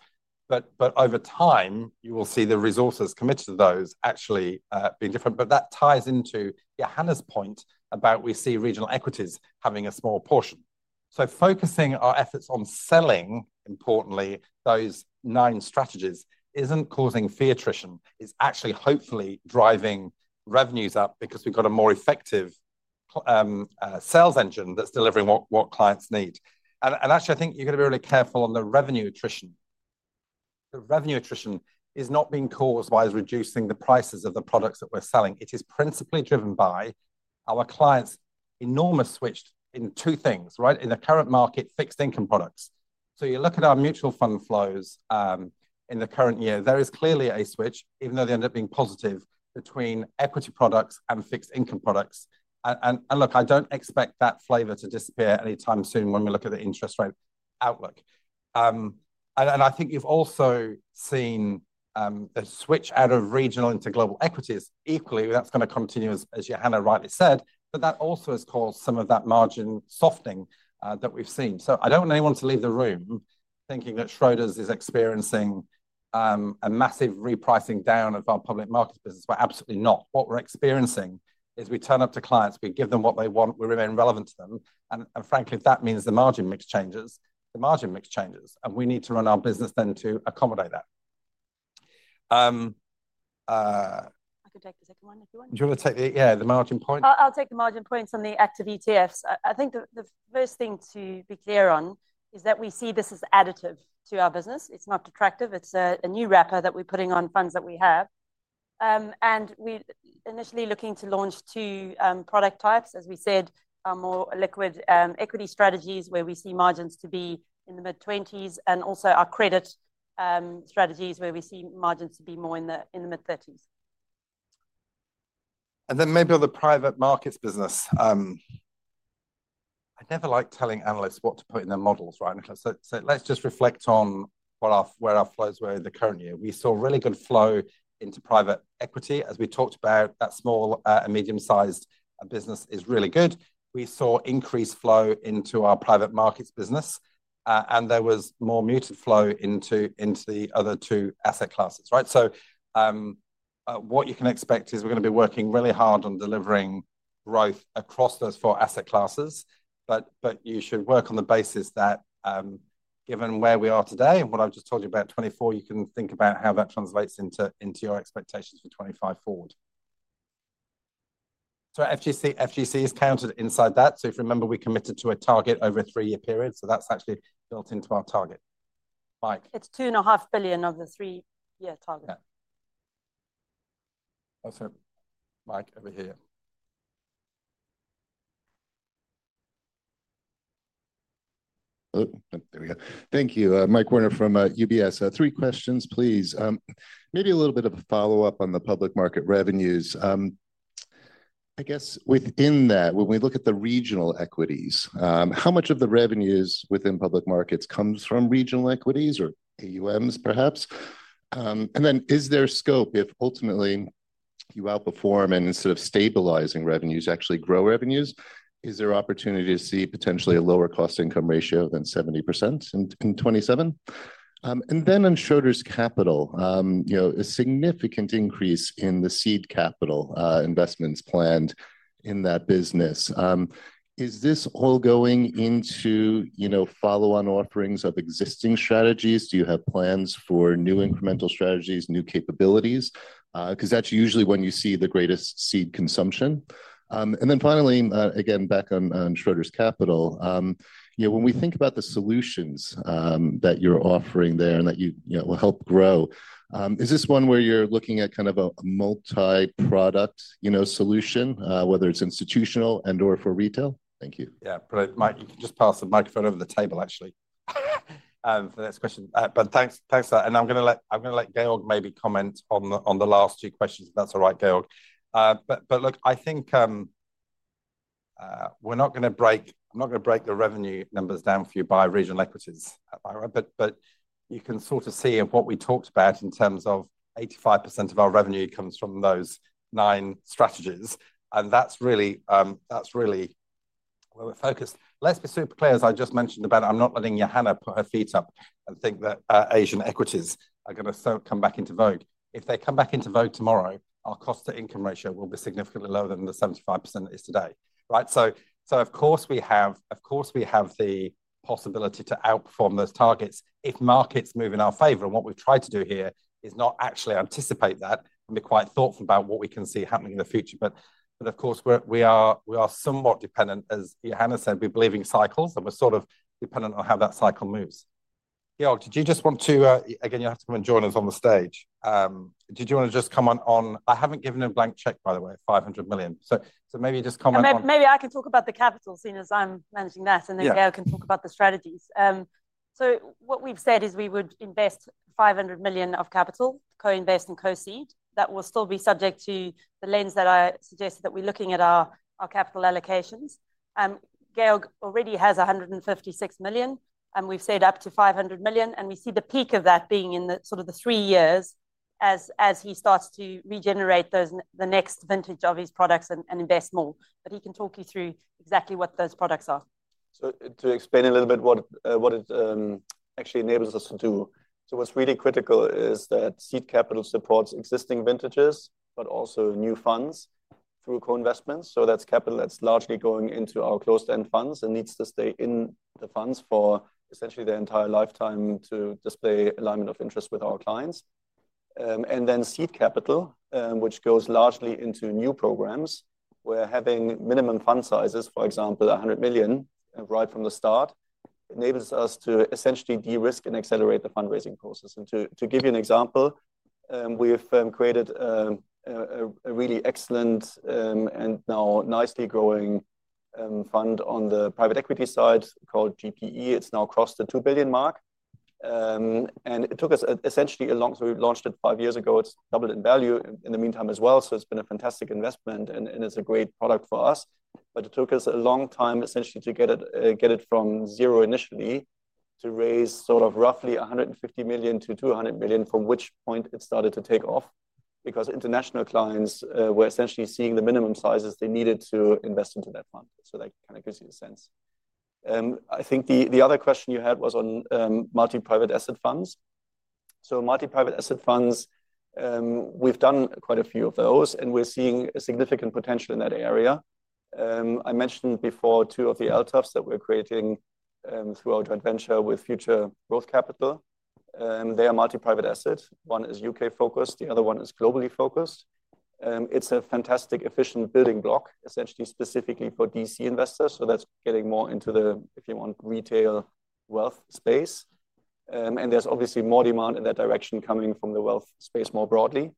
But over time, you will see the resources committed to those actually being different. But that ties into Johanna's point about we see regional equities having a small portion. So focusing our efforts on selling, importantly, those nine strategies isn't causing fee attrition. It's actually hopefully driving revenues up because we've got a more effective sales engine that's delivering what clients need. And actually, I think you've got to be really careful on the revenue attrition. The revenue attrition is not being caused by us reducing the prices of the products that we're selling. It is principally driven by our clients' enormous switch in two things, right? In the current market, fixed income products. So you look at our Mutual Fund flows in the current year, there is clearly a switch, even though they end up being positive, between equity products and fixed income products. And look, I don't expect that flavor to disappear anytime soon when we look at the interest rate outlook. And I think you've also seen a switch out of regional into global equities equally. That's going to continue, as Johanna rightly said, but that also has caused some of that margin softening that we've seen. So I don't want anyone to leave the room thinking that Schroders is experiencing a massive repricing down of our Public Markets business. We're absolutely not. What we're experiencing is we turn up to clients, we give them what they want, we remain relevant to them, and frankly, if that means the margin mix changes, the margin mix changes, and we need to run our business then to accommodate that. I could take the second one if you want. Do you want to take the, yeah, the margin point? I'll take the margin points on the active ETFs. I think the first thing to be clear on is that we see this as additive to our business. It's not attractive. It's a new wrapper that we're putting on funds that we have, and we're initially looking to launch two product types, as we said, our more liquid equity strategies where we see margins to be in the mid-20s and also our credit strategies where we see margins to be more in the mid-30s. And then maybe on the Private Markets business, I never like telling analysts what to put in their models, right? So let's just reflect on where our flows were in the current year. We saw really good flow into Private Equity, as we talked about. That small and medium-sized business is really good. We saw increased flow into our Private Markets business, and there was more muted flow into the other two asset classes, right? So what you can expect is we're going to be working really hard on delivering growth across those four asset classes, but you should work on the basis that given where we are today and what I've just told you about 2024, you can think about how that translates into your expectations for 2025 forward. So FGC is counted inside that. So if you remember, we committed to a target over a three-year period. So that's actually built into our target. Mike. It's 2.5 billion of the three-year target. Yeah. That's it. Mike over here. There we go. Thank you. Mike Werner from UBS. Three questions, please. Maybe a little bit of a follow-up on the Public Market revenues. I guess within that, when we look at the regional equities, how much of the revenues within Public Markets comes from regional equities or AUMs, perhaps? And then is there scope if ultimately you outperform and instead of stabilizing revenues actually grow revenues? Is there opportunity to see potentially a lower cost-to-income ratio than 70% in 2027? And then on Schroders Capital, a significant increase in the seed capital investments planned in that business. Is this all going into follow-on offerings of existing strategies? Do you have plans for new incremental strategies, new capabilities? Because that's usually when you see the greatest seed consumption. And then finally, again, back on Schroders Capital, when we think about the solutions that you're offering there and that will help grow, is this one where you're looking at kind of a multi-product solution, whether it's Institutional and/or for retail? Thank you. Yeah, Mike, you can just pass the microphone over the table, actually, for this question. But thanks for that. And I'm going to let Georg maybe comment on the last two questions, if that's all right, Georg. But look, I think we're not going to break. I'm not going to break the revenue numbers down for you by regional equities, but you can sort of see what we talked about in terms of 85% of our revenue comes from those nine strategies. And that's really where we're focused. Let's be super clear, as I just mentioned about. I'm not letting Johanna put her feet up and think that Asian equities are going to come back into vogue. If they come back into vogue tomorrow, our cost-to-income ratio will be significantly lower than the 75% it is today, right? Of course, we have the possibility to outperform those targets if markets move in our favor. And what we've tried to do here is not actually anticipate that and be quite thoughtful about what we can see happening in the future. But of course, we are somewhat dependent, as Johanna said, we believe in cycles and we're sort of dependent on how that cycle moves. Georg, did you just want to, again, you have to come and join us on the stage. Did you want to just comment on, I haven't given a blank check, by the way, 500 million. So maybe you just comment on. Maybe I can talk about the capital soon as I'm managing that, and then Georg can talk about the strategies. So what we've said is we would invest 500 million of capital, co-invest and co-seed. That will still be subject to the lens that I suggested that we're looking at our capital allocations. Georg already has 156 million, and we've said up to 500 million, and we see the peak of that being in the sort of three years as he starts to regenerate the next vintage of his products and invest more. But he can talk you through exactly what those products are. So to explain a little bit what it actually enables us to do, so what's really critical is that seed capital supports existing vintages, but also new funds through co-investments. So that's capital that's largely going into our closed-end funds and needs to stay in the funds for essentially their entire lifetime to display alignment of interest with our clients. And then seed capital, which goes largely into new programs, where having minimum fund sizes, for example, 100 million right from the start, enables us to essentially de-risk and accelerate the fundraising process. And to give you an example, we've created a really excellent and now nicely growing fund on the Private Equity side called GPE. It's now crossed the 2 billion mark. And it took us essentially so we launched it five years ago. It's doubled in value in the meantime as well. So it's been a fantastic investment, and it's a great product for us. But it took us a long time essentially to get it from zero initially to raise sort of roughly 150 million-200 million, from which point it started to take off, because international clients were essentially seeing the minimum sizes they needed to invest into that fund. So that kind of gives you a sense. I think the other question you had was on Multi-private asset funds. So Multi-private asset funds, we've done quite a few of those, and we're seeing a significant potential in that area. I mentioned before two of the LTAFs that we're creating throughout our venture with Future Growth Capital. They are Multi-private assets. One is U.K.-focused. The other one is globally focused. It's a fantastic efficient building block, essentially specifically for DC investors. So that's getting more into the, if you want, retail Wealth space. And there's obviously more demand in that direction coming from the Wealth space more broadly.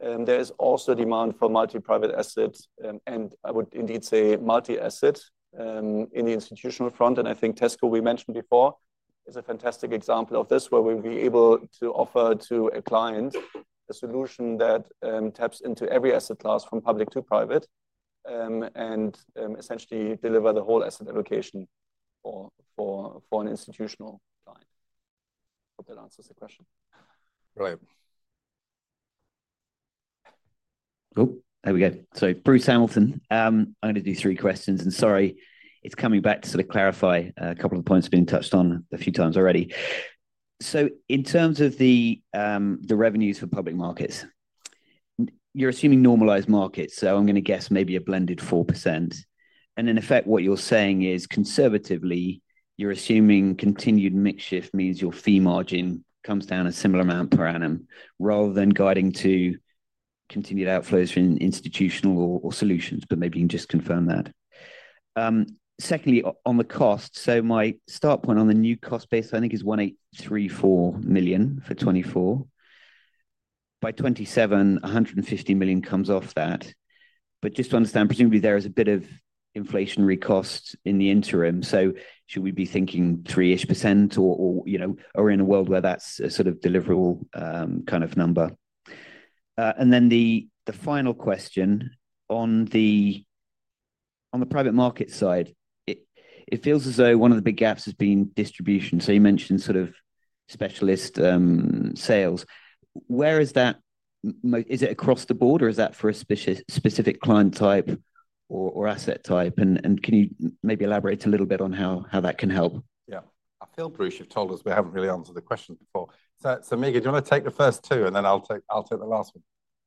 There is also demand for Multi-private assets, and I would indeed say Multi-asset in the Institutional front. And I think Tesco, we mentioned before, is a fantastic example of this where we'll be able to offer to a client a solution that taps into every asset class from public to private and essentially deliver the whole asset allocation for an Institutional client. Hope that answers the question. Right. Oh, there we go. So Bruce Hamilton, I'm going to do three questions. And sorry, it's coming back to sort of clarify a couple of points being touched on a few times already. So in terms of the revenues for Public Markets, you're assuming normalized markets. So I'm going to guess maybe a blended 4%. And in effect, what you're saying is conservatively, you're assuming continued mix shift means your fee margin comes down a similar amount per annum rather than guiding to continued outflows from Institutional or Solutions, but maybe you can just confirm that. Secondly, on the cost, so my start point on the new cost base, I think, is 183.4 million for 2024. By 2027, 150 million comes off that. But just to understand, presumably there is a bit of inflationary cost in the interim. So should we be thinking 3-ish% or in a world where that's a sort of deliverable kind of number? And then the final question on the Private Market side, it feels as though one of the big gaps has been distribution. So you mentioned sort of specialist sales. Where is that? Is it across the board, or is that for a specific client type or asset type? And can you maybe elaborate a little bit on how that can help? Yeah. I feel, Bruce, you've told us, but I haven't really answered the questions before. Meagen, do you want to take the first two, and then I'll take the last one?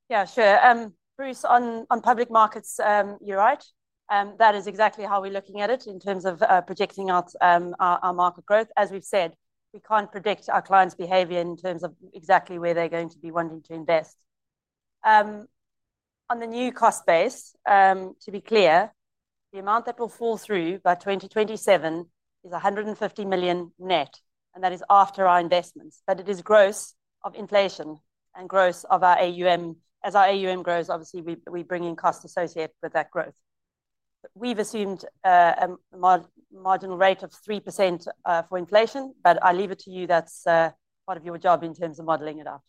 Yeah, sure. Bruce, on Public Markets, you're right. That is exactly how we're looking at it in terms of projecting our market growth. As we've said, we can't predict our clients' behavior in terms of exactly where they're going to be wanting to invest. On the new cost base, to be clear, the amount that will flow through by 2027 is 150 million net, and that is after our investments. But it is gross of inflation and gross of our AUM. As our AUM grows, obviously, we bring in costs associated with that growth. We've assumed a marginal rate of 3% for inflation, but I leave it to you. That's part of your job in terms of modeling it out.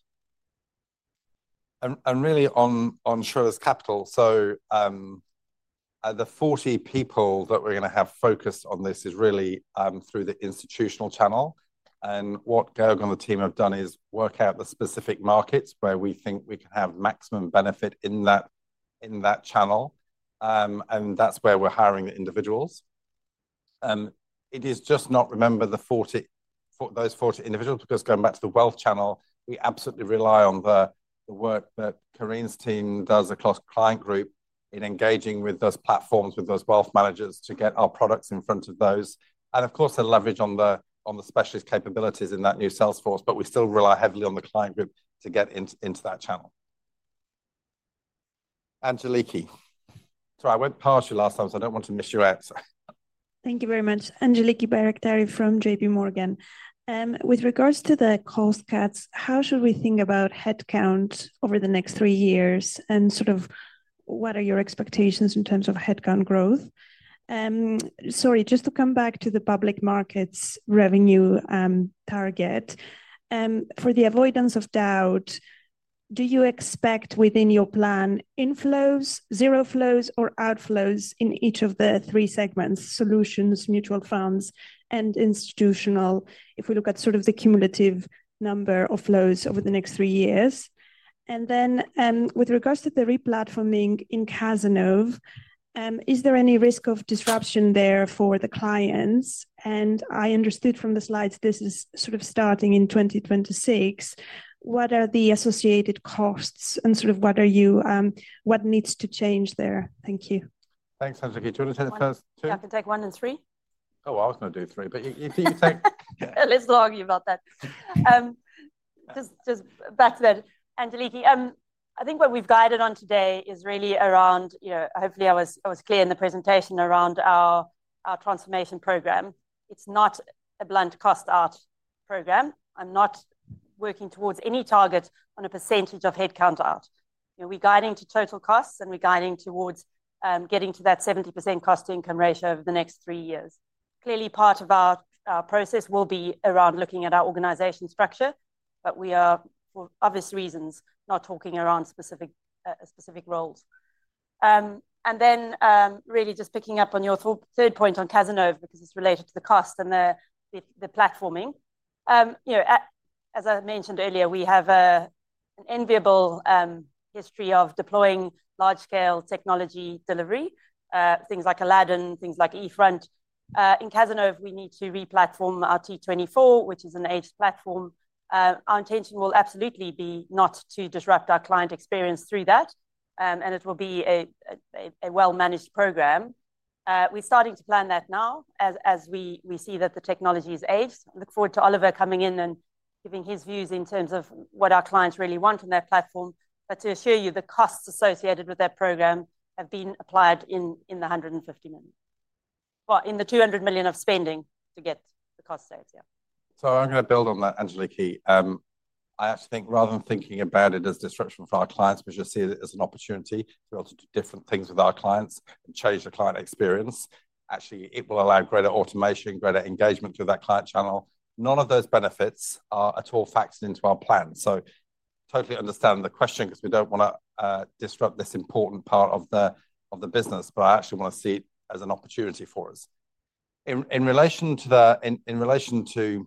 And really on Schroders Capital, so the 40 people that we're going to have focused on this is really through the Institutional channel. And what Georg and the team have done is work out the specific markets where we think we can have maximum benefit in that channel. And that's where we're hiring the individuals. It is just not, remember, those 40 individuals, because going back to the Wealth channel, we absolutely rely on the work that Karine's team does across Client Group in engaging with those platforms, with those Wealth managers to get our products in front of those. And of course, the leverage on the specialist capabilities in that new Salesforce, but we still rely heavily on the Client Group to get into that channel. Angeliki. Sorry, I went past you last time, so I don't want to miss you out. Thank you very much. Angeliki Bairaktari from JPMorgan. With regards to the cost cuts, how should we think about headcount over the next three years and sort of what are your expectations in terms of headcount growth? Sorry, just to come back to the Public Markets revenue target. For the avoidance of doubt, do you expect within your plan inflows, zero flows, or outflows in each of the three segments, Solutions, Mutual Funds, and Institutional, if we look at sort of the cumulative number of flows over the next three years? And then with regards to the replatforming in Cazenove, is there any risk of disruption there for the clients? And I understood from the slides this is sort of starting in 2026. What are the associated costs and sort of what needs to change there? Thank you. Thanks, Angeliki. Do you want to take the first two? I can take one and three. Oh, I was going to do three, but you take. Let's not argue about that. Just back to that, Angeliki. I think what we've guided on today is really around, hopefully, I was clear in the presentation around our transformation program. It's not a blunt cost cut program. I'm not working towards any target on a percentage of headcount cut. We're guiding to total costs, and we're guiding towards getting to that 70% cost-to-income ratio over the next three years. Clearly, part of our process will be around looking at our organizational structure, but we are, for obvious reasons, not talking around specific roles. And then really just picking up on your third point on Cazenove, because it's related to the cost and the platforming. As I mentioned earlier, we have an enviable history of deploying large-scale technology delivery, things like Aladdin, things like eFront. In Cazenove, we need to replatform our T24, which is an aged platform. Our intention will absolutely be not to disrupt our client experience through that, and it will be a well-managed program. We're starting to plan that now as we see that the technology has aged. I look forward to Oliver coming in and giving his views in terms of what our clients really want in their platform. But to assure you, the costs associated with that program have been applied in the 150 million, well, in the 200 million of spending to get the cost saved, yeah. So I'm going to build on that, Angeliki. I actually think rather than thinking about it as disruption for our clients, we should see it as an opportunity to be able to do different things with our clients and change the client experience. Actually, it will allow greater automation, greater engagement through that client channel. None of those benefits are at all factored into our plan, so totally understand the question because we don't want to disrupt this important part of the business, but I actually want to see it as an opportunity for us. In relation to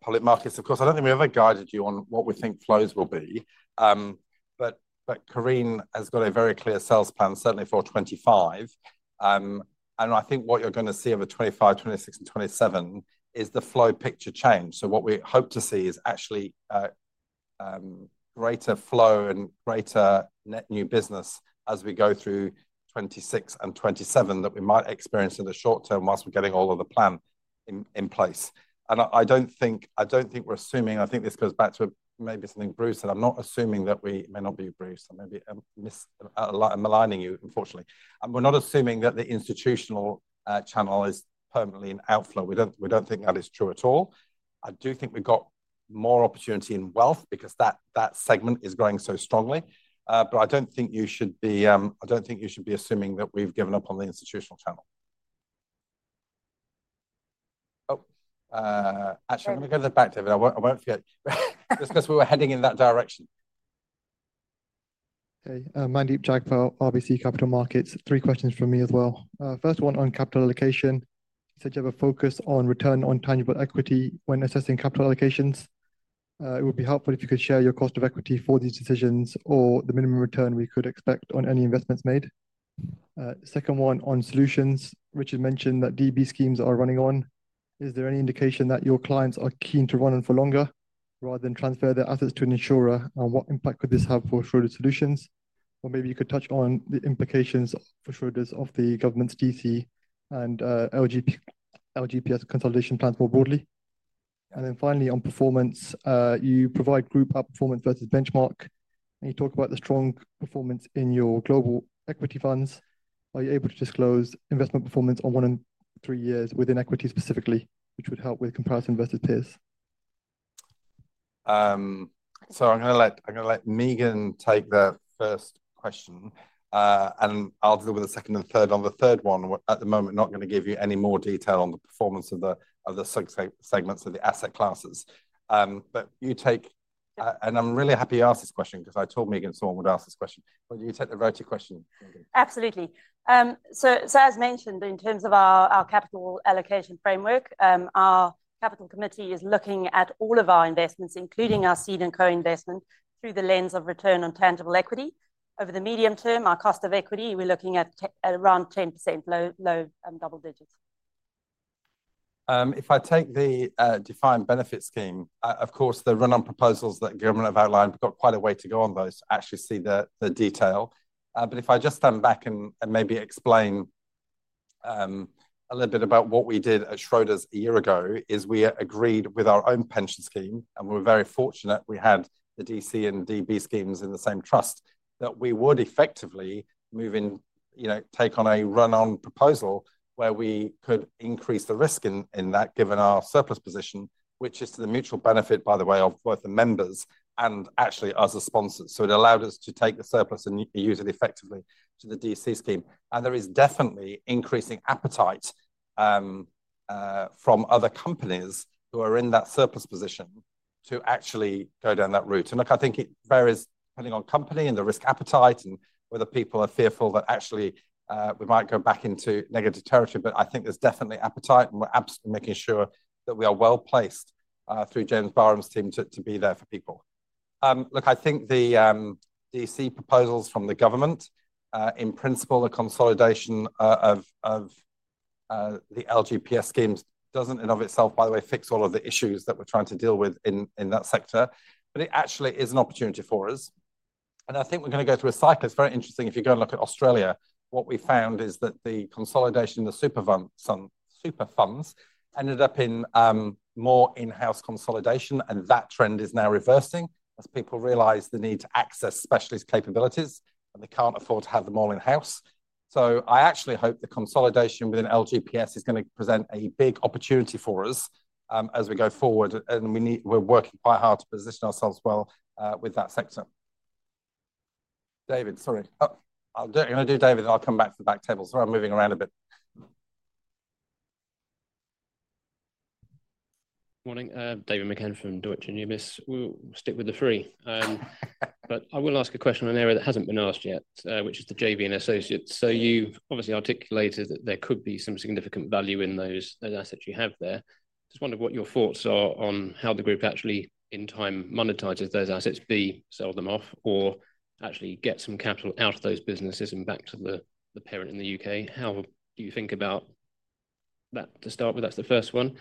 Public Markets, of course, I don't think we ever guided you on what we think flows will be, but Karine has got a very clear sales plan, certainly for 2025, and I think what you're going to see over 2025, 2026, and 2027 is the flow picture change. What we hope to see is actually greater flow and greater net new business as we go through 2026 and 2027 that we might experience in the short term while we're getting all of the plan in place. I don't think we're assuming, and I think this goes back to maybe something Bruce said. I'm not assuming that we may not be, Bruce. I may be maligning you, unfortunately. We're not assuming that the Institutional channel is permanently in outflow. We don't think that is true at all. I do think we've got more opportunity in Wealth because that segment is growing so strongly. I don't think you should be assuming that we've given up on the Institutional channel. Oh, actually, I'm going to go to the back table. I won't forget, just because we were heading in that direction. Hey, Mandeep Jagpal, RBC Capital Markets. Three questions from me as well. First one on capital allocation. You said you have a focus on return on tangible equity when assessing capital allocations. It would be helpful if you could share your cost of equity for these decisions or the minimum return we could expect on any investments made. Second one on Solutions. Richard mentioned that DB schemes are running on. Is there any indication that your clients are keen to run on for longer rather than transfer their assets to an insurer? And what impact could this have for Schroders Solutions? Or maybe you could touch on the implications for Schroders of the government's DC and LGPS consolidation plan more broadly. And then finally, on performance, you provide group performance versus benchmark. And you talk about the strong performance in your global equity funds. Are you able to disclose investment performance on one in three years within equity specifically, which would help with comparison versus peers? So I'm going to let Meagen take the first question, and I'll deal with the second and third. On the third one, at the moment, I'm not going to give you any more detail on the performance of the sub-segments of the asset classes. But you take—and I'm really happy you asked this question because I told Meagen someone would ask this question. But you take the question. Absolutely. So as mentioned, in terms of our capital allocation framework, our capital committee is looking at all of our investments, including our seed and co-investment, through the lens of return on tangible equity. Over the medium term, our cost of equity, we're looking at around 10% low double digits. If I take the defined benefit scheme, of course, the run-on proposals that government have outlined. We've got quite a way to go on those to actually see the detail. But if I just stand back and maybe explain a little bit about what we did at Schroders a year ago, is we agreed with our own Pension scheme, and we were very fortunate we had the DC and DB schemes in the same trust that we would effectively move in, take on a run-on proposal where we could increase the risk in that, given our surplus position, which is to the mutual benefit, by the way, of both the members and actually us as sponsors. So it allowed us to take the surplus and use it effectively to the DC scheme. There is definitely increasing appetite from other companies who are in that surplus position to actually go down that route. Look, I think it varies depending on company and the risk appetite and whether people are fearful that actually we might go back into negative territory. I think there's definitely appetite, and we're absolutely making sure that we are well placed through James Barham's team to be there for people. Look, I think the DC proposals from the government, in principle, the consolidation of the LGPS schemes doesn't in and of itself, by the way, fix all of the issues that we're trying to deal with in that sector. It actually is an opportunity for us. I think we're going to go through a cycle. It's very interesting. If you go and look at Australia, what we found is that the consolidation in the super funds ended up in more in-house consolidation, and that trend is now reversing as people realize the need to access specialist capabilities, and they can't afford to have them all in-house. So I actually hope the consolidation within LGPS is going to present a big opportunity for us as we go forward, and we're working quite hard to position ourselves well with that sector. David, sorry. I'll do it. I'm going to do David, and I'll come back to the back table. Sorry, I'm moving around a bit. Morning. David McCann from Deutsche Numis. We'll stick with the three. But I will ask a question on an area that hasn't been asked yet, which is the JV and associates. So you've obviously articulated that there could be some significant value in those assets you have there. Just wonder what your thoughts are on how the group actually, in time, monetizes those assets, be sold them off, or actually get some capital out of those businesses and back to the parent in the U.K. How do you think about that to start with? That's the first one.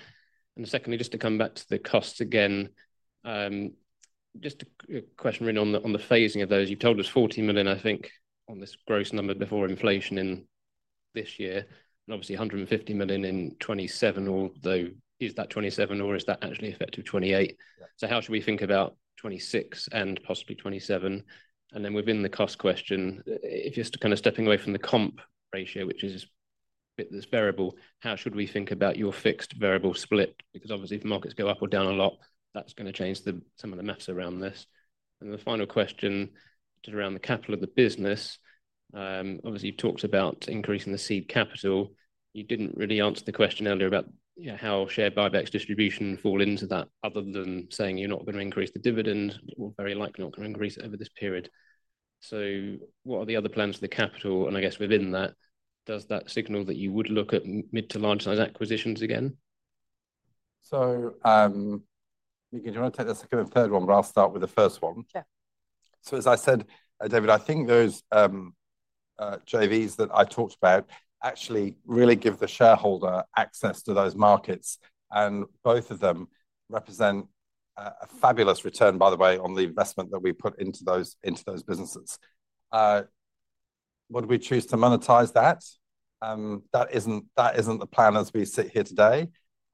And secondly, just to come back to the costs again, just a question really on the phasing of those. You've told us 40 million, I think, on this gross number before inflation in this year, and obviously 150 million in 2027, although is that 2027, or is that actually effective 2028? So how should we think about 2026 and possibly 2027? And then within the cost question, if you're kind of stepping away from the comp ratio, which is a bit this variable, how should we think about your fixed variable split? Because obviously, if markets go up or down a lot, that's going to change some of the math around this. And the final question just around the capital of the business. Obviously, you've talked about increasing the seed capital. You didn't really answer the question earlier about how share buybacks distribution fall into that, other than saying you're not going to increase the dividend or very likely not going to increase it over this period. So what are the other plans for the capital? And I guess within that, does that signal that you would look at mid- to large-size acquisitions again? Meagen, do you want to take the second and third one, but I'll start with the first one? Yeah. So as I said, David, I think those JVs that I talked about actually really give the shareholder access to those markets, and both of them represent a fabulous return, by the way, on the investment that we put into those businesses. Would we choose to monetize that? That isn't the plan as we sit here today.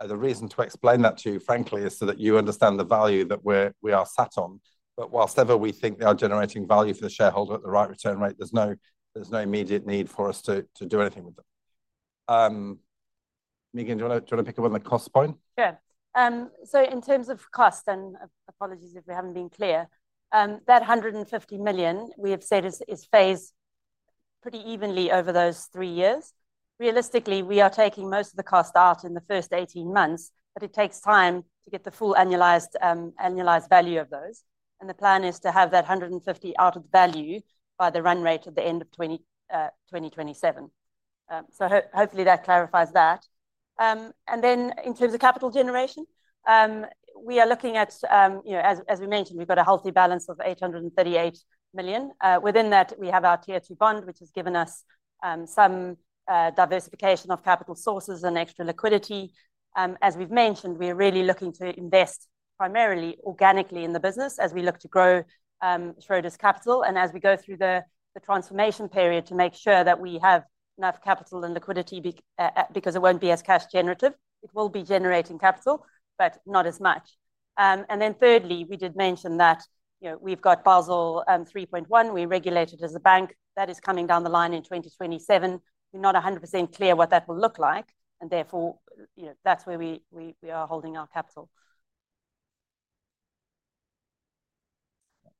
The reason to explain that to you, frankly, is so that you understand the value that we are sat on. But whilst ever we think they are generating value for the shareholder at the right return rate, there's no immediate need for us to do anything with them. Meagen, do you want to pick up on the cost point? Sure. In terms of cost, and apologies if we haven't been clear, that 150 million we have said is phased pretty evenly over those three years. Realistically, we are taking most of the cost out in the first 18 months, but it takes time to get the full annualized value of those. The plan is to have that 150 out of the value by the run rate at the end of 2027. Hopefully that clarifies that. In terms of capital generation, we are looking at, as we mentioned, we've got a healthy balance of 838 million. Within that, we have our Tier 2 bond, which has given us some diversification of capital sources and extra liquidity. As we've mentioned, we are really looking to invest primarily organically in the business as we look to grow Schroders Capital. And as we go through the transformation period to make sure that we have enough capital and liquidity, because it won't be as cash generative, it will be generating capital, but not as much. And then thirdly, we did mention that we've got Basel 3.1. We're regulated as a bank that is coming down the line in 2027. We're not 100% clear what that will look like, and therefore that's where we are holding our capital.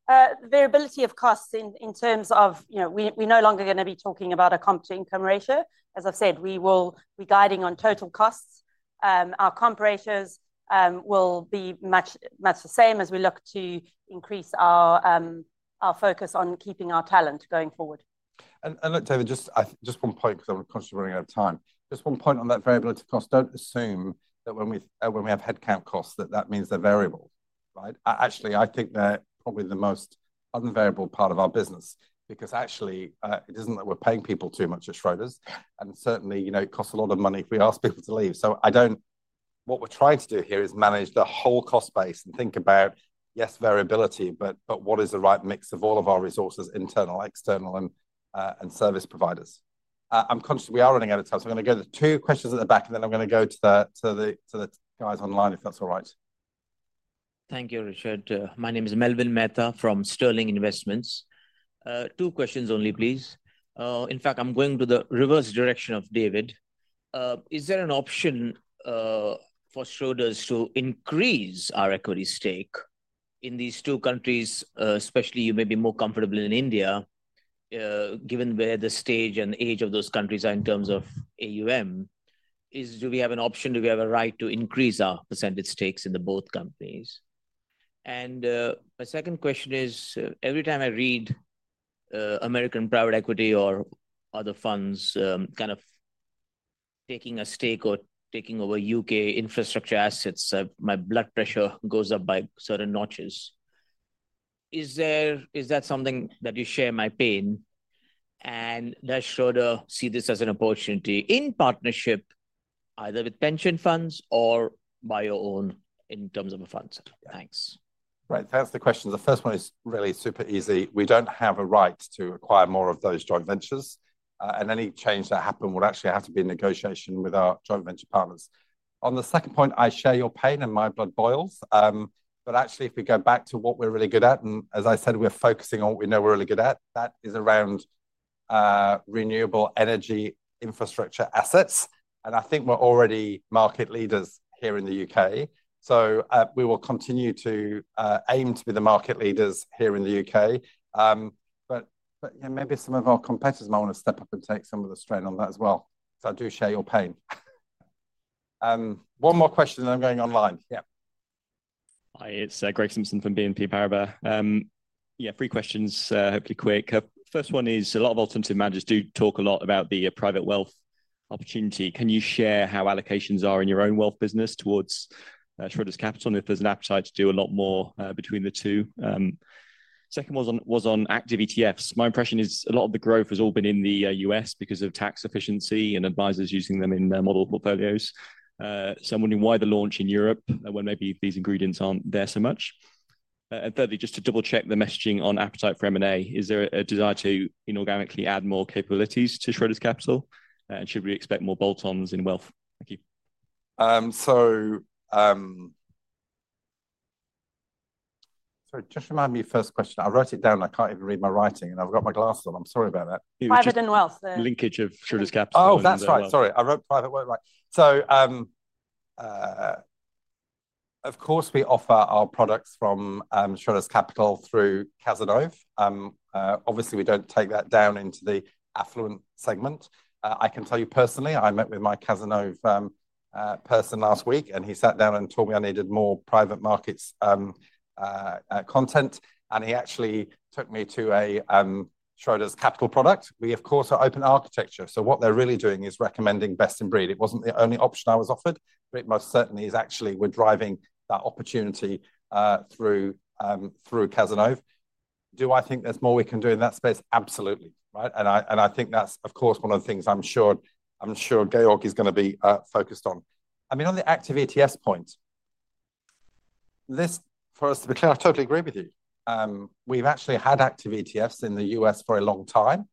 The variability of costs in terms of we're no longer going to be talking about a cost-income ratio. As I've said, we're guiding on total costs. Our cost-income ratios will be much the same as we look to increase our focus on keeping our talent going forward. And look, David, just one point, because I'm consciously running out of time. Just one point on that variability cost. Don't assume that when we have headcount costs, that that means they're variable. Actually, I think they're probably the most invariable part of our business, because actually it isn't that we're paying people too much at Schroders. And certainly, it costs a lot of money if we ask people to leave. So what we're trying to do here is manage the whole cost base and think about, yes, variability, but what is the right mix of all of our resources, internal, external, and service providers? I'm conscious we are running out of time, so I'm going to go to two questions at the back, and then I'm going to go to the guys online, if that's all right. Thank you, Richard. My name is Melwin Mehta from Sterling Investment. Two questions only, please. In fact, I'm going to the reverse direction of David. Is there an option for Schroders to increase our equity stake in these two countries, especially you may be more comfortable in India, given where the stage and age of those countries are in terms of AUM? Do we have an option? Do we have a right to increase our percentage stakes in both companies? And my second question is, every time I read American private equity or other funds kind of taking a stake or taking over U.K. Infrastructure assets, my blood pressure goes up by certain notches. Is that something that you share my pain? And does Schroders see this as an opportunity in partnership, either with pension funds or by your own in terms of a fund? Thanks. Right, that's the question. The first one is really super easy. We don't have a right to acquire more of those joint ventures, and any change that happened would actually have to be in negotiation with our joint venture partners. On the second point, I share your pain, and my blood boils, but actually, if we go back to what we're really good at, and as I said, we're focusing on what we know we're really good at, that is around renewable energy infrastructure assets, and I think we're already market leaders here in the U.K., so we will continue to aim to be the market leaders here in the U.K., but maybe some of our competitors might want to step up and take some of the strain on that as well, so I do share your pain. One more question, and I'm going online. Yeah. Hi, it's Greg Simpson from BNP Paribas. Yeah, three questions, hopefully quick. First one is a lot of alternative managers do talk a lot about the private wealth opportunity. Can you share how allocations are in your own Wealth business towards Schroders Capital and if there's an appetite to do a lot more between the two? Second one was on active ETFs. My impression is a lot of the growth has all been in the U.S. because of tax efficiency and advisors using them in their model portfolios. So I'm wondering why the launch in Europe when maybe these ingredients aren't there so much. And thirdly, just to double-check the messaging on appetite for M&A, is there a desire to inorganically add more capabilities to Schroders Capital? And should we expect more bolt-ons in Wealth? Thank you. So just remind me of your first question. I wrote it down. I can't even read my writing, and I've got my glasses on. I'm sorry about that. Private and Wealth. Linkage of Schroders Capital. Oh, that's right. Sorry, I wrote Private Wealth. Right. So of course, we offer our products from Schroders Capital through Cazenove. Obviously, we don't take that down into the affluent segment. I can tell you personally, I met with my Cazenove person last week, and he sat down and told me I needed more Private Markets content. And he actually took me to a Schroders Capital product. We, of course, are open architecture. So what they're really doing is recommending best in breed. It wasn't the only option I was offered, but it most certainly is actually we're driving that opportunity through Cazenove. Do I think there's more we can do in that space? Absolutely. And I think that's, of course, one of the things I'm sure Georg is going to be focused on. I mean, on the active ETF point, this for us to be clear, I totally agree with you. We've actually had active ETFs in the U.S. for a long time.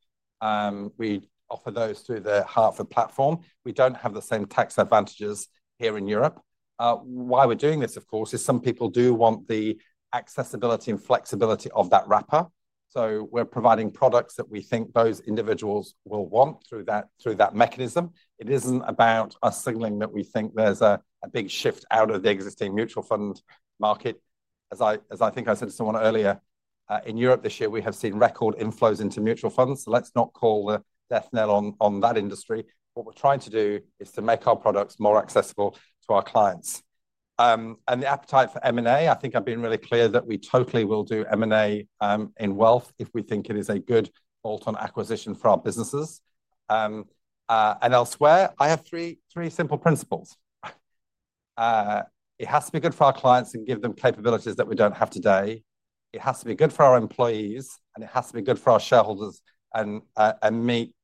We offer those through the Hartford platform. We don't have the same tax advantages here in Europe. Why we're doing this, of course, is some people do want the accessibility and flexibility of that wrapper. So we're providing products that we think those individuals will want through that mechanism. It isn't about us signaling that we think there's a big shift out of the existing Mutual Fund market. As I think I said to someone earlier, in Europe this year, we have seen record inflows into Mutual Funds. So let's not call the death knell on that industry. What we're trying to do is to make our products more accessible to our clients. The appetite for M&A, I think I've been really clear that we totally will do M&A in Wealth if we think it is a good bolt-on acquisition for our businesses. Elsewhere, I have three simple principles. It has to be good for our clients and give them capabilities that we don't have today. It has to be good for our employees, and it has to be good for our shareholders and meet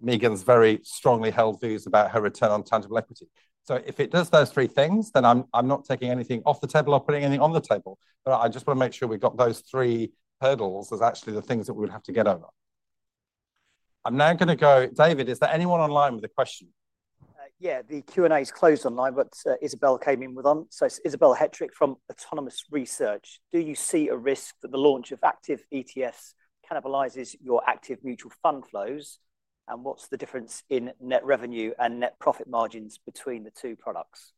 Meagen's very strongly held views about her return on tangible equity. If it does those three things, then I'm not taking anything off the table or putting anything on the table. I just want to make sure we've got those three hurdles as actually the things that we would have to get over. I'm now going to go, David. Is there anyone online with a question? Yeah, the Q&A is closed online, but Isobel came in with one. So Isobel Hettrick from Autonomous Research, do you see a risk that the launch of active ETFs cannibalizes your active Mutual Fund flows? And what's the difference in net revenue and net profit margins between the two products?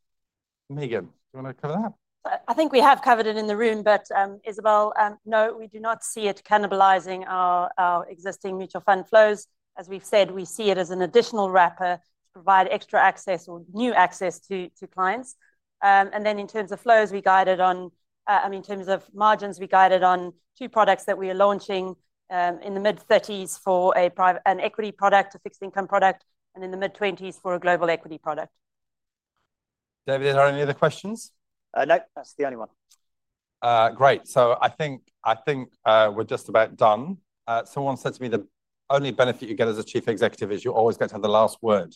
Meagen, do you want to cover that? I think we have covered it in the room, but Isobel, no, we do not see it cannibalizing our existing Mutual Fund flows. As we've said, we see it as an additional wrapper to provide extra access or new access to clients. And then in terms of flows, we guided on, I mean, in terms of margins, we guided on two products that we are launching in the mid-30s for an equity product, a fixed income product, and in the mid-20s for a global equity product. David, are there any other questions? No, that's the only one. Great. So I think we're just about done. Someone said to me the only benefit you get as a chief executive is you're always going to have the last word.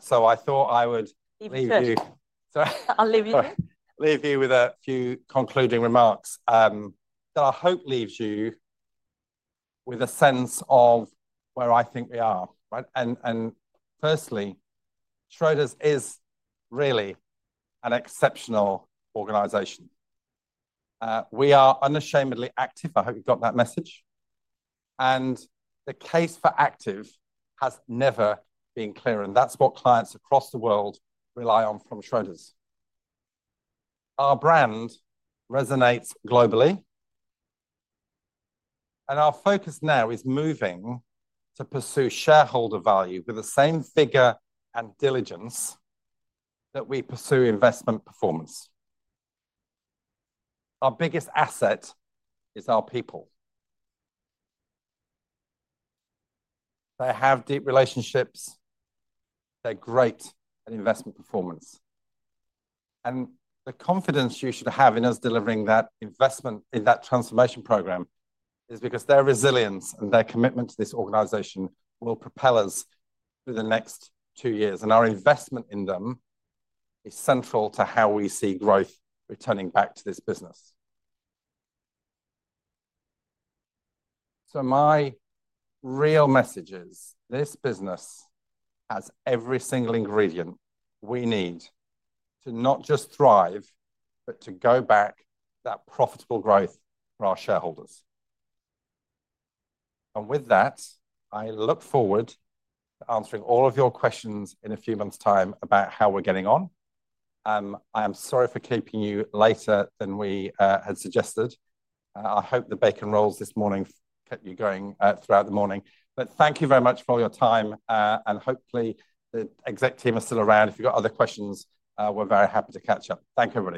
So I thought I would leave you. Sorry. I'll leave you. Leave you with a few concluding remarks that I hope leaves you with a sense of where I think we are. And firstly, Schroders is really an exceptional organization. We are unashamedly active. I hope you got that message. And the case for active has never been clearer. And that's what clients across the world rely on from Schroders. Our brand resonates globally. And our focus now is moving to pursue shareholder value with the same fervor and diligence that we pursue investment performance. Our biggest asset is our people. They have deep relationships. They're great at investment performance. And the confidence you should have in us delivering that investment in that transformation program is because their resilience and their commitment to this organization will propel us through the next two years. And our investment in them is central to how we see growth returning back to this business. So my real message is this business has every single ingredient we need to not just thrive, but to go back that profitable growth for our shareholders. And with that, I look forward to answering all of your questions in a few months' time about how we're getting on. I am sorry for keeping you later than we had suggested. I hope the bacon rolls this morning kept you going throughout the morning. But thank you very much for all your time. And hopefully the exec team are still around. If you've got other questions, we're very happy to catch up. Thank you everyone.